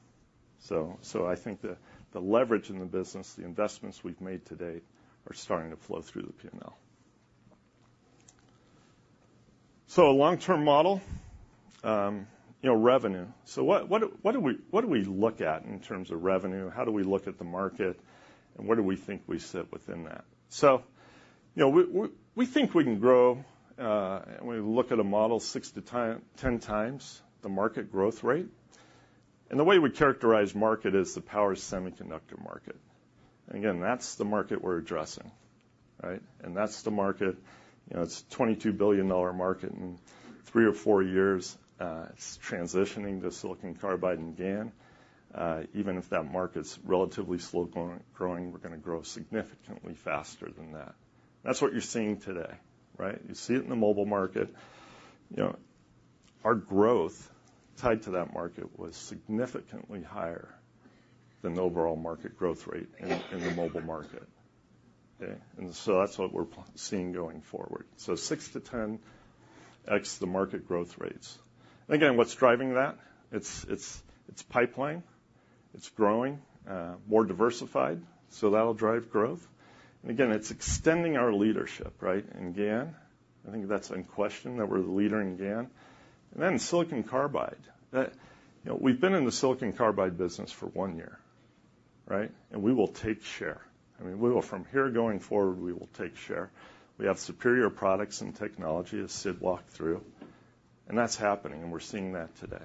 H: So I think the leverage in the business, the investments we've made today are starting to flow through the P&L. So a long-term model, you know, revenue. So what, what, what do we, what do we look at in terms of revenue? How do we look at the market, and where do we think we sit within that? So, you know, we, we, we think we can grow, when we look at a model 6x-10x the market growth rate. And the way we characterize market is the power semiconductor market. Again, that's the market we're addressing, right? And that's the market, you know, it's a $22 billion market. In three or four years, it's transitioning to silicon carbide and GaN. Even if that market's relatively slow growing, we're gonna grow significantly faster than that. That's what you're seeing today, right? You see it in the mobile market. You know, our growth tied to that market was significantly higher than the overall market growth rate in the mobile market, okay? And so that's what we're seeing going forward. So 6x-10x the market growth rates. And again, what's driving that? It's pipeline, it's growing, more diversified, so that'll drive growth. And again, it's extending our leadership, right, in GaN? I think that's in question, that we're the leader in GaN. And then silicon carbide. That, you know, we've been in the silicon carbide business for one year, right? And we will take share. I mean, we will from here going forward, we will take share. We have superior products and technology, as Sid walked through, and that's happening, and we're seeing that today.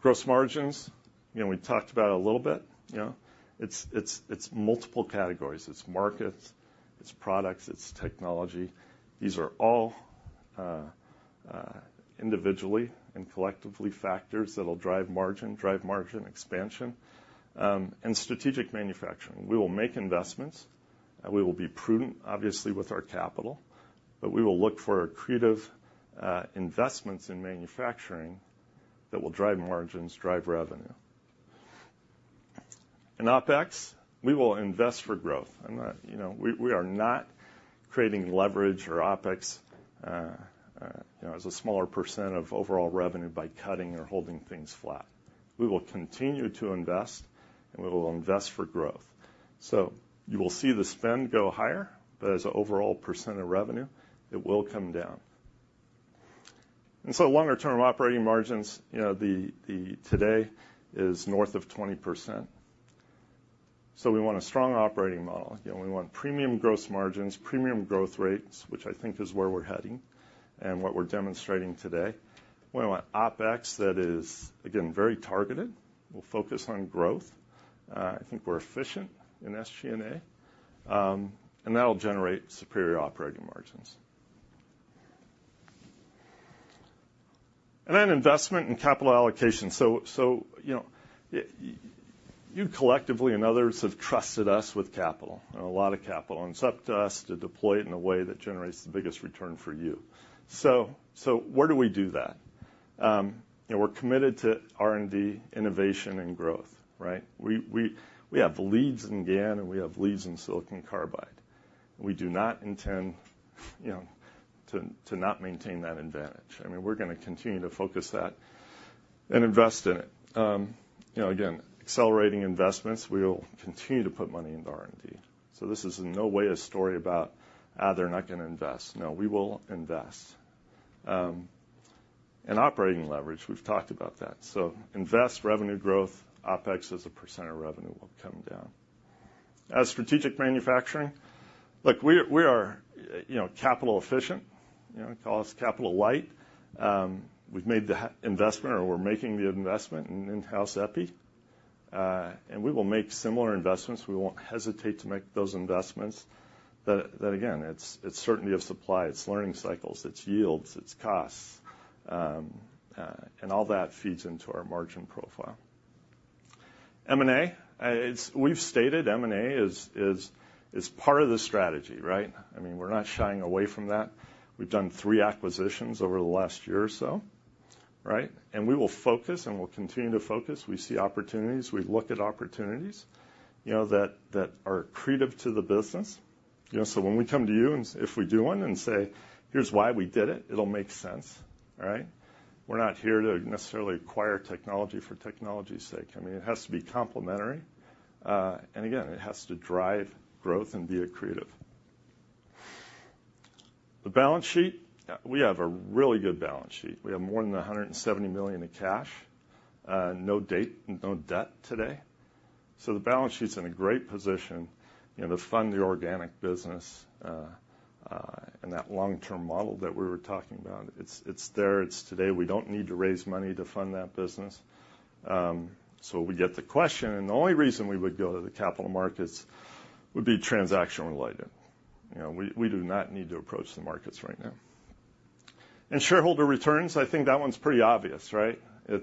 H: Gross margins, you know, we talked about it a little bit. You know, it's multiple categories: it's markets, it's products, it's technology. These are all individually and collectively factors that'll drive margin, drive margin expansion. And strategic manufacturing. We will make investments, and we will be prudent, obviously, with our capital, but we will look for accretive investments in manufacturing that will drive margins, drive revenue. In OpEx, we will invest for growth and not, you know... We are not creating leverage or OpEx, you know, as a smaller percent of overall revenue by cutting or holding things flat. We will continue to invest, and we will invest for growth. So you will see the spend go higher, but as a overall percent of revenue, it will come down. And so longer-term operating margins, you know, the today is north of 20%. So we want a strong operating model. You know, we want premium gross margins, premium growth rates, which I think is where we're heading and what we're demonstrating today. We want OpEx that is, again, very targeted. We'll focus on growth. I think we're efficient in SG&A, and that'll generate superior operating margins. And then investment and capital allocation. So, you know, you collectively and others have trusted us with capital and a lot of capital, and it's up to us to deploy it in a way that generates the biggest return for you. So, where do we do that? You know, we're committed to R&D, innovation, and growth, right? We have leads in GaN, and we have leads in silicon carbide. We do not intend to not maintain that advantage. I mean, we're gonna continue to focus that and invest in it. You know, again, accelerating investments, we will continue to put money into R&D. So this is in no way a story about, they're not gonna invest. No, we will invest. And operating leverage, we've talked about that. So invest, revenue growth, OpEx as a percent of revenue will come down. As strategic manufacturing, look, we are, you know, capital efficient. You know, call us capital light. We've made the investment, or we're making the investment in in-house epi, and we will make similar investments. We won't hesitate to make those investments. But that, again, it's certainty of supply, it's learning cycles, it's yields, it's costs. And all that feeds into our margin profile. M&A, it's we've stated M&A is part of the strategy, right? I mean, we're not shying away from that. We've done three acquisitions over the last year or so, right? We will focus, and we'll continue to focus. We see opportunities. We've looked at opportunities, you know, that are accretive to the business. You know, so when we come to you and if we do one and say, "Here's why we did it," it'll make sense, right? We're not here to necessarily acquire technology for technology's sake. I mean, it has to be complementary, and again, it has to drive growth and be accretive. The balance sheet, we have a really good balance sheet. We have more than $170 million in cash, no debt today. So the balance sheet's in a great position, you know, to fund the organic business, and that long-term model that we were talking about. It's there. It's today. We don't need to raise money to fund that business. So we get the question, and the only reason we would go to the capital markets would be transaction related. You know, we do not need to approach the markets right now. And shareholder returns, I think that one's pretty obvious, right? You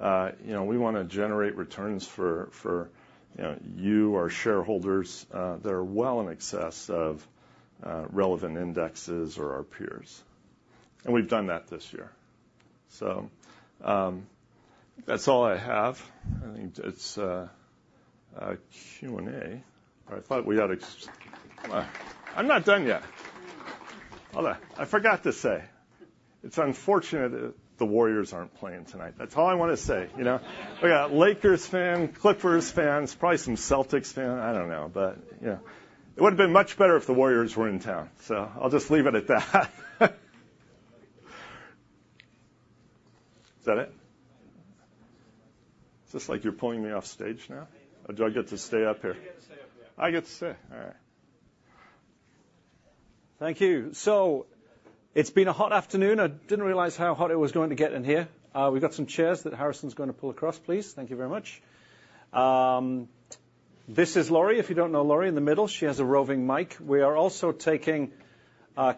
H: know, we wanna generate returns for you, our shareholders, that are well in excess of relevant indexes or our peers. And we've done that this year. So, that's all I have. I think it's Q&A, but I thought we had. Come on. I'm not done yet. Hold on. I forgot to say, it's unfortunate that the Warriors aren't playing tonight. That's all I want to say, you know? We got Lakers fans, Clippers fans, probably some Celtics fans. I don't know, but, you know, it would have been much better if the Warriors were in town, so I'll just leave it at that. Is that it? Is this like you're pulling me off stage now, or do I get to stay up here?
A: You get to stay up here.
H: I get to stay. All right.
A: Thank you. So it's been a hot afternoon. I didn't realize how hot it was going to get in here. We've got some chairs that Harrison's going to pull across, please. Thank you very much. This is Lori. If you don't know Lori in the middle, she has a roving mic. We are also taking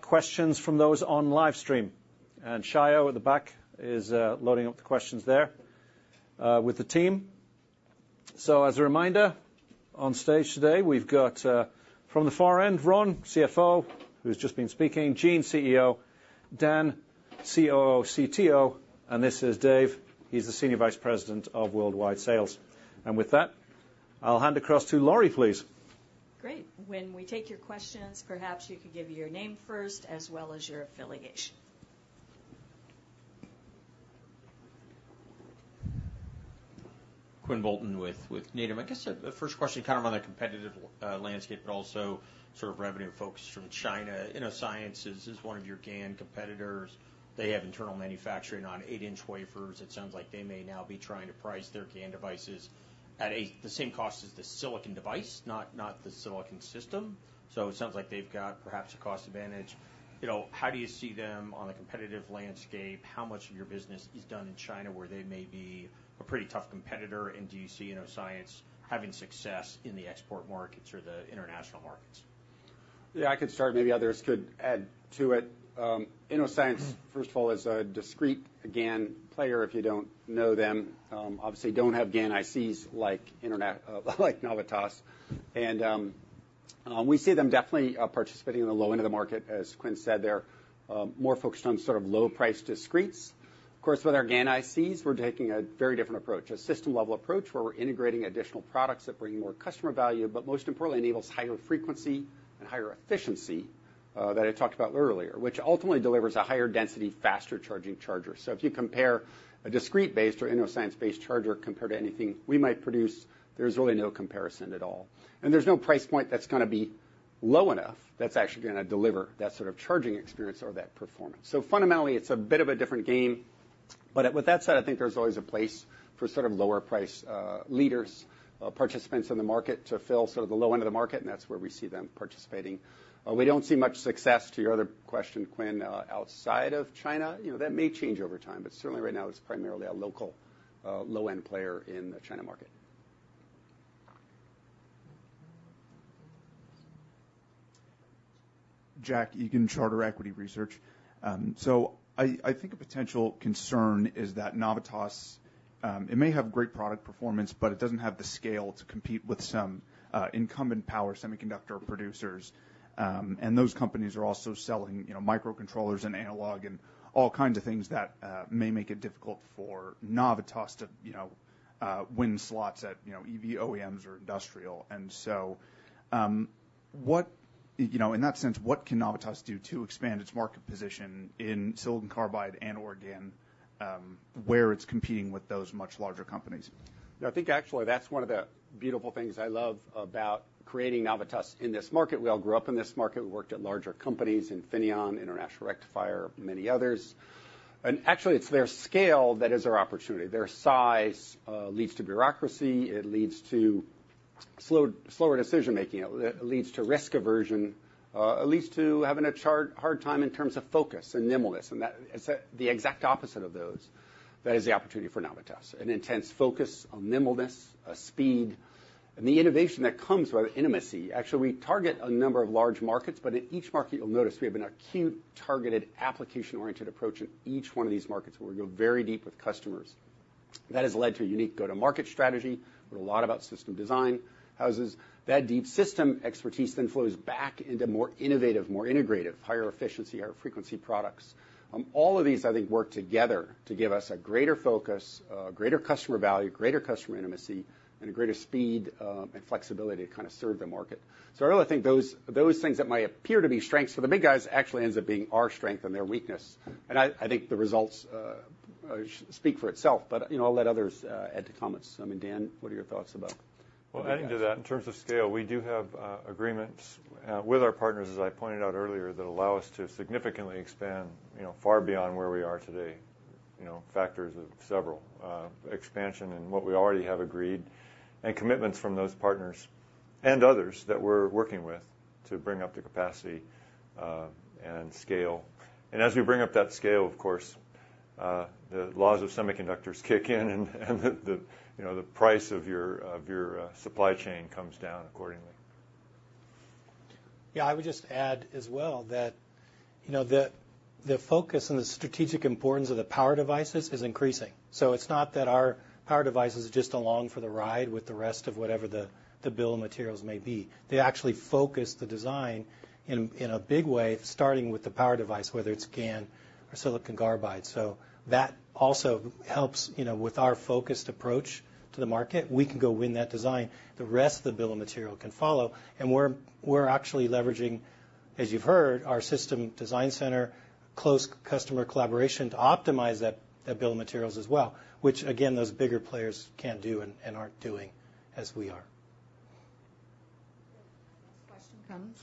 A: questions from those on live stream, and Shayo at the back is loading up the questions there with the team. So as a reminder, on stage today, we've got from the far end, Ron, CFO, who's just been speaking. Gene, CEO, Dan, COO, CTO, and this is Dave, he's the Senior Vice President of Worldwide Sales. And with that, I'll hand across to Lori, please.
I: Great. When we take your questions, perhaps you could give your name first, as well as your affiliation....
J: Quinn Bolton with Needham. I guess, the first question, kind of on the competitive landscape, but also sort of revenue focus from China. Innoscience is one of your GaN competitors. They have internal manufacturing on eight-inch wafers. It sounds like they may now be trying to price their GaN devices at the same cost as the silicon device, not the silicon system. So it sounds like they've got perhaps a cost advantage. You know, how do you see them on a competitive landscape? How much of your business is done in China, where they may be a pretty tough competitor? And do you see Innoscience having success in the export markets or the international markets?
B: Yeah, I could start. Maybe others could add to it. Innoscience, first of all, is a discrete GaN player, if you don't know them. Obviously, don't have GaN ICs like Navitas. And we see them definitely participating in the low end of the market. As Quinn said, they're more focused on sort of low-price discretes. Of course, with our GaN ICs, we're taking a very different approach, a system-level approach, where we're integrating additional products that bring more customer value, but most importantly, enables higher frequency and higher efficiency that I talked about earlier, which ultimately delivers a higher density, faster charging charger. So if you compare a discrete-based or Innoscience-based charger compared to anything we might produce, there's really no comparison at all. There's no price point that's gonna be low enough, that's actually gonna deliver that sort of charging experience or that performance. So fundamentally, it's a bit of a different game. But with that said, I think there's always a place for sort of lower price leaders, participants in the market to fill sort of the low end of the market, and that's where we see them participating. We don't see much success, to your other question, Quinn, outside of China. You know, that may change over time, but certainly right now it's primarily a local, low-end player in the China market.
K: Jack Egan, Charter Equity Research. So I, I think a potential concern is that Navitas, it may have great product performance, but it doesn't have the scale to compete with some, incumbent power semiconductor producers. And those companies are also selling, you know, microcontrollers and analog and all kinds of things that, may make it difficult for Navitas to, you know, win slots at, you know, EV OEMs or industrial. And so, what... You know, in that sense, what can Navitas do to expand its market position in silicon carbide and/or GaN, where it's competing with those much larger companies?
B: I think actually that's one of the beautiful things I love about creating Navitas in this market. We all grew up in this market. We worked at larger companies, Infineon, International Rectifier, many others. And actually, it's their scale that is our opportunity. Their size leads to bureaucracy. It leads to slow, slower decision-making. It leads to risk aversion. It leads to having a hard time in terms of focus and nimbleness. And that, it's the exact opposite of those, that is the opportunity for Navitas, an intense focus on nimbleness, speed, and the innovation that comes with intimacy. Actually, we target a number of large markets, but in each market, you'll notice we have an acute, targeted, application-oriented approach in each one of these markets, where we go very deep with customers. That has led to a unique go-to-market strategy, with a lot about system design houses. That deep system expertise then flows back into more innovative, more integrative, higher efficiency, higher frequency products. All of these, I think, work together to give us a greater focus, greater customer value, greater customer intimacy, and a greater speed, and flexibility to kind of serve the market. So I really think those, those things that might appear to be strengths for the big guys actually ends up being our strength and their weakness. And I, I think the results speak for itself. But, you know, I'll let others add to comments. I mean, Dan, what are your thoughts about-
C: Well, adding to that, in terms of scale, we do have agreements with our partners, as I pointed out earlier, that allow us to significantly expand, you know, far beyond where we are today. You know, factors of several expansion in what we already have agreed, and commitments from those partners and others that we're working with to bring up the capacity and scale. As we bring up that scale, of course, the laws of semiconductors kick in, and the, you know, the price of your supply chain comes down accordingly.
G: Yeah, I would just add as well that, you know, the focus on the strategic importance of the power devices is increasing. So it's not that our power device is just along for the ride with the rest of whatever the bill of materials may be. They actually focus the design in a big way, starting with the power device, whether it's GaN or silicon carbide. So that also helps, you know, with our focused approach to the market, we can go win that design. The rest of the bill of material can follow, and we're actually leveraging, as you've heard, our system design center, close customer collaboration, to optimize that bill of materials as well, which again, those bigger players can't do and aren't doing as we are.
I: Next question, come.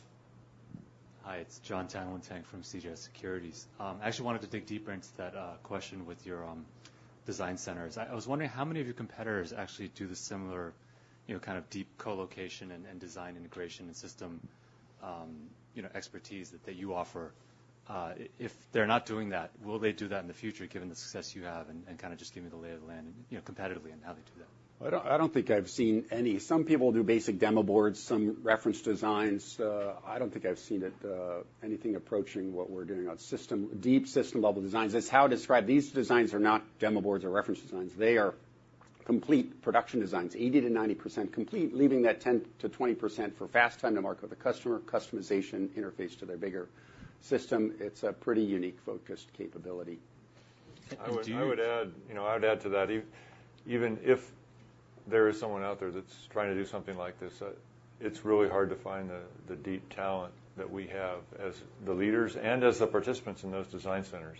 L: Hi, it's Jon Tanwanteng from CJS Securities. I actually wanted to dig deeper into that question with your design centers. I was wondering how many of your competitors actually do the similar, you know, kind of deep co-location and design integration and system, you know, expertise that you offer? If they're not doing that, will they do that in the future, given the success you have? And kind of just give me the lay of the land and, you know, competitively and how they do that.
B: I don't, I don't think I've seen any. Some people do basic demo boards, some reference designs. I don't think I've seen it, anything approaching what we're doing on system, deep system-level designs. That's how I describe... These designs are not demo boards or reference designs. They are complete production designs, 80%-90% complete, leaving that 10%-20% for fast time to market with the customer, customization, interface to their bigger system. It's a pretty unique, focused capability.
L: And do you-
C: I would, I would add, you know, I would add to that, even if there is someone out there that's trying to do something like this, it's really hard to find the, the deep talent that we have as the leaders and as the participants in those design centers.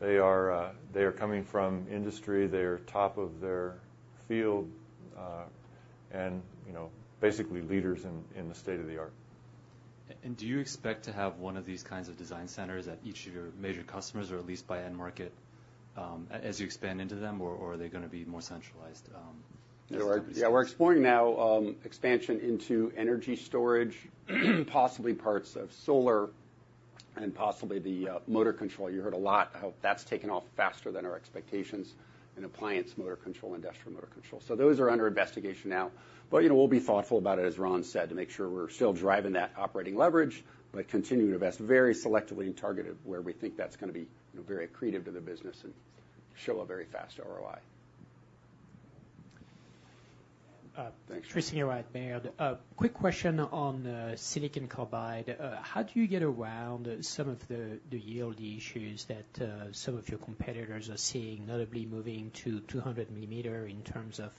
C: They are, they are coming from industry, they are top of their field, and, you know, basically leaders in, in the state-of-the-art....
L: And do you expect to have one of these kinds of design centers at each of your major customers, or at least by end market, as you expand into them, or, or are they going to be more centralized, as companies?
B: Yeah, we're exploring now expansion into energy storage, possibly parts of solar, and possibly the motor control. You heard a lot how that's taken off faster than our expectations in appliance motor control, industrial motor control. So those are under investigation now, but, you know, we'll be thoughtful about it, as Ron said, to make sure we're still driving that operating leverage, but continue to invest very selectively and targeted where we think that's going to be, you know, very accretive to the business and show a very fast ROI Thanks.
M: Tristan Yearout, Baird. Quick question on silicon carbide. How do you get around some of the, the yield issues that some of your competitors are seeing, notably moving to 200 millimeter in terms of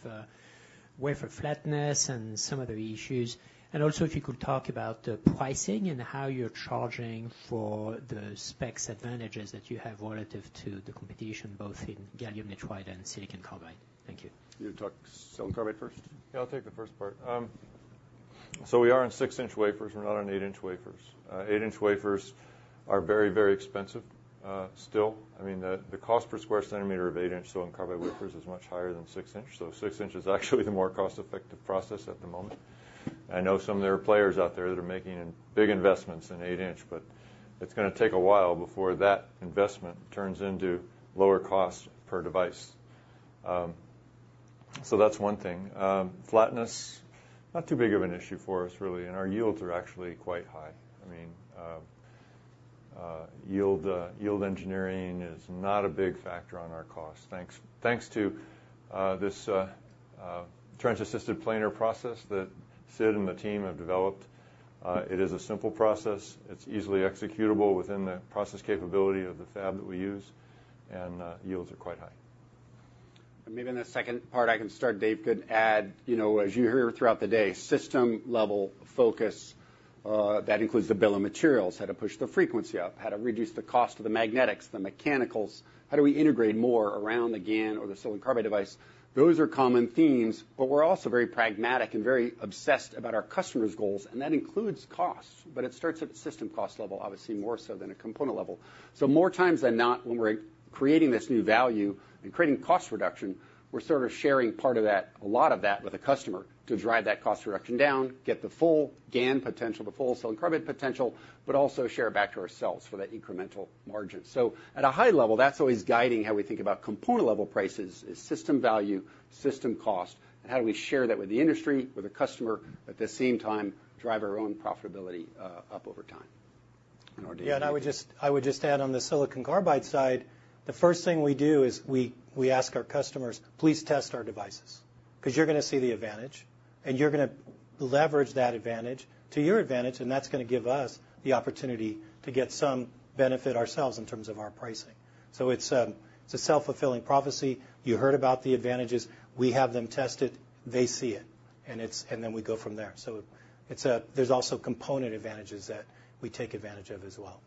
M: wafer flatness and some other issues? And also, if you could talk about the pricing and how you're charging for the specs advantages that you have relative to the competition, both in gallium nitride and silicon carbide. Thank you.
B: You talk silicon carbide first?
C: Yeah, I'll take the first part. So we are on 6-inch wafers. We're not on 8-inch wafers. 8-inch wafers are very, very expensive, still. I mean, the cost per square centimeter of 8-inch silicon carbide wafers is much higher than 6-inch. So 6-inch is actually the more cost-effective process at the moment. I know some of the players out there that are making big investments in 8-inch, but it's going to take a while before that investment turns into lower cost per device. So that's one thing. Flatness, not too big of an issue for us, really, and our yields are actually quite high. I mean, yield engineering is not a big factor on our cost, thanks to this trench-assisted planar process that Sid and the team have developed. It is a simple process. It's easily executable within the process capability of the fab that we use, and yields are quite high.
B: Maybe in the second part, I can start. Dave could add. You know, as you hear throughout the day, system-level focus that includes the bill of materials, how to push the frequency up, how to reduce the cost of the magnetics, the mechanicals, how do we integrate more around the GaN or the silicon carbide device? Those are common themes, but we're also very pragmatic and very obsessed about our customers' goals, and that includes costs, but it starts at the system cost level, obviously, more so than a component level. So more times than not, when we're creating this new value and creating cost reduction, we're sort of sharing part of that, a lot of that, with the customer to drive that cost reduction down, get the full GaN potential, the full silicon carbide potential, but also share back to ourselves for that incremental margin. So at a high level, that's always guiding how we think about component-level prices is system value, system cost, and how do we share that with the industry, with the customer, at the same time, drive our own profitability up over time in order to-
G: Yeah, and I would just add on the silicon carbide side, the first thing we do is we ask our customers, "Please test our devices, because you're going to see the advantage, and you're going to leverage that advantage to your advantage, and that's going to give us the opportunity to get some benefit ourselves in terms of our pricing." So it's, it's a self-fulfilling prophecy. You heard about the advantages. We have them test it, they see it, and it's, and then we go from there. So it's a, there's also component advantages that we take advantage of as well.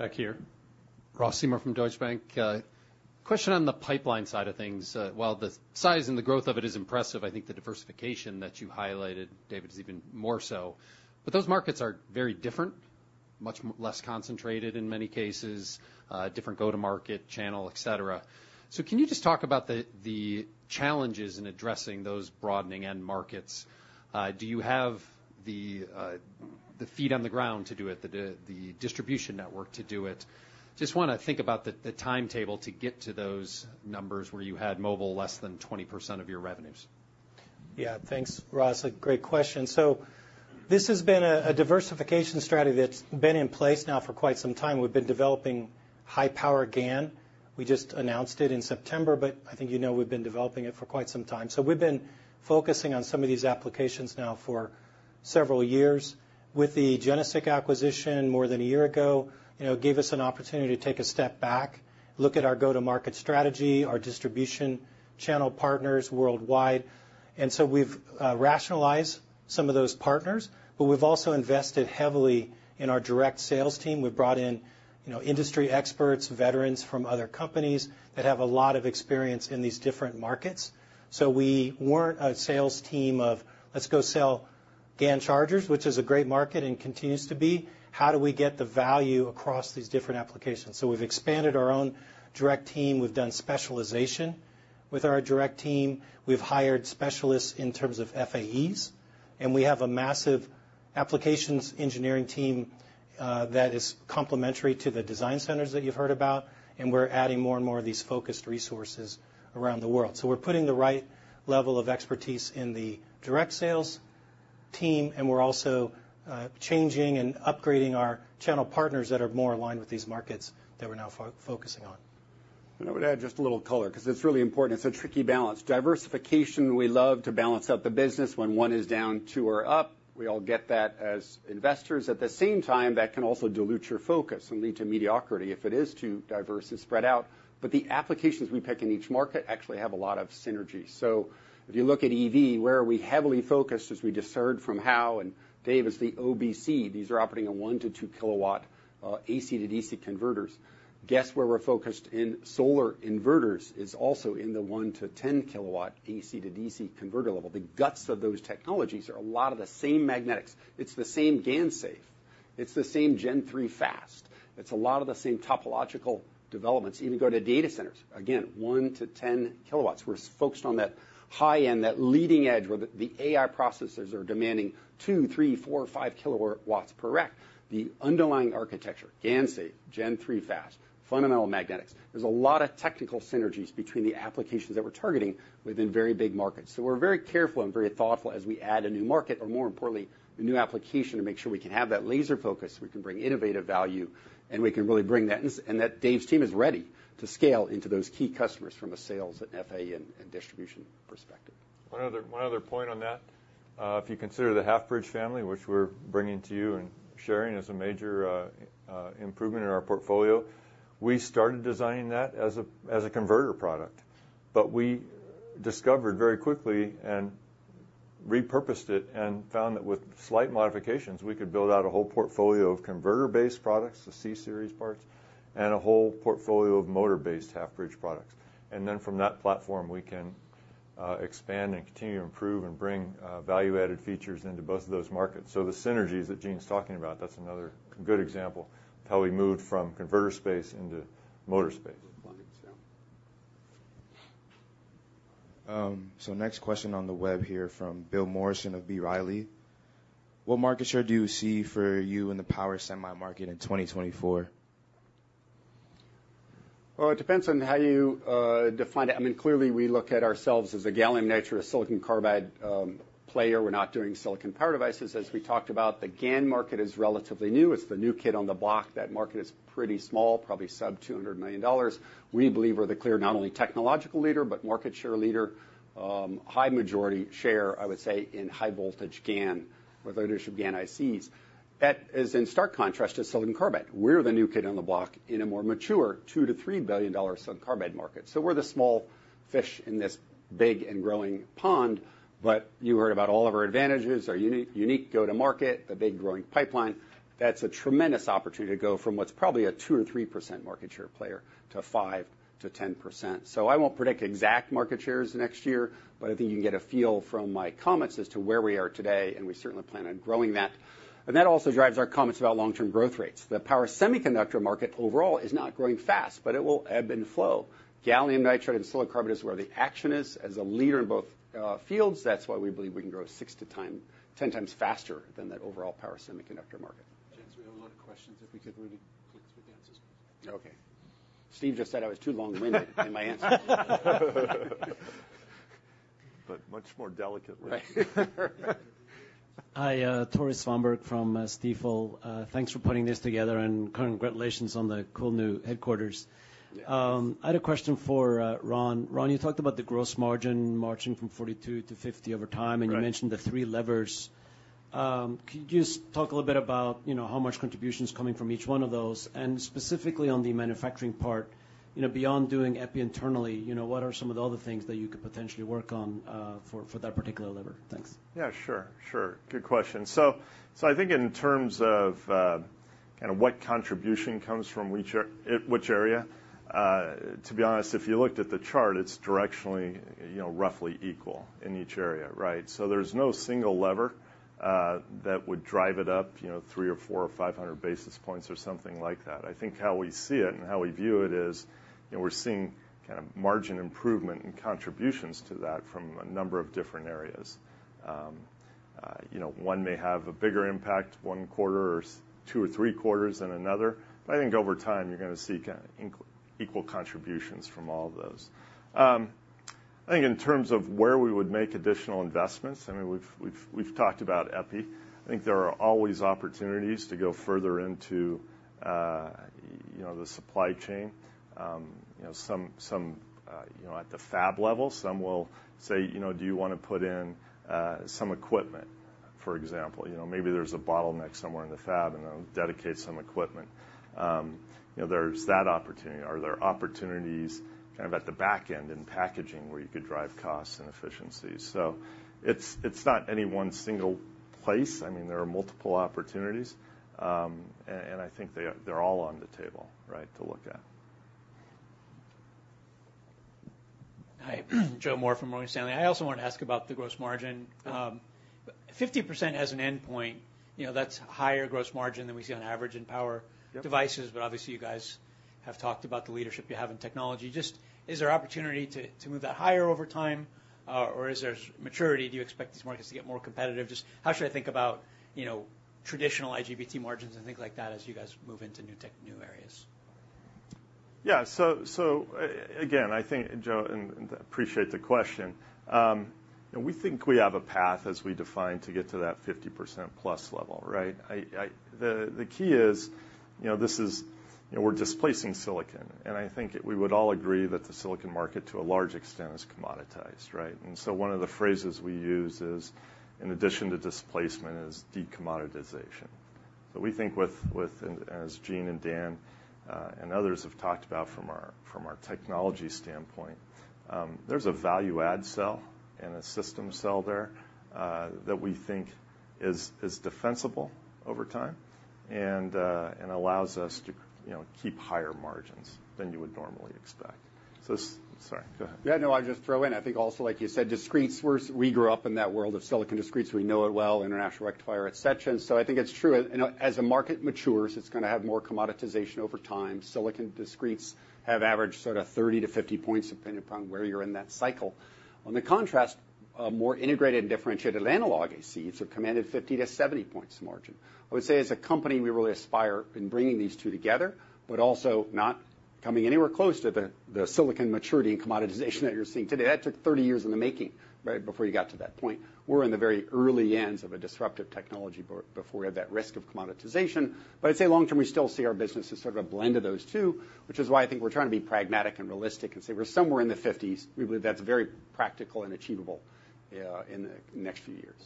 C: Yeah.
M: Back here.
N: Ross Seymore from Deutsche Bank. Question on the pipeline side of things. While the size and the growth of it is impressive, I think the diversification that you highlighted, David, is even more so. But those markets are very different, much less concentrated in many cases, different go-to-market channel, et cetera. So can you just talk about the challenges in addressing those broadening end markets? Do you have the feet on the ground to do it, the distribution network to do it? Just want to think about the timetable to get to those numbers, where you had mobile less than 20% of your revenues.
G: Yeah. Thanks, Ross. A great question. So this has been a diversification strategy that's been in place now for quite some time. We've been developing high-power GaN. We just announced it in September, but I think you know we've been developing it for quite some time. So we've been focusing on some of these applications now for several years. With the GeneSiC acquisition more than a year ago, you know, gave us an opportunity to take a step back, look at our go-to-market strategy, our distribution channel partners worldwide. And so we've rationalized some of those partners, but we've also invested heavily in our direct sales team. We've brought in, you know, industry experts, veterans from other companies that have a lot of experience in these different markets. So we weren't a sales team of, "Let's go sell GaN chargers," which is a great market and continues to be. How do we get the value across these different applications? So we've expanded our own direct team. We've done specialization with our direct team. We've hired specialists in terms of FAEs, and we have a massive applications engineering team that is complementary to the design centers that you've heard about, and we're adding more and more of these focused resources around the world. So we're putting the right level of expertise in the direct sales team, and we're also changing and upgrading our channel partners that are more aligned with these markets that we're now focusing on.
B: I would add just a little color, because it's really important. It's a tricky balance. Diversification, we love to balance out the business. When one is down, two are up. We all get that as investors. At the same time, that can also dilute your focus and lead to mediocrity if it is too diverse and spread out. But the applications we pick in each market actually have a lot of synergy. So if you look at EV, where we are heavily focused, as we just heard from Hao and Dave, is the OBC. These are operating on 1-2 kW AC to DC converters. Guess where we're focused in solar inverters? It's also in the 1-10 kW AC to DC converter level. The guts of those technologies are a lot of the same magnetics. It's the same GaNSafe. It's the same Gen-3 Fast. It's a lot of the same topological developments, even go to data centers. Again, 1 kW-10 kW. We're focused on that high end, that leading edge, where the AI processors are demanding 2 kW, 3 kW, 4 kW, 5 kW per rack. The underlying architecture, GaNSafe, Gen-3 Fast, fundamental magnetics. There's a lot of technical synergies between the applications that we're targeting within very big markets. So we're very careful and very thoughtful as we add a new market, or more importantly, a new application, to make sure we can have that laser focus, we can bring innovative value, and we can really bring that, and that Dave's team is ready to scale into those key customers from a sales and FA and distribution perspective.
C: One other, one other point on that, if you consider the half-bridge family, which we're bringing to you and sharing as a major improvement in our portfolio, we started designing that as a, as a converter product. But we discovered very quickly and repurposed it, and found that with slight modifications, we could build out a whole portfolio of converter-based products, the C-series parts, and a whole portfolio of motor-based half-bridge products. And then from that platform, we can expand and continue to improve and bring value-added features into both of those markets. So the synergies that Gene's talking about, that's another good example of how we moved from converter space into motor space.
B: Right. Yeah.
A: Next question on the web here from Bill Morrison of B. Riley. What market share do you see for you in the power semi market in 2024?
B: Well, it depends on how you define it. I mean, clearly, we look at ourselves as a gallium nitride, silicon carbide player. We're not doing silicon power devices. As we talked about, the GaN market is relatively new. It's the new kid on the block. That market is pretty small, probably sub $200 million. We believe we're the clear, not only technological leader, but market share leader, high majority share, I would say, in high voltage GaN, with leadership GaN ICs. That is in stark contrast to silicon carbide. We're the new kid on the block in a more mature, $2 billion-$3 billion silicon carbide market. So we're the small fish in this big and growing pond, but you heard about all of our advantages, our unique, unique go-to-market, the big growing pipeline. That's a tremendous opportunity to go from what's probably a 2%-3% market share player to 5%-10%. So I won't predict exact market shares next year, but I think you can get a feel from my comments as to where we are today, and we certainly plan on growing that. And that also drives our comments about long-term growth rates. The power semiconductor market overall is not growing fast, but it will ebb and flow. Gallium nitride and silicon carbide is where the action is, as a leader in both fields, that's why we believe we can grow 6x-10x faster than that overall power semiconductor market.
A: Gents, we have a lot of questions, if we could really quick with the answers.
B: Okay. Steve just said I was too long-winded in my answer.
H: But much more delicately.
B: Right.
O: Hi, Tore Svanberg from Stifel. Thanks for putting this together, and congratulations on the cool new headquarters.
B: Yes.
O: I had a question for Ron. Ron, you talked about the gross margin marching from 42%-50% over time-
H: Right.
O: -and you mentioned the three levers. Could you just talk a little bit about, you know, how much contribution is coming from each one of those? And specifically, on the manufacturing part, you know, beyond doing epi internally, you know, what are some of the other things that you could potentially work on, for that particular lever? Thanks.
H: Yeah, sure, sure. Good question. So, I think in terms of kind of what contribution comes from which area, to be honest, if you looked at the chart, it's directionally, you know, roughly equal in each area, right? So there's no single lever that would drive it up, you know, 300 or 400 or 500 basis points or something like that. I think how we see it and how we view it is, you know, we're seeing kind of margin improvement and contributions to that from a number of different areas. You know, one may have a bigger impact, 1/4 or 2/4 or 3/4 than another, but I think over time, you're gonna see kind of equal contributions from all of those. I think in terms of where we would make additional investments, I mean, we've talked about epi. I think there are always opportunities to go further into, you know, the supply chain. You know, some, you know, at the fab level, some will say, you know, "Do you want to put in, some equipment?" For example, you know, maybe there's a bottleneck somewhere in the fab, and they'll dedicate some equipment. You know, there's that opportunity, or there are opportunities kind of at the back end in packaging, where you could drive costs and efficiencies. So it's not any one single place. I mean, there are multiple opportunities, and I think they are - they're all on the table, right, to look at.
P: Hi, Joe Moore from Morgan Stanley. I also want to ask about the gross margin.
H: Yeah.
P: 50% as an endpoint, you know, that's higher gross margin than we see on average in power-
H: Yep
P: devices, but obviously, you guys have talked about the leadership you have in technology. Just, is there opportunity to, to move that higher over time, or is there maturity? Do you expect these markets to get more competitive? Just how should I think about, you know, traditional IGBT margins and things like that as you guys move into new tech, new areas?
H: Yeah. So, so, again, I think, Joe, and appreciate the question. You know, we think we have a path as we define, to get to that 50%+ level, right? The key is, you know, this is, you know, we're displacing silicon, and I think we would all agree that the silicon market, to a large extent, is commoditized, right? And so one of the phrases we use is, in addition to displacement, is decommoditization. So we think and as Gene and Dan and others have talked about from our technology standpoint, there's a value add sell and a system sell there, that we think is defensible over time, and allows us to, you know, keep higher margins than you would normally expect. So, sorry, go ahead.
B: Yeah, no, I'll just throw in. I think also, like you said, discretes, we're—we grew up in that world of silicon discretes. We know it well, International Rectifier, et cetera. So I think it's true. And as the market matures, it's gonna have more commoditization over time. Silicon discretes have averaged sort of 30-50 points, depending upon where you're in that cycle. On the contrast, more integrated and differentiated analog ICs have commanded 50-70 points margin. I would say, as a company, we really aspire in bringing these two together, but also not coming anywhere close to the silicon maturity and commoditization that you're seeing today. That took 30 years in the making, right, before you got to that point. We're in the very early ends of a disruptive technology before we have that risk of commoditization. But I'd say long term, we still see our business as sort of a blend of those two, which is why I think we're trying to be pragmatic and realistic and say we're somewhere in the fifties. We believe that's very practical and achievable, in the next few years.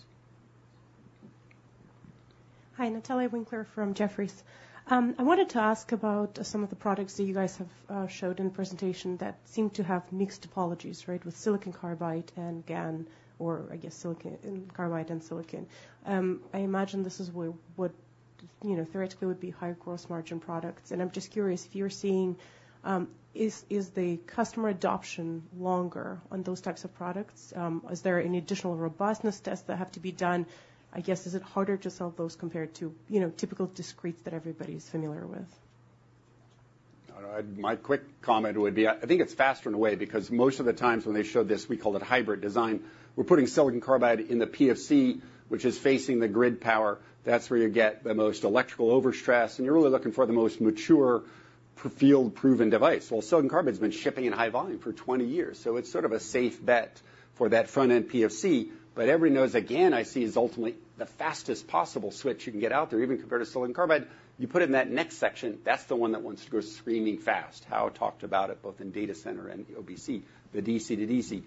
Q: Hi, Natalia Winkler from Jefferies. I wanted to ask about some of the products that you guys have showed in the presentation that seem to have mixed topologies, right, with silicon carbide and GaN, or I guess silicon carbide and silicon. I imagine this is where what, you know, theoretically would be higher gross margin products. I'm just curious if you're seeing is the customer adoption longer on those types of products? Is there any additional robustness tests that have to be done? I guess, is it harder to sell those compared to, you know, typical discretes that everybody is familiar with?
E: My quick comment would be, I think it's faster in a way, because most of the times when they show this, we call it hybrid design. We're putting silicon carbide in the PFC, which is facing the grid power. That's where you get the most electrical overstress, and you're really looking for the most mature, field-proven device. Well, silicon carbide's been shipping in high volume for 20 years, so it's sort of a safe bet for that front-end PFC. But everybody knows a GaN IC, is ultimately the fastest possible switch you can get out there, even compared to silicon carbide. You put it in that next section, that's the one that wants to go screaming fast. Hao talked about it both in data center and OBC, the DC-DC.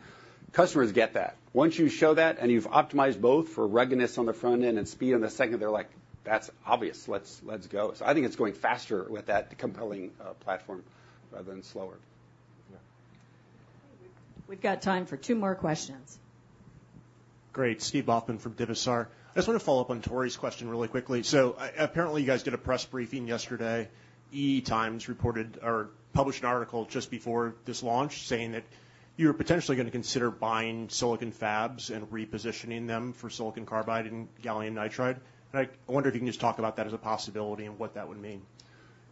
E: Customers get that.
B: Once you show that, and you've optimized both for ruggedness on the front end and speed on the second, they're like, "That's obvious. Let's, let's go." So I think it's going faster with that compelling platform, rather than slower.
H: Yeah.
I: We've got time for two more questions.
R: Great, Steve Baughman from Divisar. I just want to follow up on Tore's question really quickly. So apparently, you guys did a press briefing yesterday. EE Times reported or published an article just before this launch saying that you were potentially going to consider buying silicon fabs and repositioning them for silicon carbide and gallium nitride. And I wonder if you can just talk about that as a possibility and what that would mean.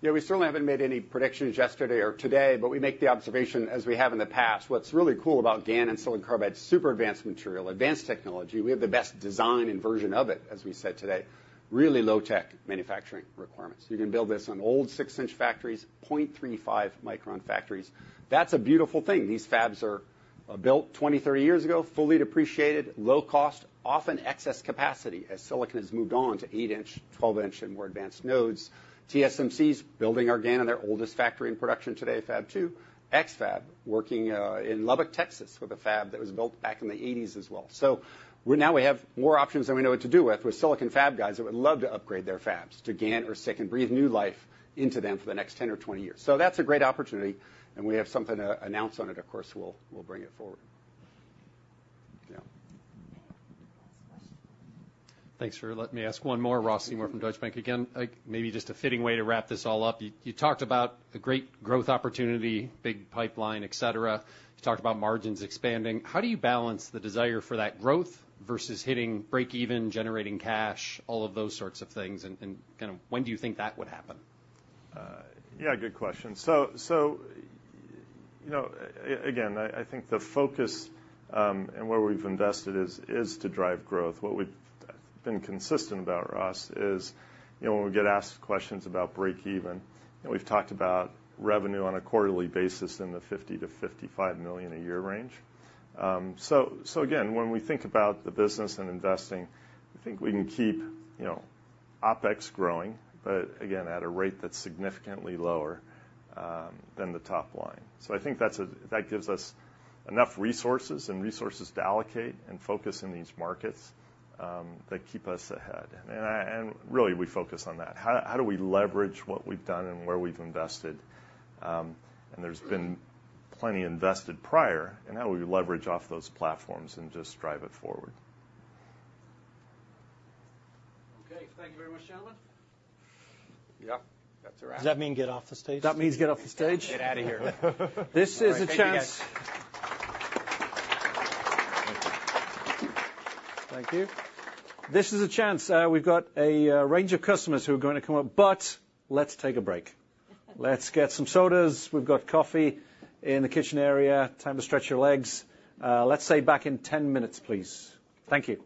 B: Yeah, we certainly haven't made any predictions yesterday or today, but we make the observation as we have in the past. What's really cool about GaN and silicon carbide, super advanced material, advanced technology. We have the best design and version of it, as we said today, really low-tech manufacturing requirements. You can build this on old 6-inch factories, 0.35 micron factories. That's a beautiful thing. These fabs are built 20, 30 years ago, fully depreciated, low cost, often excess capacity, as silicon has moved on to 8-inch, 12-inch and more advanced nodes. TSMC's building our GaN in their oldest factory in production today, Fab 2. X-FAB, working in Lubbock, Texas, with a fab that was built back in the 1980s as well. So now we have more options than we know what to do with, with silicon fab guys that would love to upgrade their fabs to GaN or SiC and breathe new life into them for the next 10 or 20 years. So that's a great opportunity, and we have something to announce on it, of course, we'll bring it forward. Yeah.
I: Last question.
N: Thanks for letting me ask one more. Ross Seymore from Deutsche Bank again. Maybe just a fitting way to wrap this all up. You, you talked about the great growth opportunity, big pipeline, et cetera. You talked about margins expanding. How do you balance the desire for that growth versus hitting breakeven, generating cash, all of those sorts of things? And kind of when do you think that would happen?
H: Yeah, good question. So, you know, again, I think the focus and where we've invested is to drive growth. What we've been consistent about, Ross, is, you know, when we get asked questions about breakeven, and we've talked about revenue on a quarterly basis in the $50 million-$55 million a year range. So again, when we think about the business and investing, I think we can keep, you know, OpEx growing, but again, at a rate that's significantly lower than the top line. So I think that gives us enough resources to allocate and focus in these markets that keep us ahead. And really, we focus on that. How do we leverage what we've done and where we've invested? There's been plenty invested prior, and how we leverage off those platforms and just drive it forward.
A: Okay. Thank you very much, gentlemen.
H: Yeah, that's a wrap.
G: Does that mean get off the stage?
A: That means get off the stage.
B: Get out of here.
A: This is a chance. Thank you. This is a chance, we've got a range of customers who are going to come up, but let's take a break. Let's get some sodas. We've got coffee in the kitchen area. Time to stretch your legs. Let's say back in 10 minutes, please. Thank you.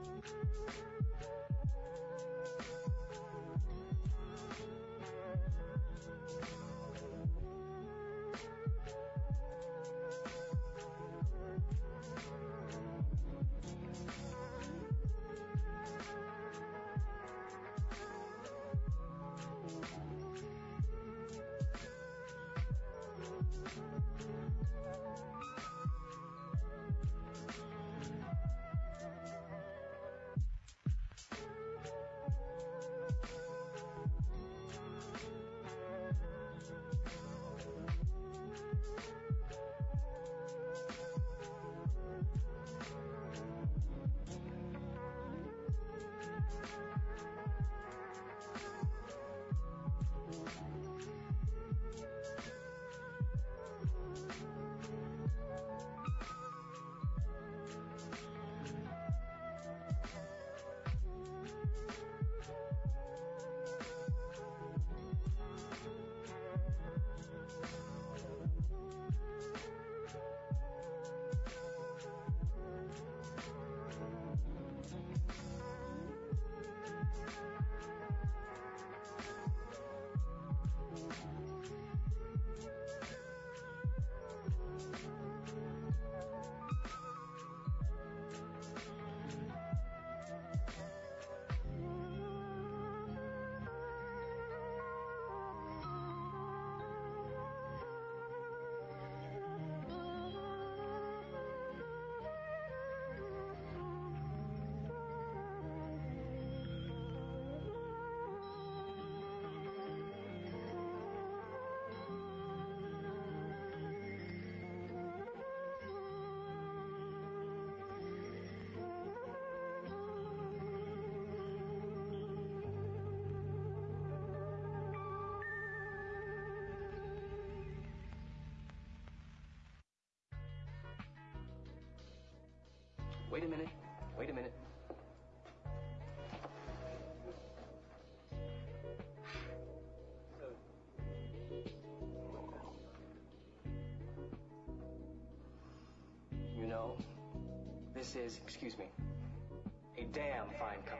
B: Wait a minute! Wait a minute. You know, this is, excuse me, a damn fine cup of coffee.
A: Yeah, he's trying. Oh.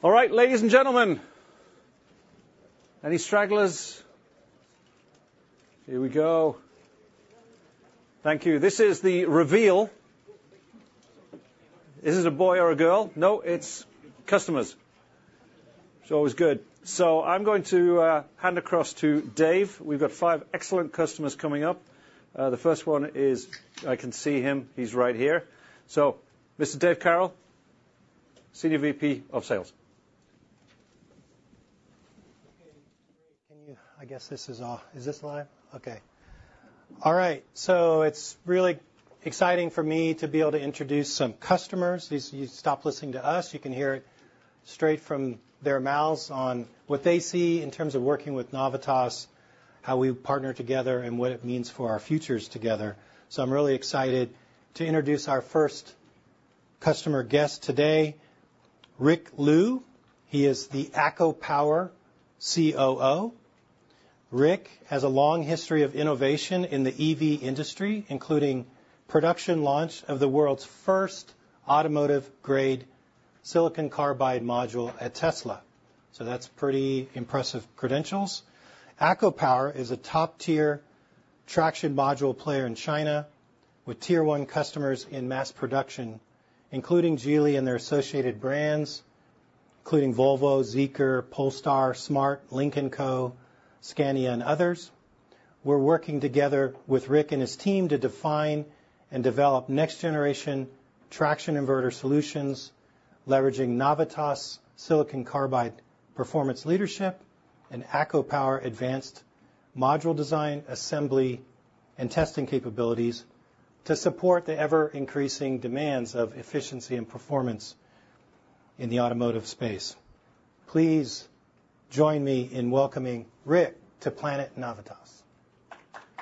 A: All right, ladies and gentlemen, any stragglers? Here we go. Thank you. This is the reveal. Is it a boy or a girl? No, it's customers. It's always good. So I'm going to hand across to Dave. We've got five excellent customers coming up. The first one is... I can see him. He's right here. So this is Dave Carroll, Senior VP of Sales.
G: Okay, can you—I guess this is off. Is this live? Okay. All right, so it's really exciting for me to be able to introduce some customers. These... You stop listening to us, you can hear it straight from their mouths on what they see in terms of working with Navitas, how we partner together, and what it means for our futures together. So I'm really excited to introduce our first customer guest today, Rick Lu. He is the ACOPower COO. Rick has a long history of innovation in the EV industry, including production launch of the world's first automotive grade silicon carbide module at Tesla. So that's pretty impressive credentials. ACOPower is a top-tier traction module player in China, with tier one customers in mass production, including Geely and their associated brands, including Volvo, Zeekr, Polestar, Smart, Lynk & Co, Scania, and others. We're working together with Rick and his team to define and develop next generation traction inverter solutions, leveraging Navitas' silicon carbide performance leadership and ACOPower advanced module design, assembly, and testing capabilities to support the ever-increasing demands of efficiency and performance in the automotive space. Please join me in welcoming Rick to Planet Navitas....
S: One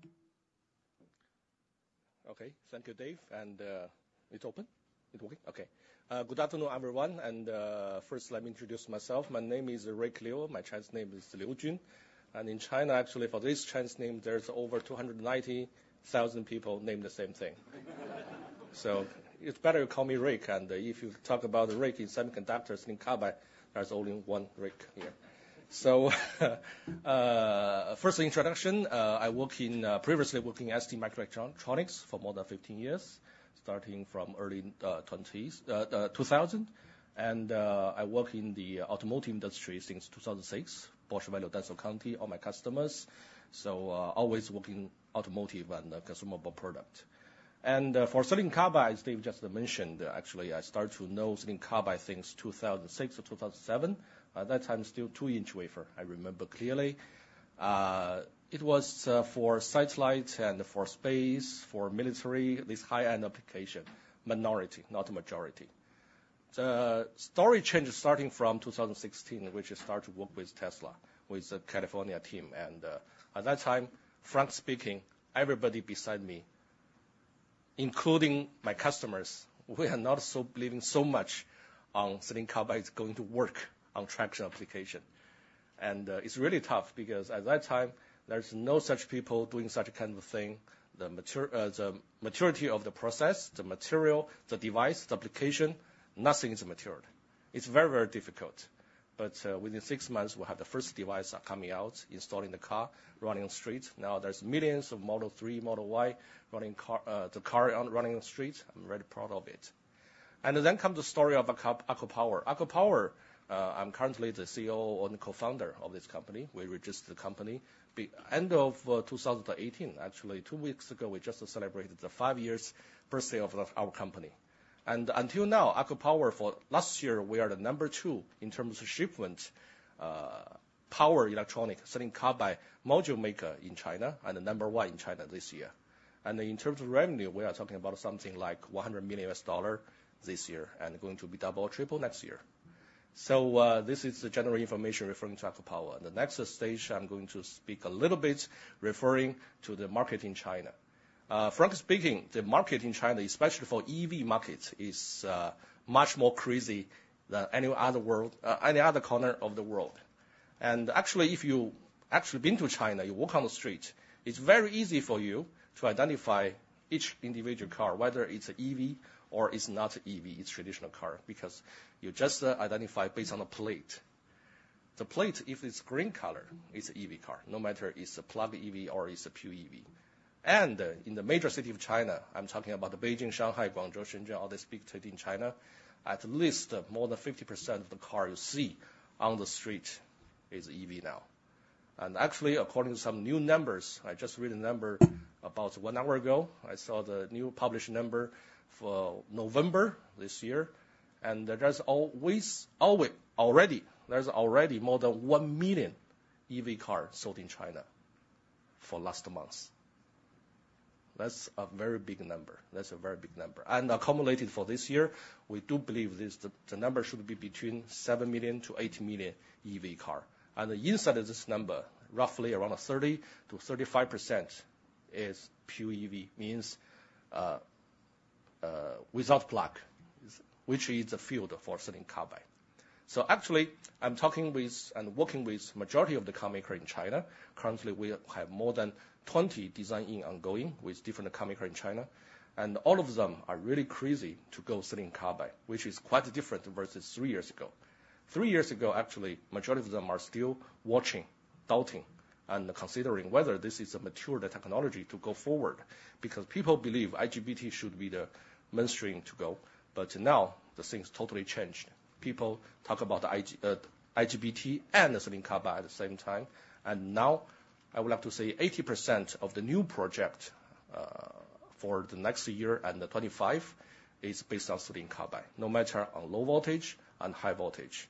S: click, sorry. Okay, thank you, Dave. And, it's open? It working? Okay. Good afternoon, everyone, and, first, let me introduce myself. My name is, Rick Lu. My Chinese name is Liu Jun, and in China, actually, for this Chinese name, there's over 290,000 people named the same thing. So it's better you call me Rick, and if you talk about the Rick in semiconductors, in carbide, there's only one Rick here. So, first introduction, I work in, previously worked in STMicroelectronics for more than 15 years, starting from early 20s, 2000. And, I work in the automotive industry since 2006, Bosch, Valeo, Denso, Conti, all my customers, so, always working automotive and consumable product. For silicon carbide, as Dave just mentioned, actually, I started to know silicon carbide since 2006 or 2007. At that time, still 2-inch wafer, I remember clearly. It was for satellite and for space, for military, this high-end application. Minority, not majority. The story changes starting from 2016, which I started to work with Tesla, with the California team. And, at that time, frank speaking, everybody beside me, including my customers, we are not so believing so much on silicon carbide is going to work on traction application. And, it's really tough because at that time, there's no such people doing such a kind of thing. The maturity of the process, the material, the device, the application, nothing is matured. It's very, very difficult. But within six months, we have the first device coming out, installing the car, running on street. Now, there's millions of Model 3, Model Y, running car, the car running on the street. I'm very proud of it. And then come the story of ACOpower. ACOpower, I'm currently the CEO and co-founder of this company. We registered the company the end of 2018. Actually, two weeks ago, we just celebrated the five years birthday of our company. And until now, ACOpower for last year, we are the number two in terms of shipment, power electronic silicon carbide module maker in China and the number one in China this year. And in terms of revenue, we are talking about something like $100 million this year, and going to be double or triple next year. So, this is the general information referring to ACOpower. The next stage, I'm going to speak a little bit referring to the market in China. Frank speaking, the market in China, especially for EV market, is, much more crazy than any other world, any other corner of the world. And actually, if you actually been to China, you walk on the street, it's very easy for you to identify each individual car, whether it's an EV or it's not an EV, it's traditional car, because you just, identify based on the plate. The plate, if it's green color, it's an EV car, no matter it's a plug EV or it's a pure EV. And in the major city of China, I'm talking about Beijing, Shanghai, Guangzhou, Shenzhen, all these big city in China, at least more than 50% of the car you see on the street is EV now. And actually, according to some new numbers, I just read a number about one hour ago, I saw the new published number for November this year, and there's already more than 1 million EV cars sold in China for last month. That's a very big number. That's a very big number. And accumulated for this year, we do believe this, the number should be between 7 million-80 million EV car. And inside of this number, roughly around 30%-35% is pure EV, means without plug, is which is the field for silicon carbide. So actually, I'm talking with and working with majority of the car maker in China. Currently, we have more than 20 designing ongoing with different car maker in China, and all of them are really crazy to go silicon carbide, which is quite different versus three years ago. Three years ago, actually, majority of them are still watching, doubting, and considering whether this is a mature technology to go forward, because people believe IGBT should be the mainstream to go. But now, the things totally changed. People talk about IGBT and the silicon carbide at the same time. And now, I would have to say 80% of the new project for the next year and 2025 is based on silicon carbide, no matter on low voltage and high voltage.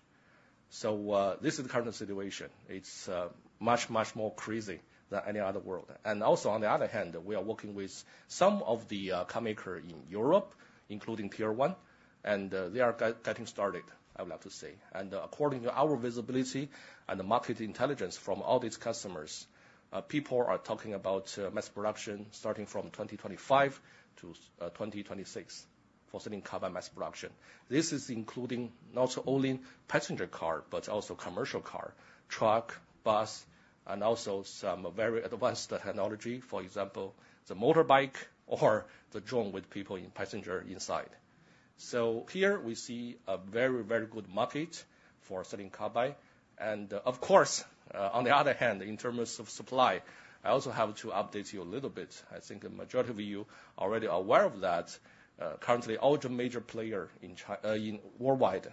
S: So, this is the current situation. It's much, much more crazy than any other world. And also, on the other hand, we are working with some of the car maker in Europe, including Tier One, and they are getting started, I would like to say. And according to our visibility and the market intelligence from all these customers, people are talking about mass production starting from 2025-2026, for silicon carbide mass production. This is including not only passenger car, but also commercial car, truck, bus, and also some very advanced technology, for example, the motorbike or the drone with passenger inside. So here we see a very, very good market for silicon carbide. And of course, on the other hand, in terms of supply, I also have to update you a little bit. I think the majority of you already are aware of that. Currently, all the major player in China, in worldwide,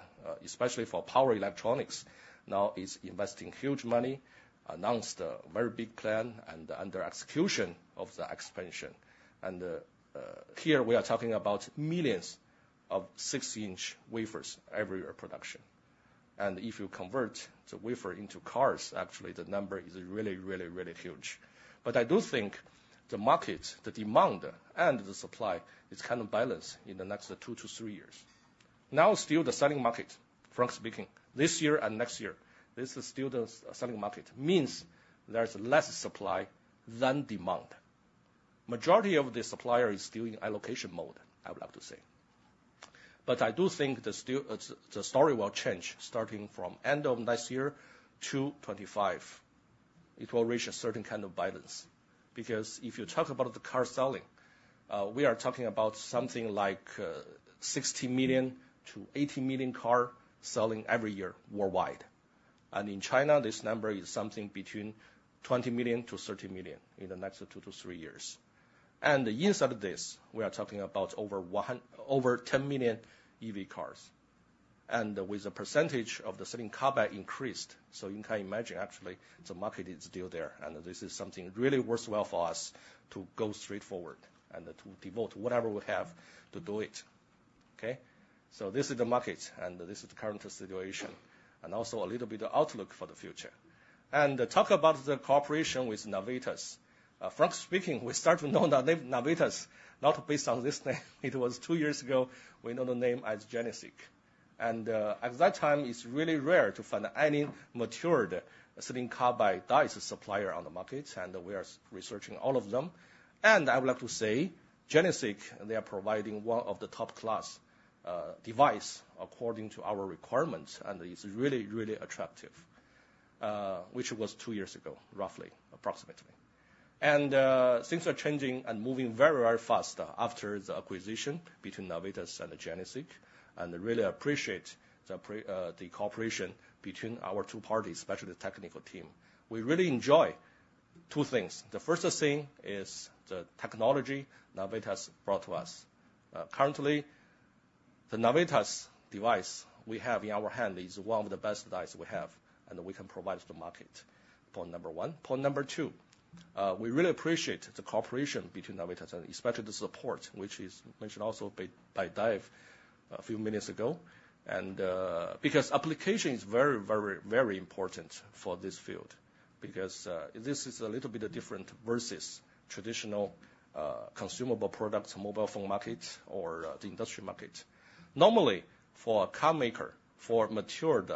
S: especially for power electronics, now is investing huge money, announced a very big plan and under execution of the expansion. And, here we are talking about millions of six-inch wafers every year production. And if you convert the wafer into cars, actually, the number is really, really, really huge. But I do think the market, the demand, and the supply is kind of balanced in the next 2-3 years... now still the selling market, frankly speaking, this year and next year, this is still the selling market, means there's less supply than demand. Majority of the supplier is still in allocation mode, I would love to say. But I do think the still, the story will change starting from end of next year to 2025. It will reach a certain kind of balance. Because if you talk about the car selling, we are talking about something like 60 million to 80 million car selling every year worldwide. And in China, this number is something between 20 million to 30 million in the next two to three years. And the years of this, we are talking about over 10 million EV cars, and with the percentage of the silicon carbide increased. So you can imagine, actually, the market is still there, and this is something really works well for us to go straight forward and to devote whatever we have to do it. Okay? So this is the market, and this is the current situation, and also a little bit of outlook for the future. And talk about the cooperation with Navitas. Frankly speaking, we start to know the name Navitas, not based on this name. It was two years ago, we know the name as GeneSiC. And at that time, it's really rare to find any matured silicon carbide dies supplier on the market, and we are researching all of them. And I would like to say, GeneSiC, they are providing one of the top-class device according to our requirements, and it's really, really attractive, which was two years ago, roughly, approximately. And things are changing and moving very, very fast after the acquisition between Navitas and GeneSiC, and I really appreciate the cooperation between our two parties, especially the technical team. We really enjoy two things. The first thing is the technology Navitas brought to us. Currently, the Navitas device we have in our hand is one of the best device we have, and we can provide to the market, point number one. Point number two, we really appreciate the cooperation between Navitas and especially the support, which is mentioned also by, by Dave a few minutes ago. And, because application is very, very, very important for this field, because, this is a little bit different versus traditional, consumable products, mobile phone market, or, the industry market. Normally, for a car maker, for matured,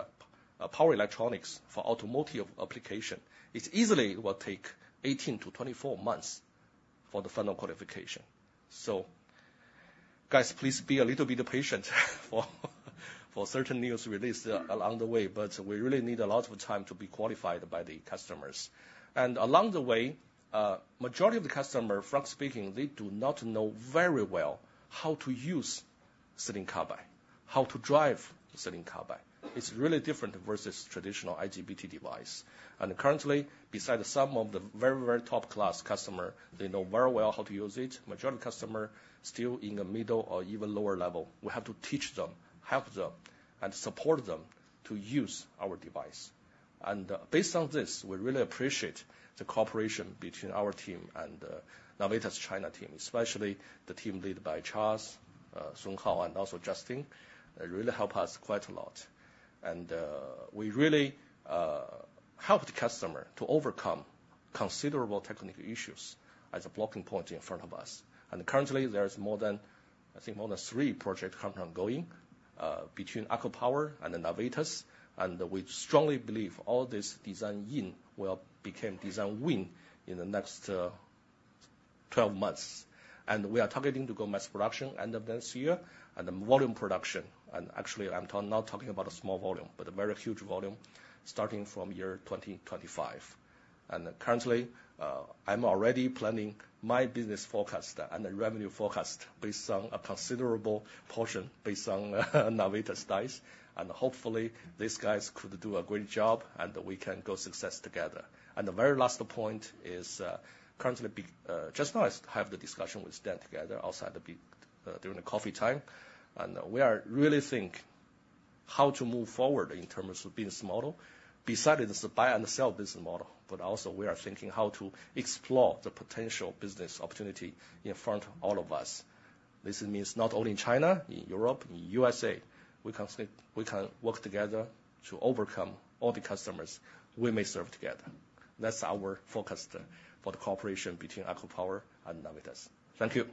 S: power electronics for automotive application, it easily will take 18-24 months for the final qualification. So guys, please be a little bit patient for certain news release along the way, but we really need a lot of time to be qualified by the customers. Along the way, majority of the customer, frank speaking, they do not know very well how to use silicon carbide, how to drive silicon carbide. It's really different versus traditional IGBT device. Currently, beside some of the very, very top-class customer, they know very well how to use it, majority customer still in the middle or even lower level. We have to teach them, help them, and support them to use our device. Based on this, we really appreciate the cooperation between our team and Navitas China team, especially the team led by Charles, Hao Sun, and also Justin. They really help us quite a lot. We really helped the customer to overcome considerable technical issues as a blocking point in front of us. Currently, there is more than, I think, more than three projects currently ongoing between ACOPower and Navitas, and we strongly believe all this design in will become design win in the next 12 months. We are targeting to go mass production end of this year, and the volume production, and actually, I'm not talking about a small volume, but a very huge volume, starting from year 2025. Currently, I'm already planning my business forecast and the revenue forecast based on a considerable portion, based on Navitas dice. Hopefully, these guys could do a great job, and we can go success together. The very last point is, currently, just now, I have the discussion with Dan together, also had to be, during the coffee time. We are really think how to move forward in terms of business model, besides the buy and sell business model, but also we are thinking how to explore the potential business opportunity in front of all of us. This means not only in China, in Europe, in USA, we can still—we can work together to overcome all the customers we may serve together. That's our forecast for the cooperation between ACOPower and Navitas. Thank you.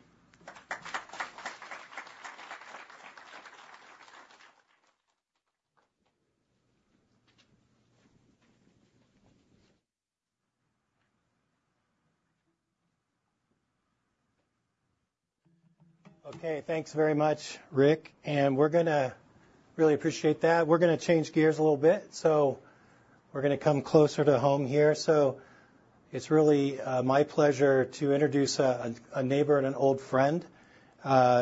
G: Okay, thanks very much, Rick, and we're gonna... really appreciate that. We're gonna change gears a little bit, so we're gonna come closer to home here. So it's really my pleasure to introduce a neighbor and an old friend,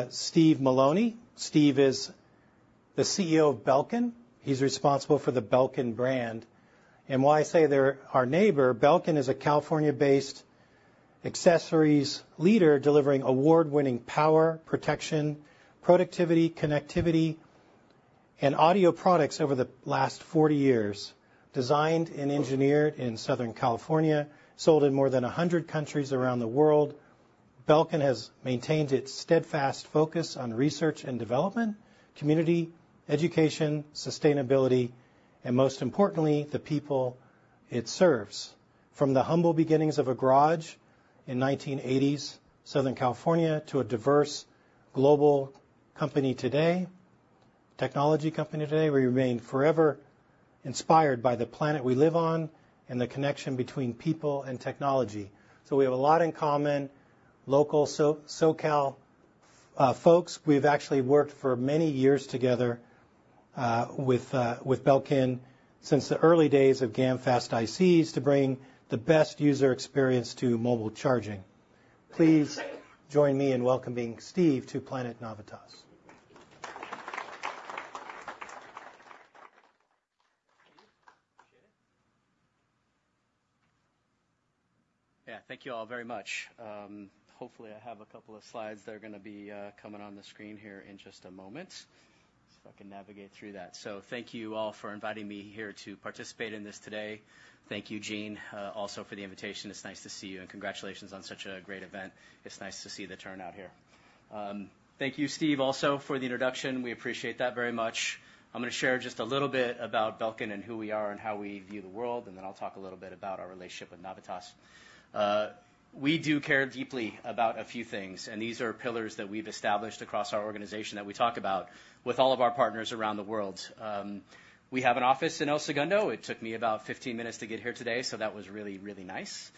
G: Steve Malony. Steve is the CEO of Belkin. He's responsible for the Belkin brand. And why I say they're our neighbor, Belkin is a California-based accessories leader, delivering award-winning power, protection, productivity, connectivity, and audio products over the last 40 years. Designed and engineered in Southern California, sold in more than 100 countries around the world. Belkin has maintained its steadfast focus on research and development, community, education, sustainability, and most importantly, the people it serves. From the humble beginnings of a garage in 1980s Southern California, to a diverse global company today, technology company today, we remain forever inspired by the planet we live on and the connection between people and technology. So we have a lot in common, local SoCal folks. We've actually worked for many years together with Belkin since the early days of GaNFast ICs to bring the best user experience to mobile charging. Please join me in welcoming Steve to Planet Navitas.
T: Steve, appreciate it. Yeah, thank you all very much. Hopefully, I have a couple of slides that are gonna be coming on the screen here in just a moment, see if I can navigate through that. So thank you all for inviting me here to participate in this today. Thank you, Gene, also for the invitation. It's nice to see you, and congratulations on such a great event. It's nice to see the turnout here. Thank you, Steve, also for the introduction. We appreciate that very much. I'm gonna share just a little bit about Belkin and who we are and how we view the world, and then I'll talk a little bit about our relationship with Navitas. We do care deeply about a few things, and these are pillars that we've established across our organization that we talk about with all of our partners around the world. We have an office in El Segundo. It took me about 15 minutes to get here today, so that was really, really nice.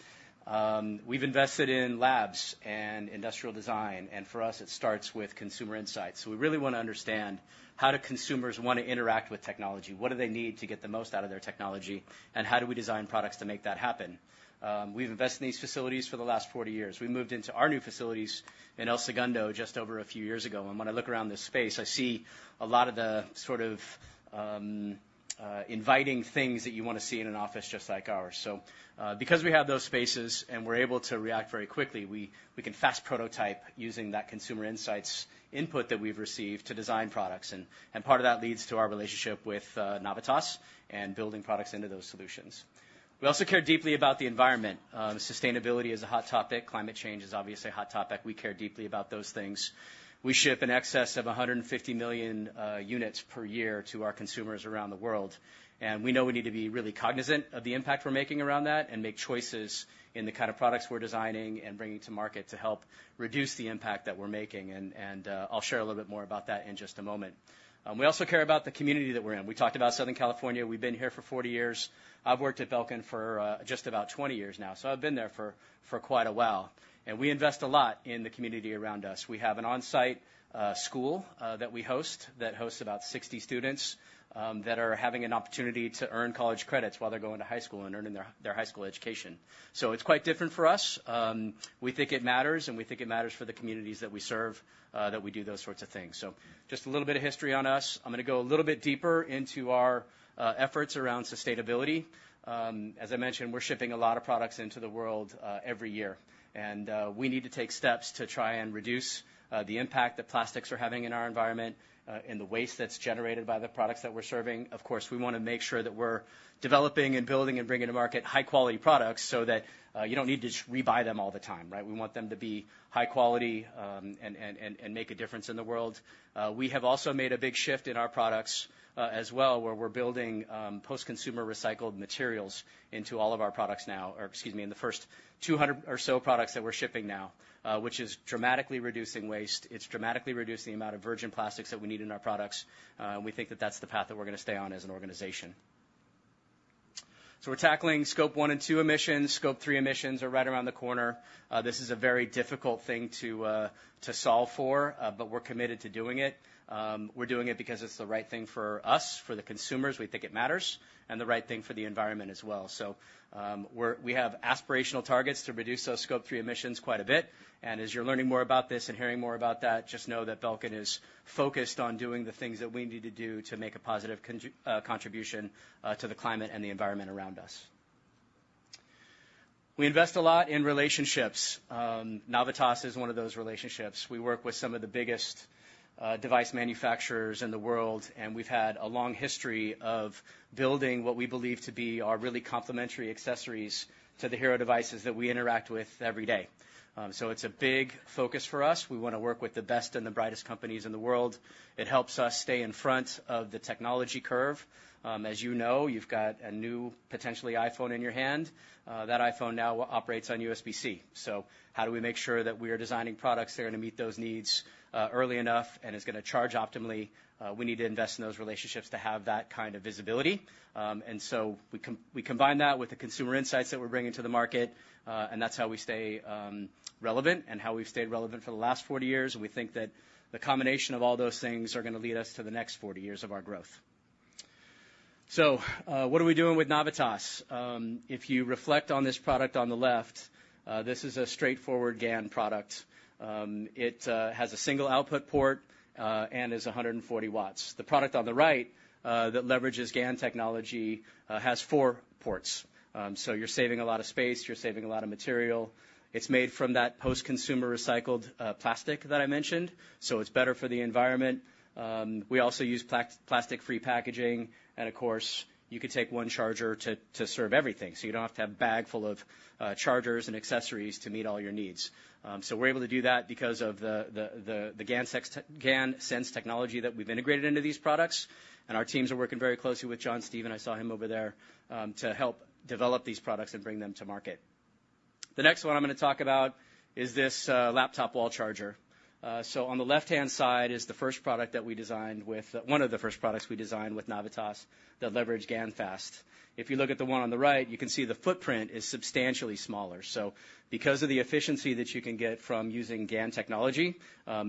T: We've invested in labs and industrial design, and for us, it starts with consumer insights. So we really wanna understand, how do consumers wanna interact with technology? What do they need to get the most out of their technology, and how do we design products to make that happen? We've invested in these facilities for the last 40 years. We moved into our new facilities in El Segundo just over a few years ago, and when I look around this space, I see a lot of the sort of, inviting things that you wanna see in an office just like ours. So, because we have those spaces and we're able to react very quickly, we can fast prototype using that consumer insights input that we've received to design products, and part of that leads to our relationship with, Navitas and building products into those solutions. We also care deeply about the environment. Sustainability is a hot topic. Climate change is obviously a hot topic. We care deeply about those things. We ship in excess of 150 million units per year to our consumers around the world, and we know we need to be really cognizant of the impact we're making around that and make choices in the kind of products we're designing and bringing to market to help reduce the impact that we're making, and, and, I'll share a little bit more about that in just a moment. We also care about the community that we're in. We talked about Southern California. We've been here for 40 years. I've worked at Belkin for just about 20 years now, so I've been there for quite a while, and we invest a lot in the community around us. We have an on-site school that we host, that hosts about 60 students that are having an opportunity to earn college credits while they're going to high school and earning their high school education. So it's quite different for us. We think it matters, and we think it matters for the communities that we serve that we do those sorts of things. So just a little bit of history on us. I'm gonna go a little bit deeper into our efforts around sustainability. As I mentioned, we're shipping a lot of products into the world every year, and we need to take steps to try and reduce the impact that plastics are having in our environment and the waste that's generated by the products that we're serving. Of course, we wanna make sure that we're developing and building and bringing to market high-quality products so that you don't need to rebuy them all the time, right? We want them to be high quality and make a difference in the world. We have also made a big shift in our products as well, where we're building post-consumer recycled materials into all of our products now, or excuse me, in the first 200 or so products that we're shipping now, which is dramatically reducing waste. It's dramatically reducing the amount of virgin plastics that we need in our products and we think that that's the path that we're gonna stay on as an organization. So we're tackling Scope 1 and 2 emissions. Scope 3 emissions are right around the corner. This is a very difficult thing to, to solve for, but we're committed to doing it. We're doing it because it's the right thing for us, for the consumers, we think it matters, and the right thing for the environment as well. So, we're-- we have aspirational targets to reduce those Scope 3 emissions quite a bit, and as you're learning more about this and hearing more about that, just know that Belkin is focused on doing the things that we need to do to make a positive contribution to the climate and the environment around us. We invest a lot in relationships. Navitas is one of those relationships. We work with some of the biggest, device manufacturers in the world, and we've had a long history of building what we believe to be our really complementary accessories to the hero devices that we interact with every day. So it's a big focus for us. We wanna work with the best and the brightest companies in the world. It helps us stay in front of the technology curve. As you know, you've got a new, potentially, iPhone in your hand. That iPhone now operates on USB-C. So how do we make sure that we are designing products that are going to meet those needs, early enough and is gonna charge optimally? We need to invest in those relationships to have that kind of visibility. And so we combine that with the consumer insights that we're bringing to the market, and that's how we stay relevant and how we've stayed relevant for the last 40 years. We think that the combination of all those things are gonna lead us to the next 40 years of our growth. So, what are we doing with Navitas? If you reflect on this product on the left, this is a straightforward GaN product. It has a single output port and is 140 W. The product on the right that leverages GaN technology has 4 ports. So you're saving a lot of space. You're saving a lot of material. It's made from that post-consumer recycled plastic that I mentioned, so it's better for the environment. We also use plastic-free packaging, and of course, you could take one charger to serve everything, so you don't have to have a bag full of chargers and accessories to meet all your needs. So we're able to do that because of the GaNSense technology that we've integrated into these products, and our teams are working very closely with John Stevenson, I saw him over there, to help develop these products and bring them to market. The next one I'm gonna talk about is this laptop wall charger. So on the left-hand side is the first product that we designed with one of the first products we designed with Navitas, that leverage GaNFast. If you look at the one on the right, you can see the footprint is substantially smaller. So because of the efficiency that you can get from using GaN technology,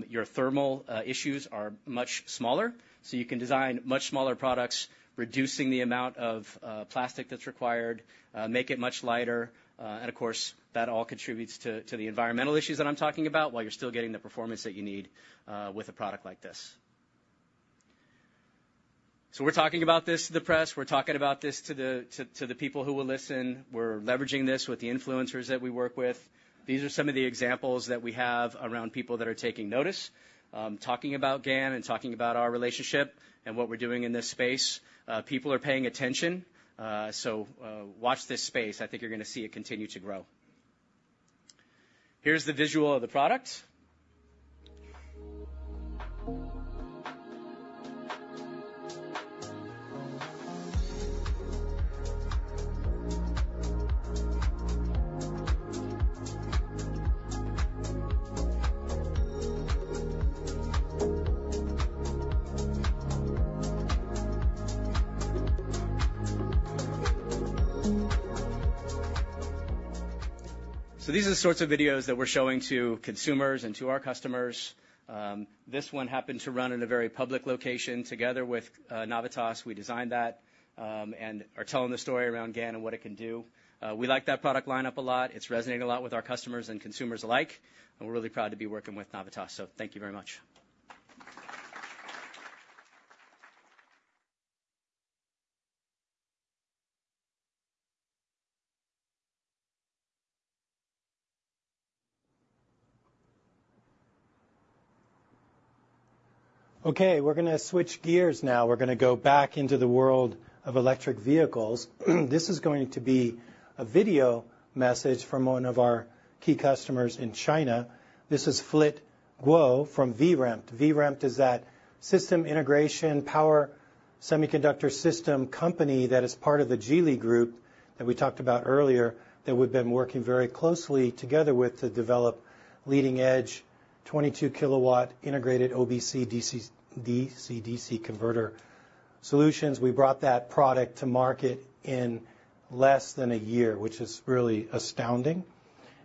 T: your thermal issues are much smaller. So you can design much smaller products, reducing the amount of plastic that's required, make it much lighter, and of course, that all contributes to the environmental issues that I'm talking about, while you're still getting the performance that you need with a product like this. So we're talking about this to the press, we're talking about this to the people who will listen. We're leveraging this with the influencers that we work with. These are some of the examples that we have around people that are taking notice. Talking about GaN and talking about our relationship and what we're doing in this space. People are paying attention, so watch this space. I think you're gonna see it continue to grow. Here's the visual of the product. So these are the sorts of videos that we're showing to consumers and to our customers. This one happened to run in a very public location together with Navitas. We designed that, and are telling the story around GaN and what it can do. We like that product lineup a lot. It's resonating a lot with our customers and consumers alike, and we're really proud to be working with Navitas. So thank you very much.
G: Okay, we're gonna switch gears now. We're gonna go back into the world of electric vehicles. This is going to be a video message from one of our key customers in China. This is Philip Guo from VREMT. VREMT is that system integration, power semiconductor system company that is part of the Geely Group, that we talked about earlier, that we've been working very closely together with to develop leading-edge, 22 kW integrated OBC DC-DC converter solutions. We brought that product to market in less than a year, which is really astounding.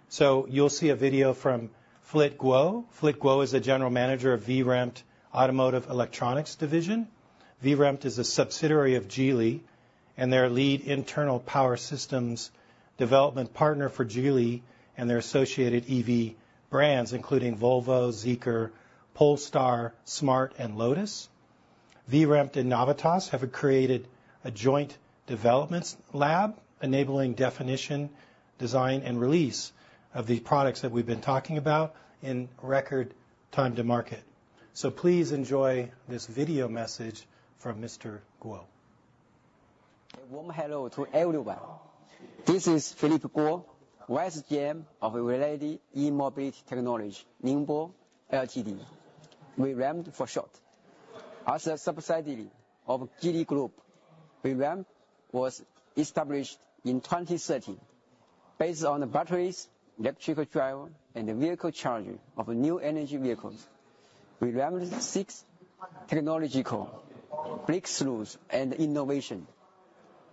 G: So you'll see a video from Philip Guo. Philip Guo is the General Manager of VREMT Automotive Electronics Division. VREMT is a subsidiary of Geely, and their lead internal power systems development partner for Geely and their associated EV brands, including Volvo, Zeekr, Polestar, Smart, and Lotus. VREMT and Navitas have created a joint development lab, enabling definition, design, and release of the products that we've been talking about in record time to market. So please enjoy this video message from Mr. Guo.
U: A warm hello to everyone. This is Philip Guo, Vice GM of Viridi E-Mobility Technology, Ningbo, Ltd. VREMT for short. As a subsidiary of Geely Group, VREMT was established in 2013. Based on the batteries, electrical drive, and the vehicle charging of new energy vehicles. VREMT seeks technological breakthroughs and innovation.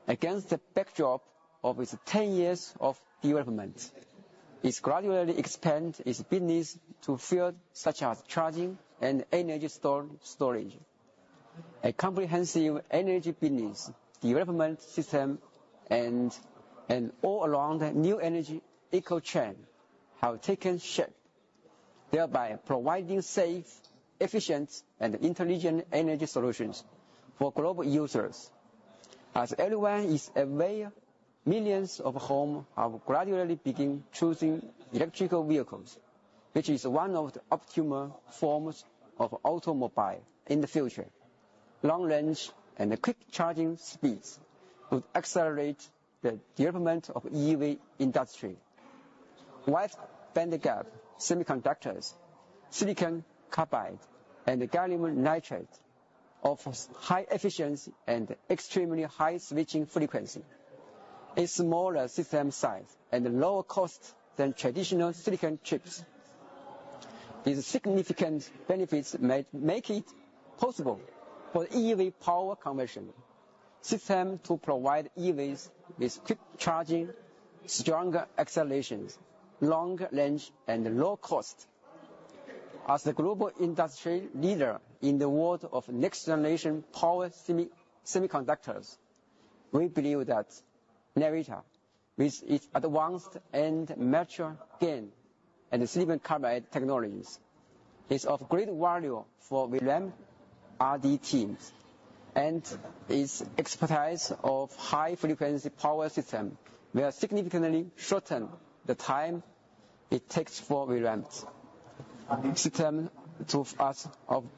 U: Against the backdrop of its 10 years of development, it's gradually expanding its business to fields such as charging and energy storage. A comprehensive energy business development system and all around new energy eco chain have taken shape, thereby providing safe, efficient, and intelligent energy solutions for global users. As everyone is aware, millions of homes have gradually begin choosing electrical vehicles, which is one of the optimum forms of automobile in the future. Long range and quick charging speeds would accelerate the development of EV industry. Wide bandgap semiconductors, silicon carbide, and the gallium nitride, offers high efficiency and extremely high switching frequency, a smaller system size and lower cost than traditional silicon chips. These significant benefits make it possible for EV power conversion system to provide EVs with quick charging, stronger accelerations, longer range, and low cost. As the global industry leader in the world of next generation power semiconductors, we believe that Navitas, with its advanced and mature GaN and silicon carbide technologies, is of great value for VREMT R&D teams. Its expertise of high-frequency power system will significantly shorten the time it takes for VREMT system to use in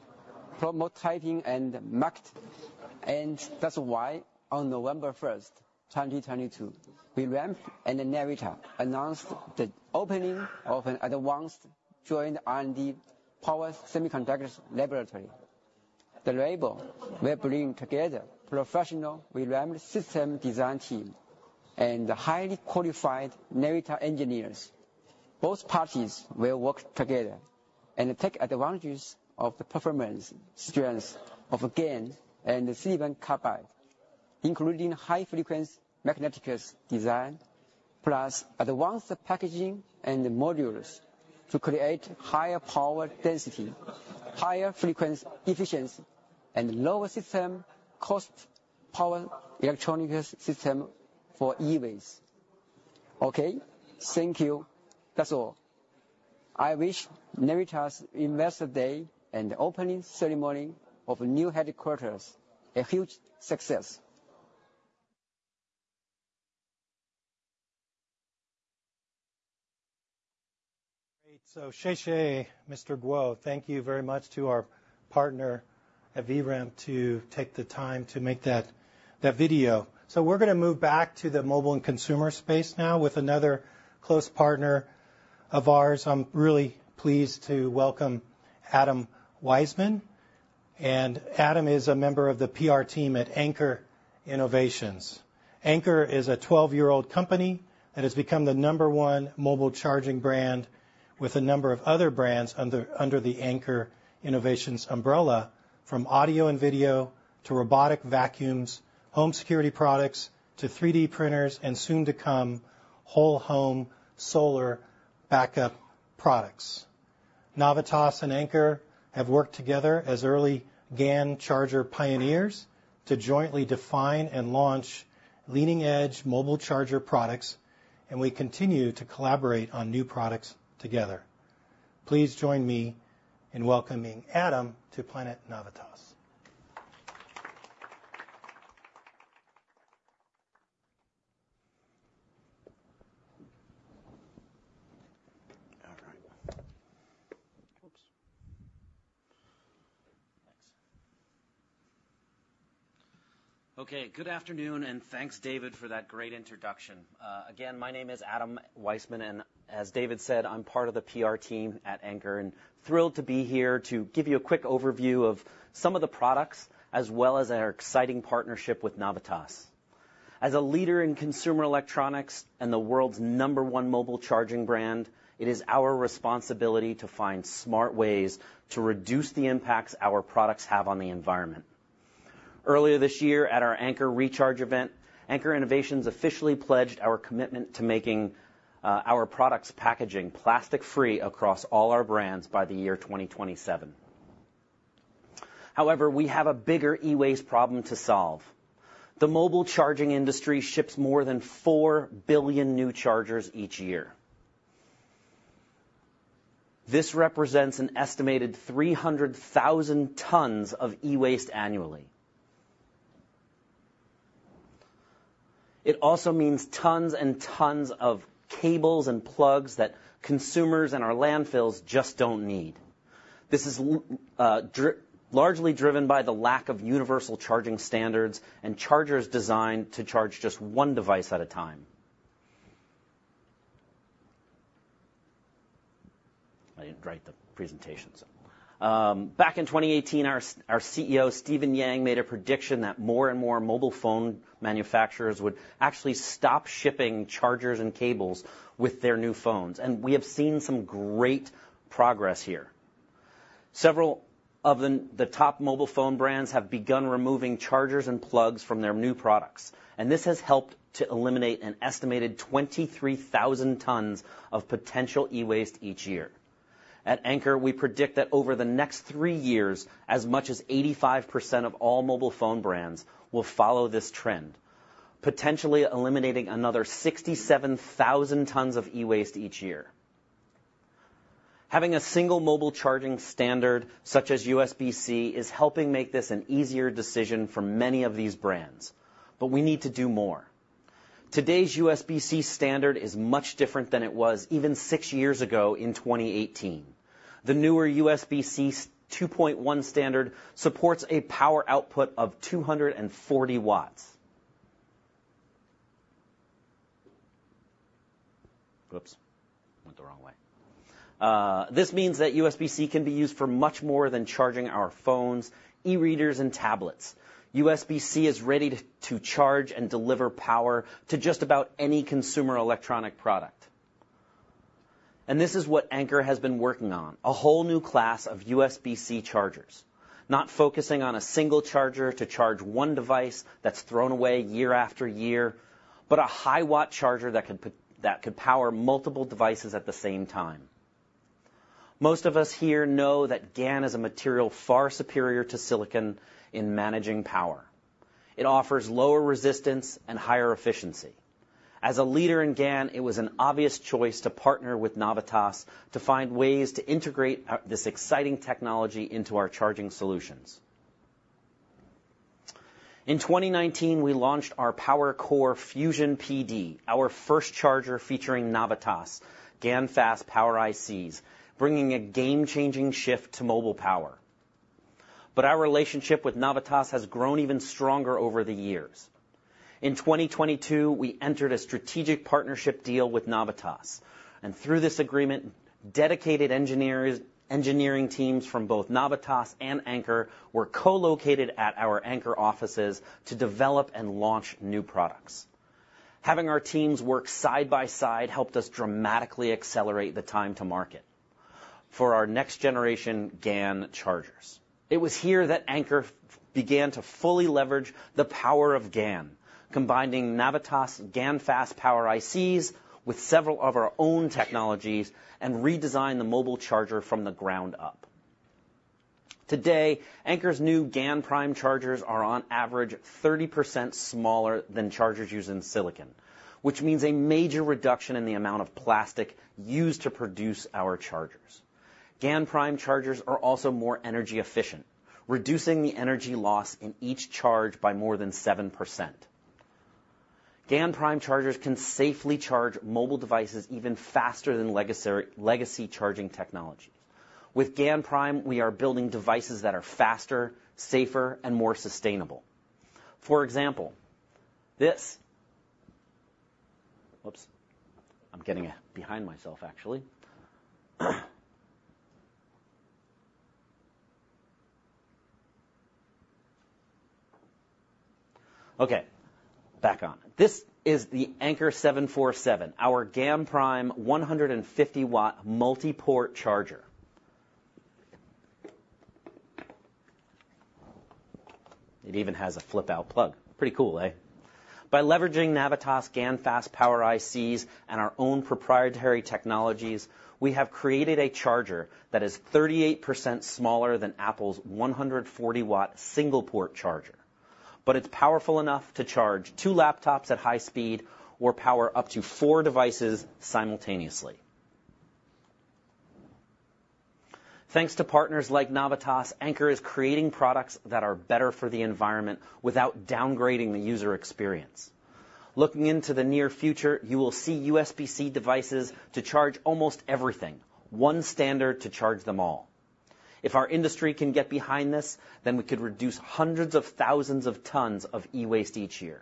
U: promoting and marketing. That's why on November 1, 2022, VREMT and Navitas announced the opening of an advanced joint R&D power semiconductors laboratory. The lab will bring together professional VREMT system design team and highly qualified Navitas engineers. Both parties will work together and take advantages of the performance strengths of GaN and silicon carbide, including high-frequency magnetics design, plus advanced packaging and modules to create higher power density, higher frequency efficiency, and lower system cost power electronics system for EVs. Okay, thank you. That's all. I wish Navitas Investor Day and the opening ceremony of new headquarters a huge success!
G: Great. So xie xie, Mr. Guo. Thank you very much to our partner at VREMT to take the time to make that video. So we're gonna move back to the mobile and consumer space now with another close partner of ours. I'm really pleased to welcome Adam Weissman, and Adam is a member of the PR team at Anker Innovations. Anker is a 12-year-old company that has become the number one mobile charging brand with a number of other brands under the Anker Innovations umbrella, from audio and video, to robotic vacuums, home security products, to 3D printers, and soon to come, whole home solar backup products. Navitas and Anker have worked together as early GaN charger pioneers to jointly define and launch leading-edge mobile charger products, and we continue to collaborate on new products together. Please join me in welcoming Adam to Planet Navitas.
V: All right. Oops! Thanks. Okay, good afternoon, and thanks, David, for that great introduction. Again, my name is Adam Weissman, and as David said, I'm part of the PR team at Anker, and thrilled to be here to give you a quick overview of some of the products, as well as our exciting partnership with Navitas. As a leader in consumer electronics and the world's number one mobile charging brand, it is our responsibility to find smart ways to reduce the impacts our products have on the environment. Earlier this year, at our Anker Recharge event, Anker Innovations officially pledged our commitment to making our products' packaging plastic-free across all our brands by the year 2027. However, we have a bigger e-waste problem to solve. The mobile charging industry ships more than 4 billion new chargers each year. This represents an estimated 300,000 tons of e-waste annually. It also means tons and tons of cables and plugs that consumers and our landfills just don't need. This is largely driven by the lack of universal charging standards, and chargers designed to charge just one device at a time. I didn't write the presentation, so... Back in 2018, our CEO, Steven Yang, made a prediction that more and more mobile phone manufacturers would actually stop shipping chargers and cables with their new phones, and we have seen some great progress here. Several of the top mobile phone brands have begun removing chargers and plugs from their new products, and this has helped to eliminate an estimated 23,000 tons of potential e-waste each year. At Anker, we predict that over the next three years, as much as 85% of all mobile phone brands will follow this trend, potentially eliminating another 67,000 tons of e-waste each year. Having a single mobile charging standard, such as USB-C, is helping make this an easier decision for many of these brands, but we need to do more. Today's USB-C standard is much different than it was even six years ago in 2018. The newer USB-C 2.1 standard supports a power output of 240 W. Oops, went the wrong way. This means that USB-C can be used for much more than charging our phones, e-readers, and tablets. USB-C is ready to charge and deliver power to just about any consumer electronic product. And this is what Anker has been working on, a whole new class of USB-C chargers. Not focusing on a single charger to charge one device that's thrown away year after year, but a high-watt charger that could power multiple devices at the same time. Most of us here know that GaN is a material far superior to silicon in managing power. It offers lower resistance and higher efficiency. As a leader in GaN, it was an obvious choice to partner with Navitas to find ways to integrate this exciting technology into our charging solutions. In 2019, we launched our PowerCore Fusion PD, our first charger featuring Navitas GaNFast power ICs, bringing a game-changing shift to mobile power. But our relationship with Navitas has grown even stronger over the years.... In 2022, we entered a strategic partnership deal with Navitas, and through this agreement, dedicated engineering teams from both Navitas and Anker were co-located at our Anker offices to develop and launch new products. Having our teams work side by side helped us dramatically accelerate the time to market for our next generation GaN chargers. It was here that Anker began to fully leverage the power of GaN, combining Navitas GaNFast power ICs with several of our own technologies, and redesign the mobile charger from the ground up. Today, Anker's new GaNPrime chargers are on average 30% smaller than chargers used in silicon, which means a major reduction in the amount of plastic used to produce our chargers. GaNPrime chargers are also more energy efficient, reducing the energy loss in each charge by more than 7%. GaNPrime chargers can safely charge mobile devices even faster than legacy charging technologies. With GaNPrime, we are building devices that are faster, safer, and more sustainable. For example, this... Oops! I'm getting behind myself, actually. Okay, back on. This is the Anker 747, our GaNPrime 150 W multi-port charger. It even has a flip-out plug. Pretty cool, eh? By leveraging Navitas GaNFast power ICs and our own proprietary technologies, we have created a charger that is 38% smaller than Apple's 140 W single-port charger, but it's powerful enough to charge two laptops at high speed or power up to four devices simultaneously. Thanks to partners like Navitas, Anker is creating products that are better for the environment without downgrading the user experience. Looking into the near future, you will see USB-C devices to charge almost everything, one standard to charge them all. If our industry can get behind this, then we could reduce hundreds of thousands of tons of e-waste each year,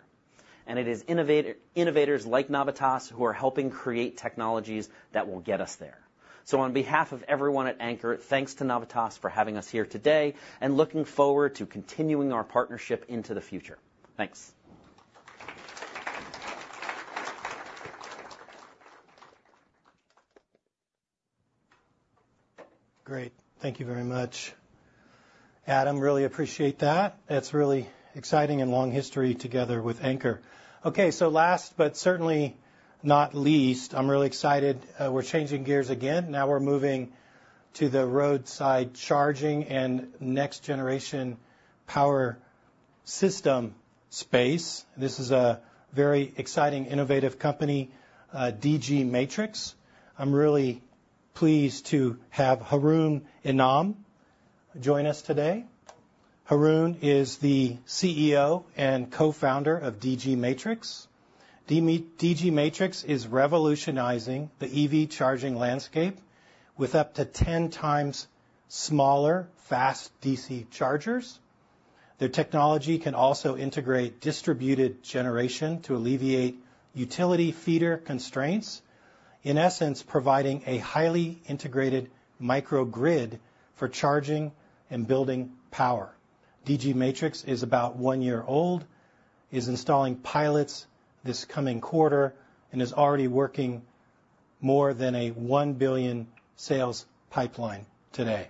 V: and it is innovators like Navitas who are helping create technologies that will get us there. So on behalf of everyone at Anker, thanks to Navitas for having us here today, and looking forward to continuing our partnership into the future. Thanks.
G: Great. Thank you very much, Adam. Really appreciate that. It's really exciting and long history together with Anker. Okay, so last but certainly not least, I'm really excited, we're changing gears again. Now we're moving to the roadside charging and next generation power system space. This is a very exciting, innovative company, DG Matrix. I'm really pleased to have Haroon Inam join us today. Haroon is the CEO and co-founder of DG Matrix. DG Matrix is revolutionizing the EV charging landscape with up to 10x smaller, fast DC chargers. Their technology can also integrate distributed generation to alleviate utility feeder constraints, in essence, providing a highly integrated microgrid for charging and building power. DG Matrix is about one year old, is installing pilots this coming quarter, and is already working more than a $1 billion sales pipeline today.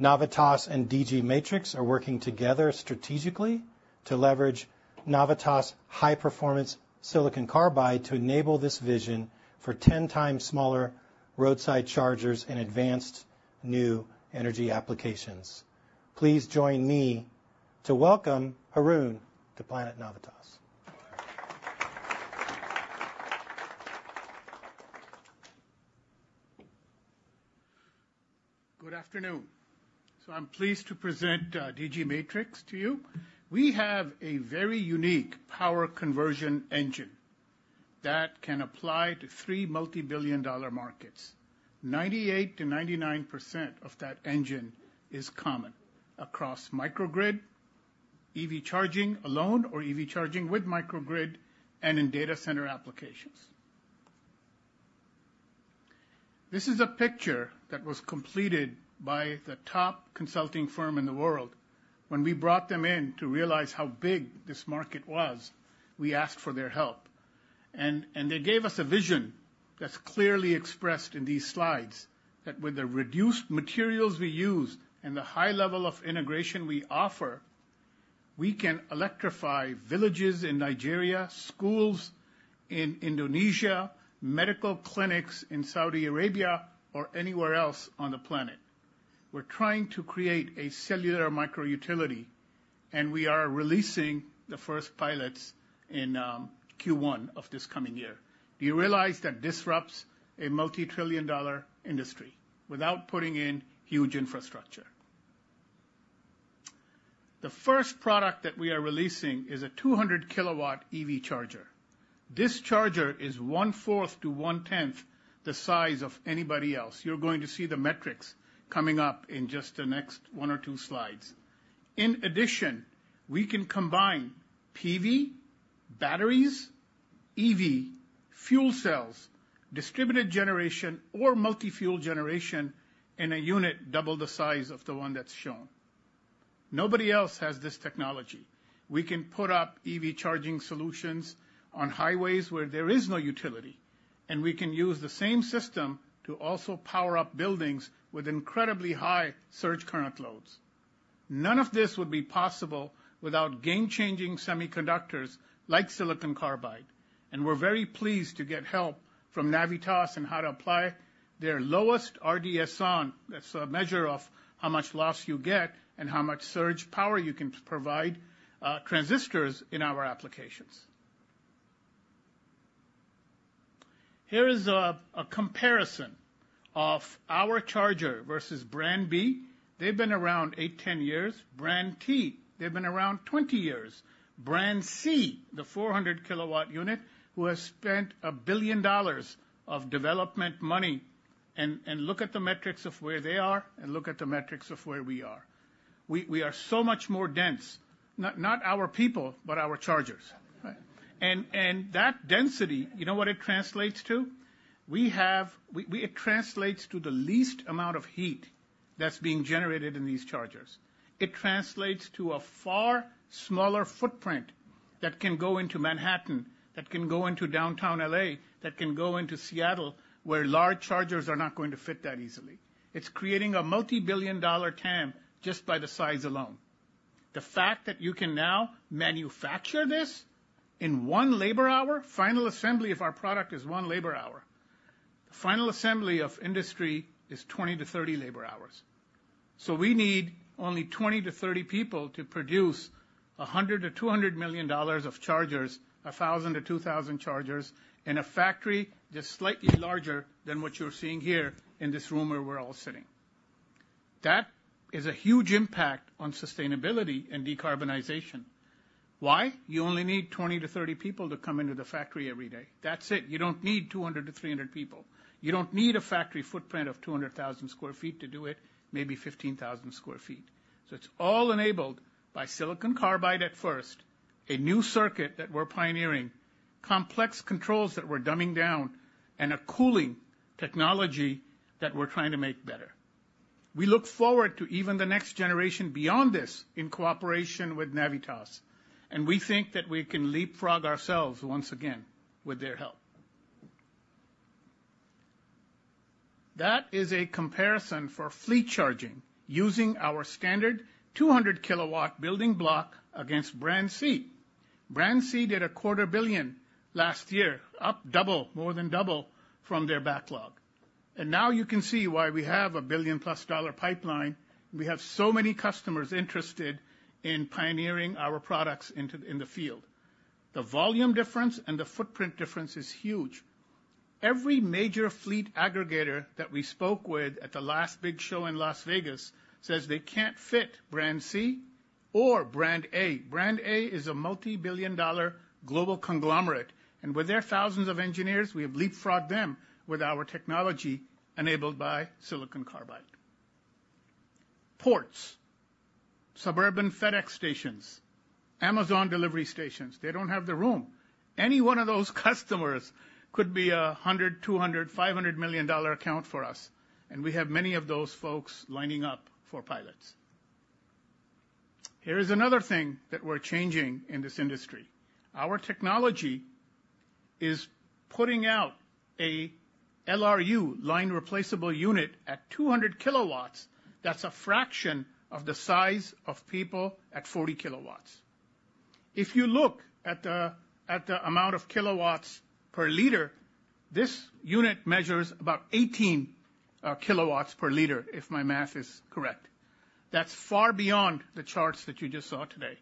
G: Navitas and DG Matrix are working together strategically to leverage Navitas' high-performance silicon carbide to enable this vision for 10x smaller roadside chargers and advanced new energy applications. Please join me to welcome Haroon to Planet Navitas.
W: Good afternoon. So I'm pleased to present DG Matrix to you. We have a very unique power conversion engine that can apply to three multi-billion-dollar markets. 98%-99% of that engine is common across microgrid, EV charging alone, or EV charging with microgrid, and in data center applications. This is a picture that was completed by the top consulting firm in the world. When we brought them in to realize how big this market was, we asked for their help, and they gave us a vision that's clearly expressed in these slides, that with the reduced materials we use and the high level of integration we offer, we can electrify villages in Nigeria, schools in Indonesia, medical clinics in Saudi Arabia or anywhere else on the planet. We're trying to create a cellular micro utility, and we are releasing the first pilots in Q1 of this coming year. Do you realize that disrupts a multi-trillion-dollar industry without putting in huge infrastructure? The first product that we are releasing is a 200 kW EV charger. This charger is one-fourth to one-tenth the size of anybody else. You're going to see the metrics coming up in just the next one or two slides. In addition, we can combine PV, batteries, EV, fuel cells, distributed generation, or multi-fuel generation in a unit double the size of the one that's shown. Nobody else has this technology. We can put up EV charging solutions on highways where there is no utility, and we can use the same system to also power up buildings with incredibly high surge current loads. None of this would be possible without game-changing semiconductors like silicon carbide, and we're very pleased to get help from Navitas on how to apply their lowest RDS(on). That's a measure of how much loss you get and how much surge power you can provide transistors in our applications. Here is a comparison of our charger versus Brand B. They've been around 8-10 years. Brand T, they've been around 20 years. Brand C, the 400 kW unit, who has spent $1 billion of development money and look at the metrics of where they are, and look at the metrics of where we are. We are so much more dense. Not our people, but our chargers. And that density, you know what it translates to? We have—we, it translates to the least amount of heat that's being generated in these chargers. It translates to a far smaller footprint that can go into Manhattan, that can go into downtown L.A., that can go into Seattle, where large chargers are not going to fit that easily. It's creating a multi-billion dollar TAM just by the size alone. The fact that you can now manufacture this in one labor hour, final assembly of our product is one labor hour. Final assembly of industry is 20-30 labor hours. So we need only 20-30 people to produce $100 million-$200 million of chargers, 1,000-2,000 chargers, in a factory just slightly larger than what you're seeing here in this room where we're all sitting. That is a huge impact on sustainability and decarbonization. Why? You only need 20-30 people to come into the factory every day. That's it. You don't need 200-300 people. You don't need a factory footprint of 200,000 sq ft to do it, maybe 15,000 sq ft. So it's all enabled by silicon carbide at first, a new circuit that we're pioneering, complex controls that we're dumbing down, and a cooling technology that we're trying to make better. We look forward to even the next generation beyond this in cooperation with Navitas, and we think that we can leapfrog ourselves once again with their help. That is a comparison for fleet charging, using our standard 200 kW building block against Brand C. Brand C did $250 million last year, up double, more than double from their backlog. And now you can see why we have a $1 billion+ pipeline. We have so many customers interested in pioneering our products into the field. The volume difference and the footprint difference is huge. Every major fleet aggregator that we spoke with at the last big show in Las Vegas says they can't fit Brand C or Brand A. Brand A is a multi-billion dollar global conglomerate, and with their thousands of engineers, we have leapfrogged them with our technology, enabled by silicon carbide. Ports, suburban FedEx stations, Amazon delivery stations, they don't have the room. Any one of those customers could be a $100 million, $200 million, $500 million account for us, and we have many of those folks lining up for pilots. Here is another thing that we're changing in this industry. Our technology is putting out a LRU, Line Replaceable Unit, at 200 kW. That's a fraction of the size of people at 40 kW. If you look at the amount of kilowatts per liter, this unit measures about 18 kW per liter, if my math is correct. That's far beyond the charts that you just saw today.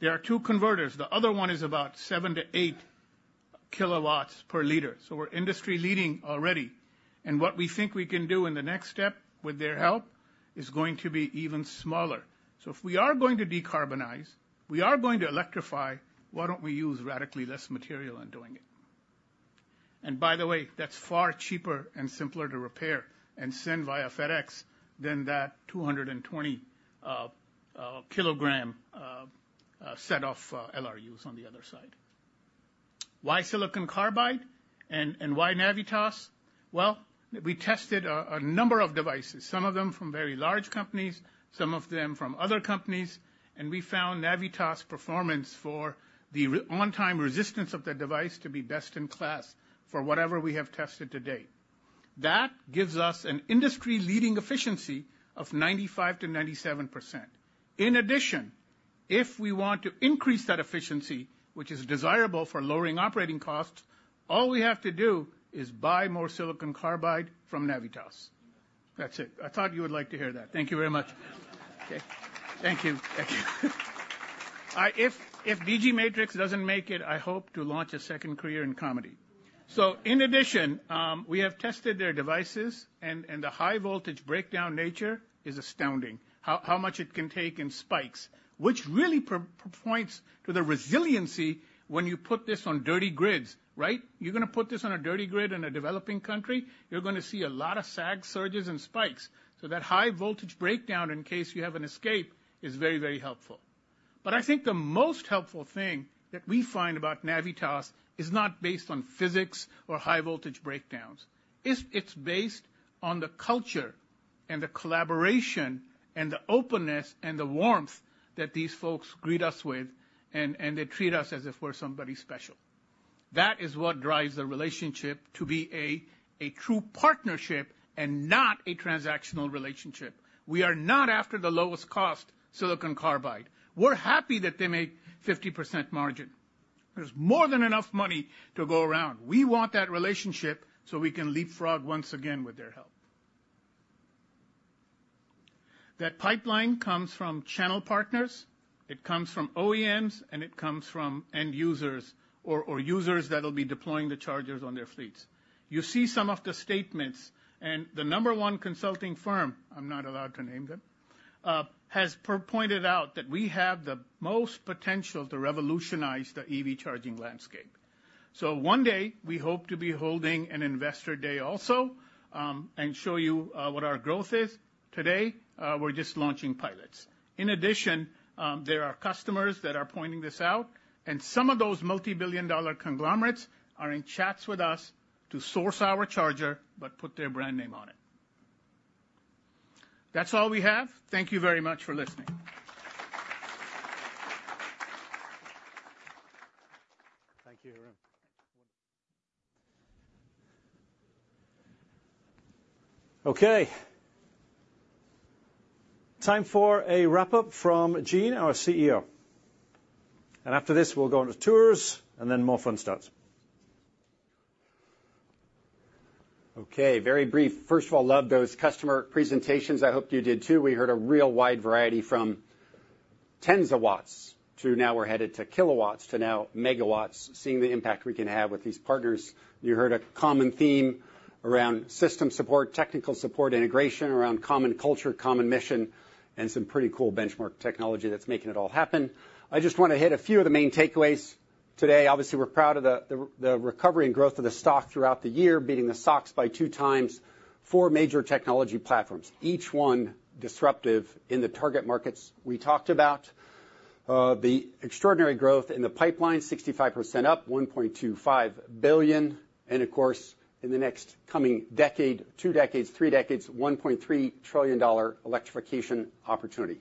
W: There are two converters. The other one is about 7 kW-8 kW per liter, so we're industry-leading already. And what we think we can do in the next step, with their help, is going to be even smaller. So if we are going to decarbonize, we are going to electrify, why don't we use radically less material in doing it? And by the way, that's far cheaper and simpler to repair and send via FedEx than that 220 kg set of LRUs on the other side. Why silicon carbide and why Navitas? Well, we tested a number of devices, some of them from very large companies, some of them from other companies, and we found Navitas' performance for the RDS(on) resistance of the device to be best-in-class for whatever we have tested to date. That gives us an industry-leading efficiency of 95%-97%. In addition, if we want to increase that efficiency, which is desirable for lowering operating costs, all we have to do is buy more silicon carbide from Navitas. That's it. I thought you would like to hear that. Thank you very much. Okay. Thank you. Thank you. If DG Matrix doesn't make it, I hope to launch a second career in comedy... So in addition, we have tested their devices, and the high voltage breakdown nature is astounding. How much it can take in spikes, which really points to the resiliency when you put this on dirty grids, right? You're gonna put this on a dirty grid in a developing country, you're gonna see a lot of sag, surges, and spikes. So that high voltage breakdown, in case you have an escape, is very, very helpful. But I think the most helpful thing that we find about Navitas is not based on physics or high voltage breakdowns. It's based on the culture and the collaboration and the openness and the warmth that these folks greet us with, and they treat us as if we're somebody special. That is what drives the relationship to be a true partnership and not a transactional relationship. We are not after the lowest cost silicon carbide. We're happy that they make 50% margin. There's more than enough money to go around. We want that relationship so we can leapfrog once again with their help. That pipeline comes from channel partners, it comes from OEMs, and it comes from end users or, or users that'll be deploying the chargers on their fleets. You see some of the statements, and the number one consulting firm, I'm not allowed to name them, has pointed out that we have the most potential to revolutionize the EV charging landscape. So one day, we hope to be holding an investor day also, and show you what our growth is. Today, we're just launching pilots. In addition, there are customers that are pointing this out, and some of those multi-billion dollar conglomerates are in chats with us to source our charger, but put their brand name on it. That's all we have. Thank you very much for listening.
A: Thank you, Haroon. Okay. Time for a wrap-up from Gene, our CEO. After this, we'll go on the tours, and then more fun starts.
B: Okay, very brief. First of all, loved those customer presentations. I hope you did, too. We heard a real wide variety from tens of watts to now we're headed to kilowatts, to now megawatts, seeing the impact we can have with these partners. You heard a common theme around system support, technical support, integration around common culture, common mission, and some pretty cool benchmark technology that's making it all happen. I just wanna hit a few of the main takeaways today. Obviously, we're proud of the recovery and growth of the stock throughout the year, beating the SOX by 2x. Four major technology platforms, each one disruptive in the target markets we talked about. The extraordinary growth in the pipeline, 65% up, $1.25 billion, and of course, in the next coming decade, two decades, three decades, $1.3 trillion dollar electrification opportunity.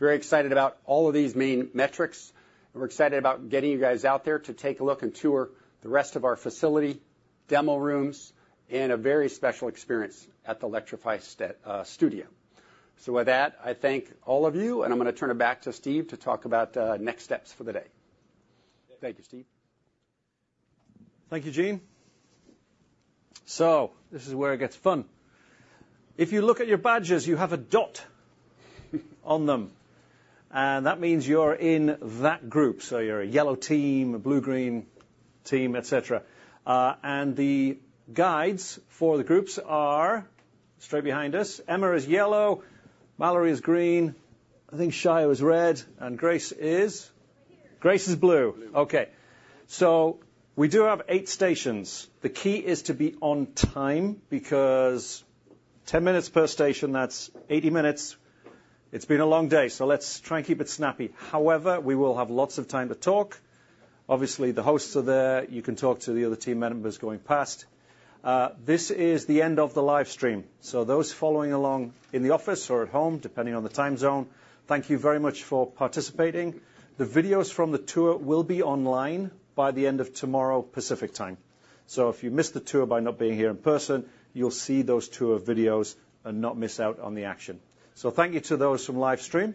B: Very excited about all of these main metrics, and we're excited about getting you guys out there to take a look and tour the rest of our facility, demo rooms, and a very special experience at the Electrify Studio. So with that, I thank all of you, and I'm gonna turn it back to Steve to talk about next steps for the day. Thank you, Steve.
A: Thank you, Gene. So this is where it gets fun. If you look at your badges, you have a dot on them, and that means you're in that group. So you're a yellow team, a blue-green team, et cetera. And the guides for the groups are straight behind us. Emma is yellow, Mallory is green, I think Shia is red, and Grace is?
B: Blue.
A: Grace is blue.
B: Blue.
A: Okay, so we do have eight stations. The key is to be on time, because 10 minutes per station, that's 80 minutes. It's been a long day, so let's try and keep it snappy. However, we will have lots of time to talk. Obviously, the hosts are there. You can talk to the other team members going past. This is the end of the live stream, so those following along in the office or at home, depending on the time zone, thank you very much for participating. The videos from the tour will be online by the end of tomorrow, Pacific Time. So if you missed the tour by not being here in person, you'll see those tour videos and not miss out on the action. So thank you to those from live stream.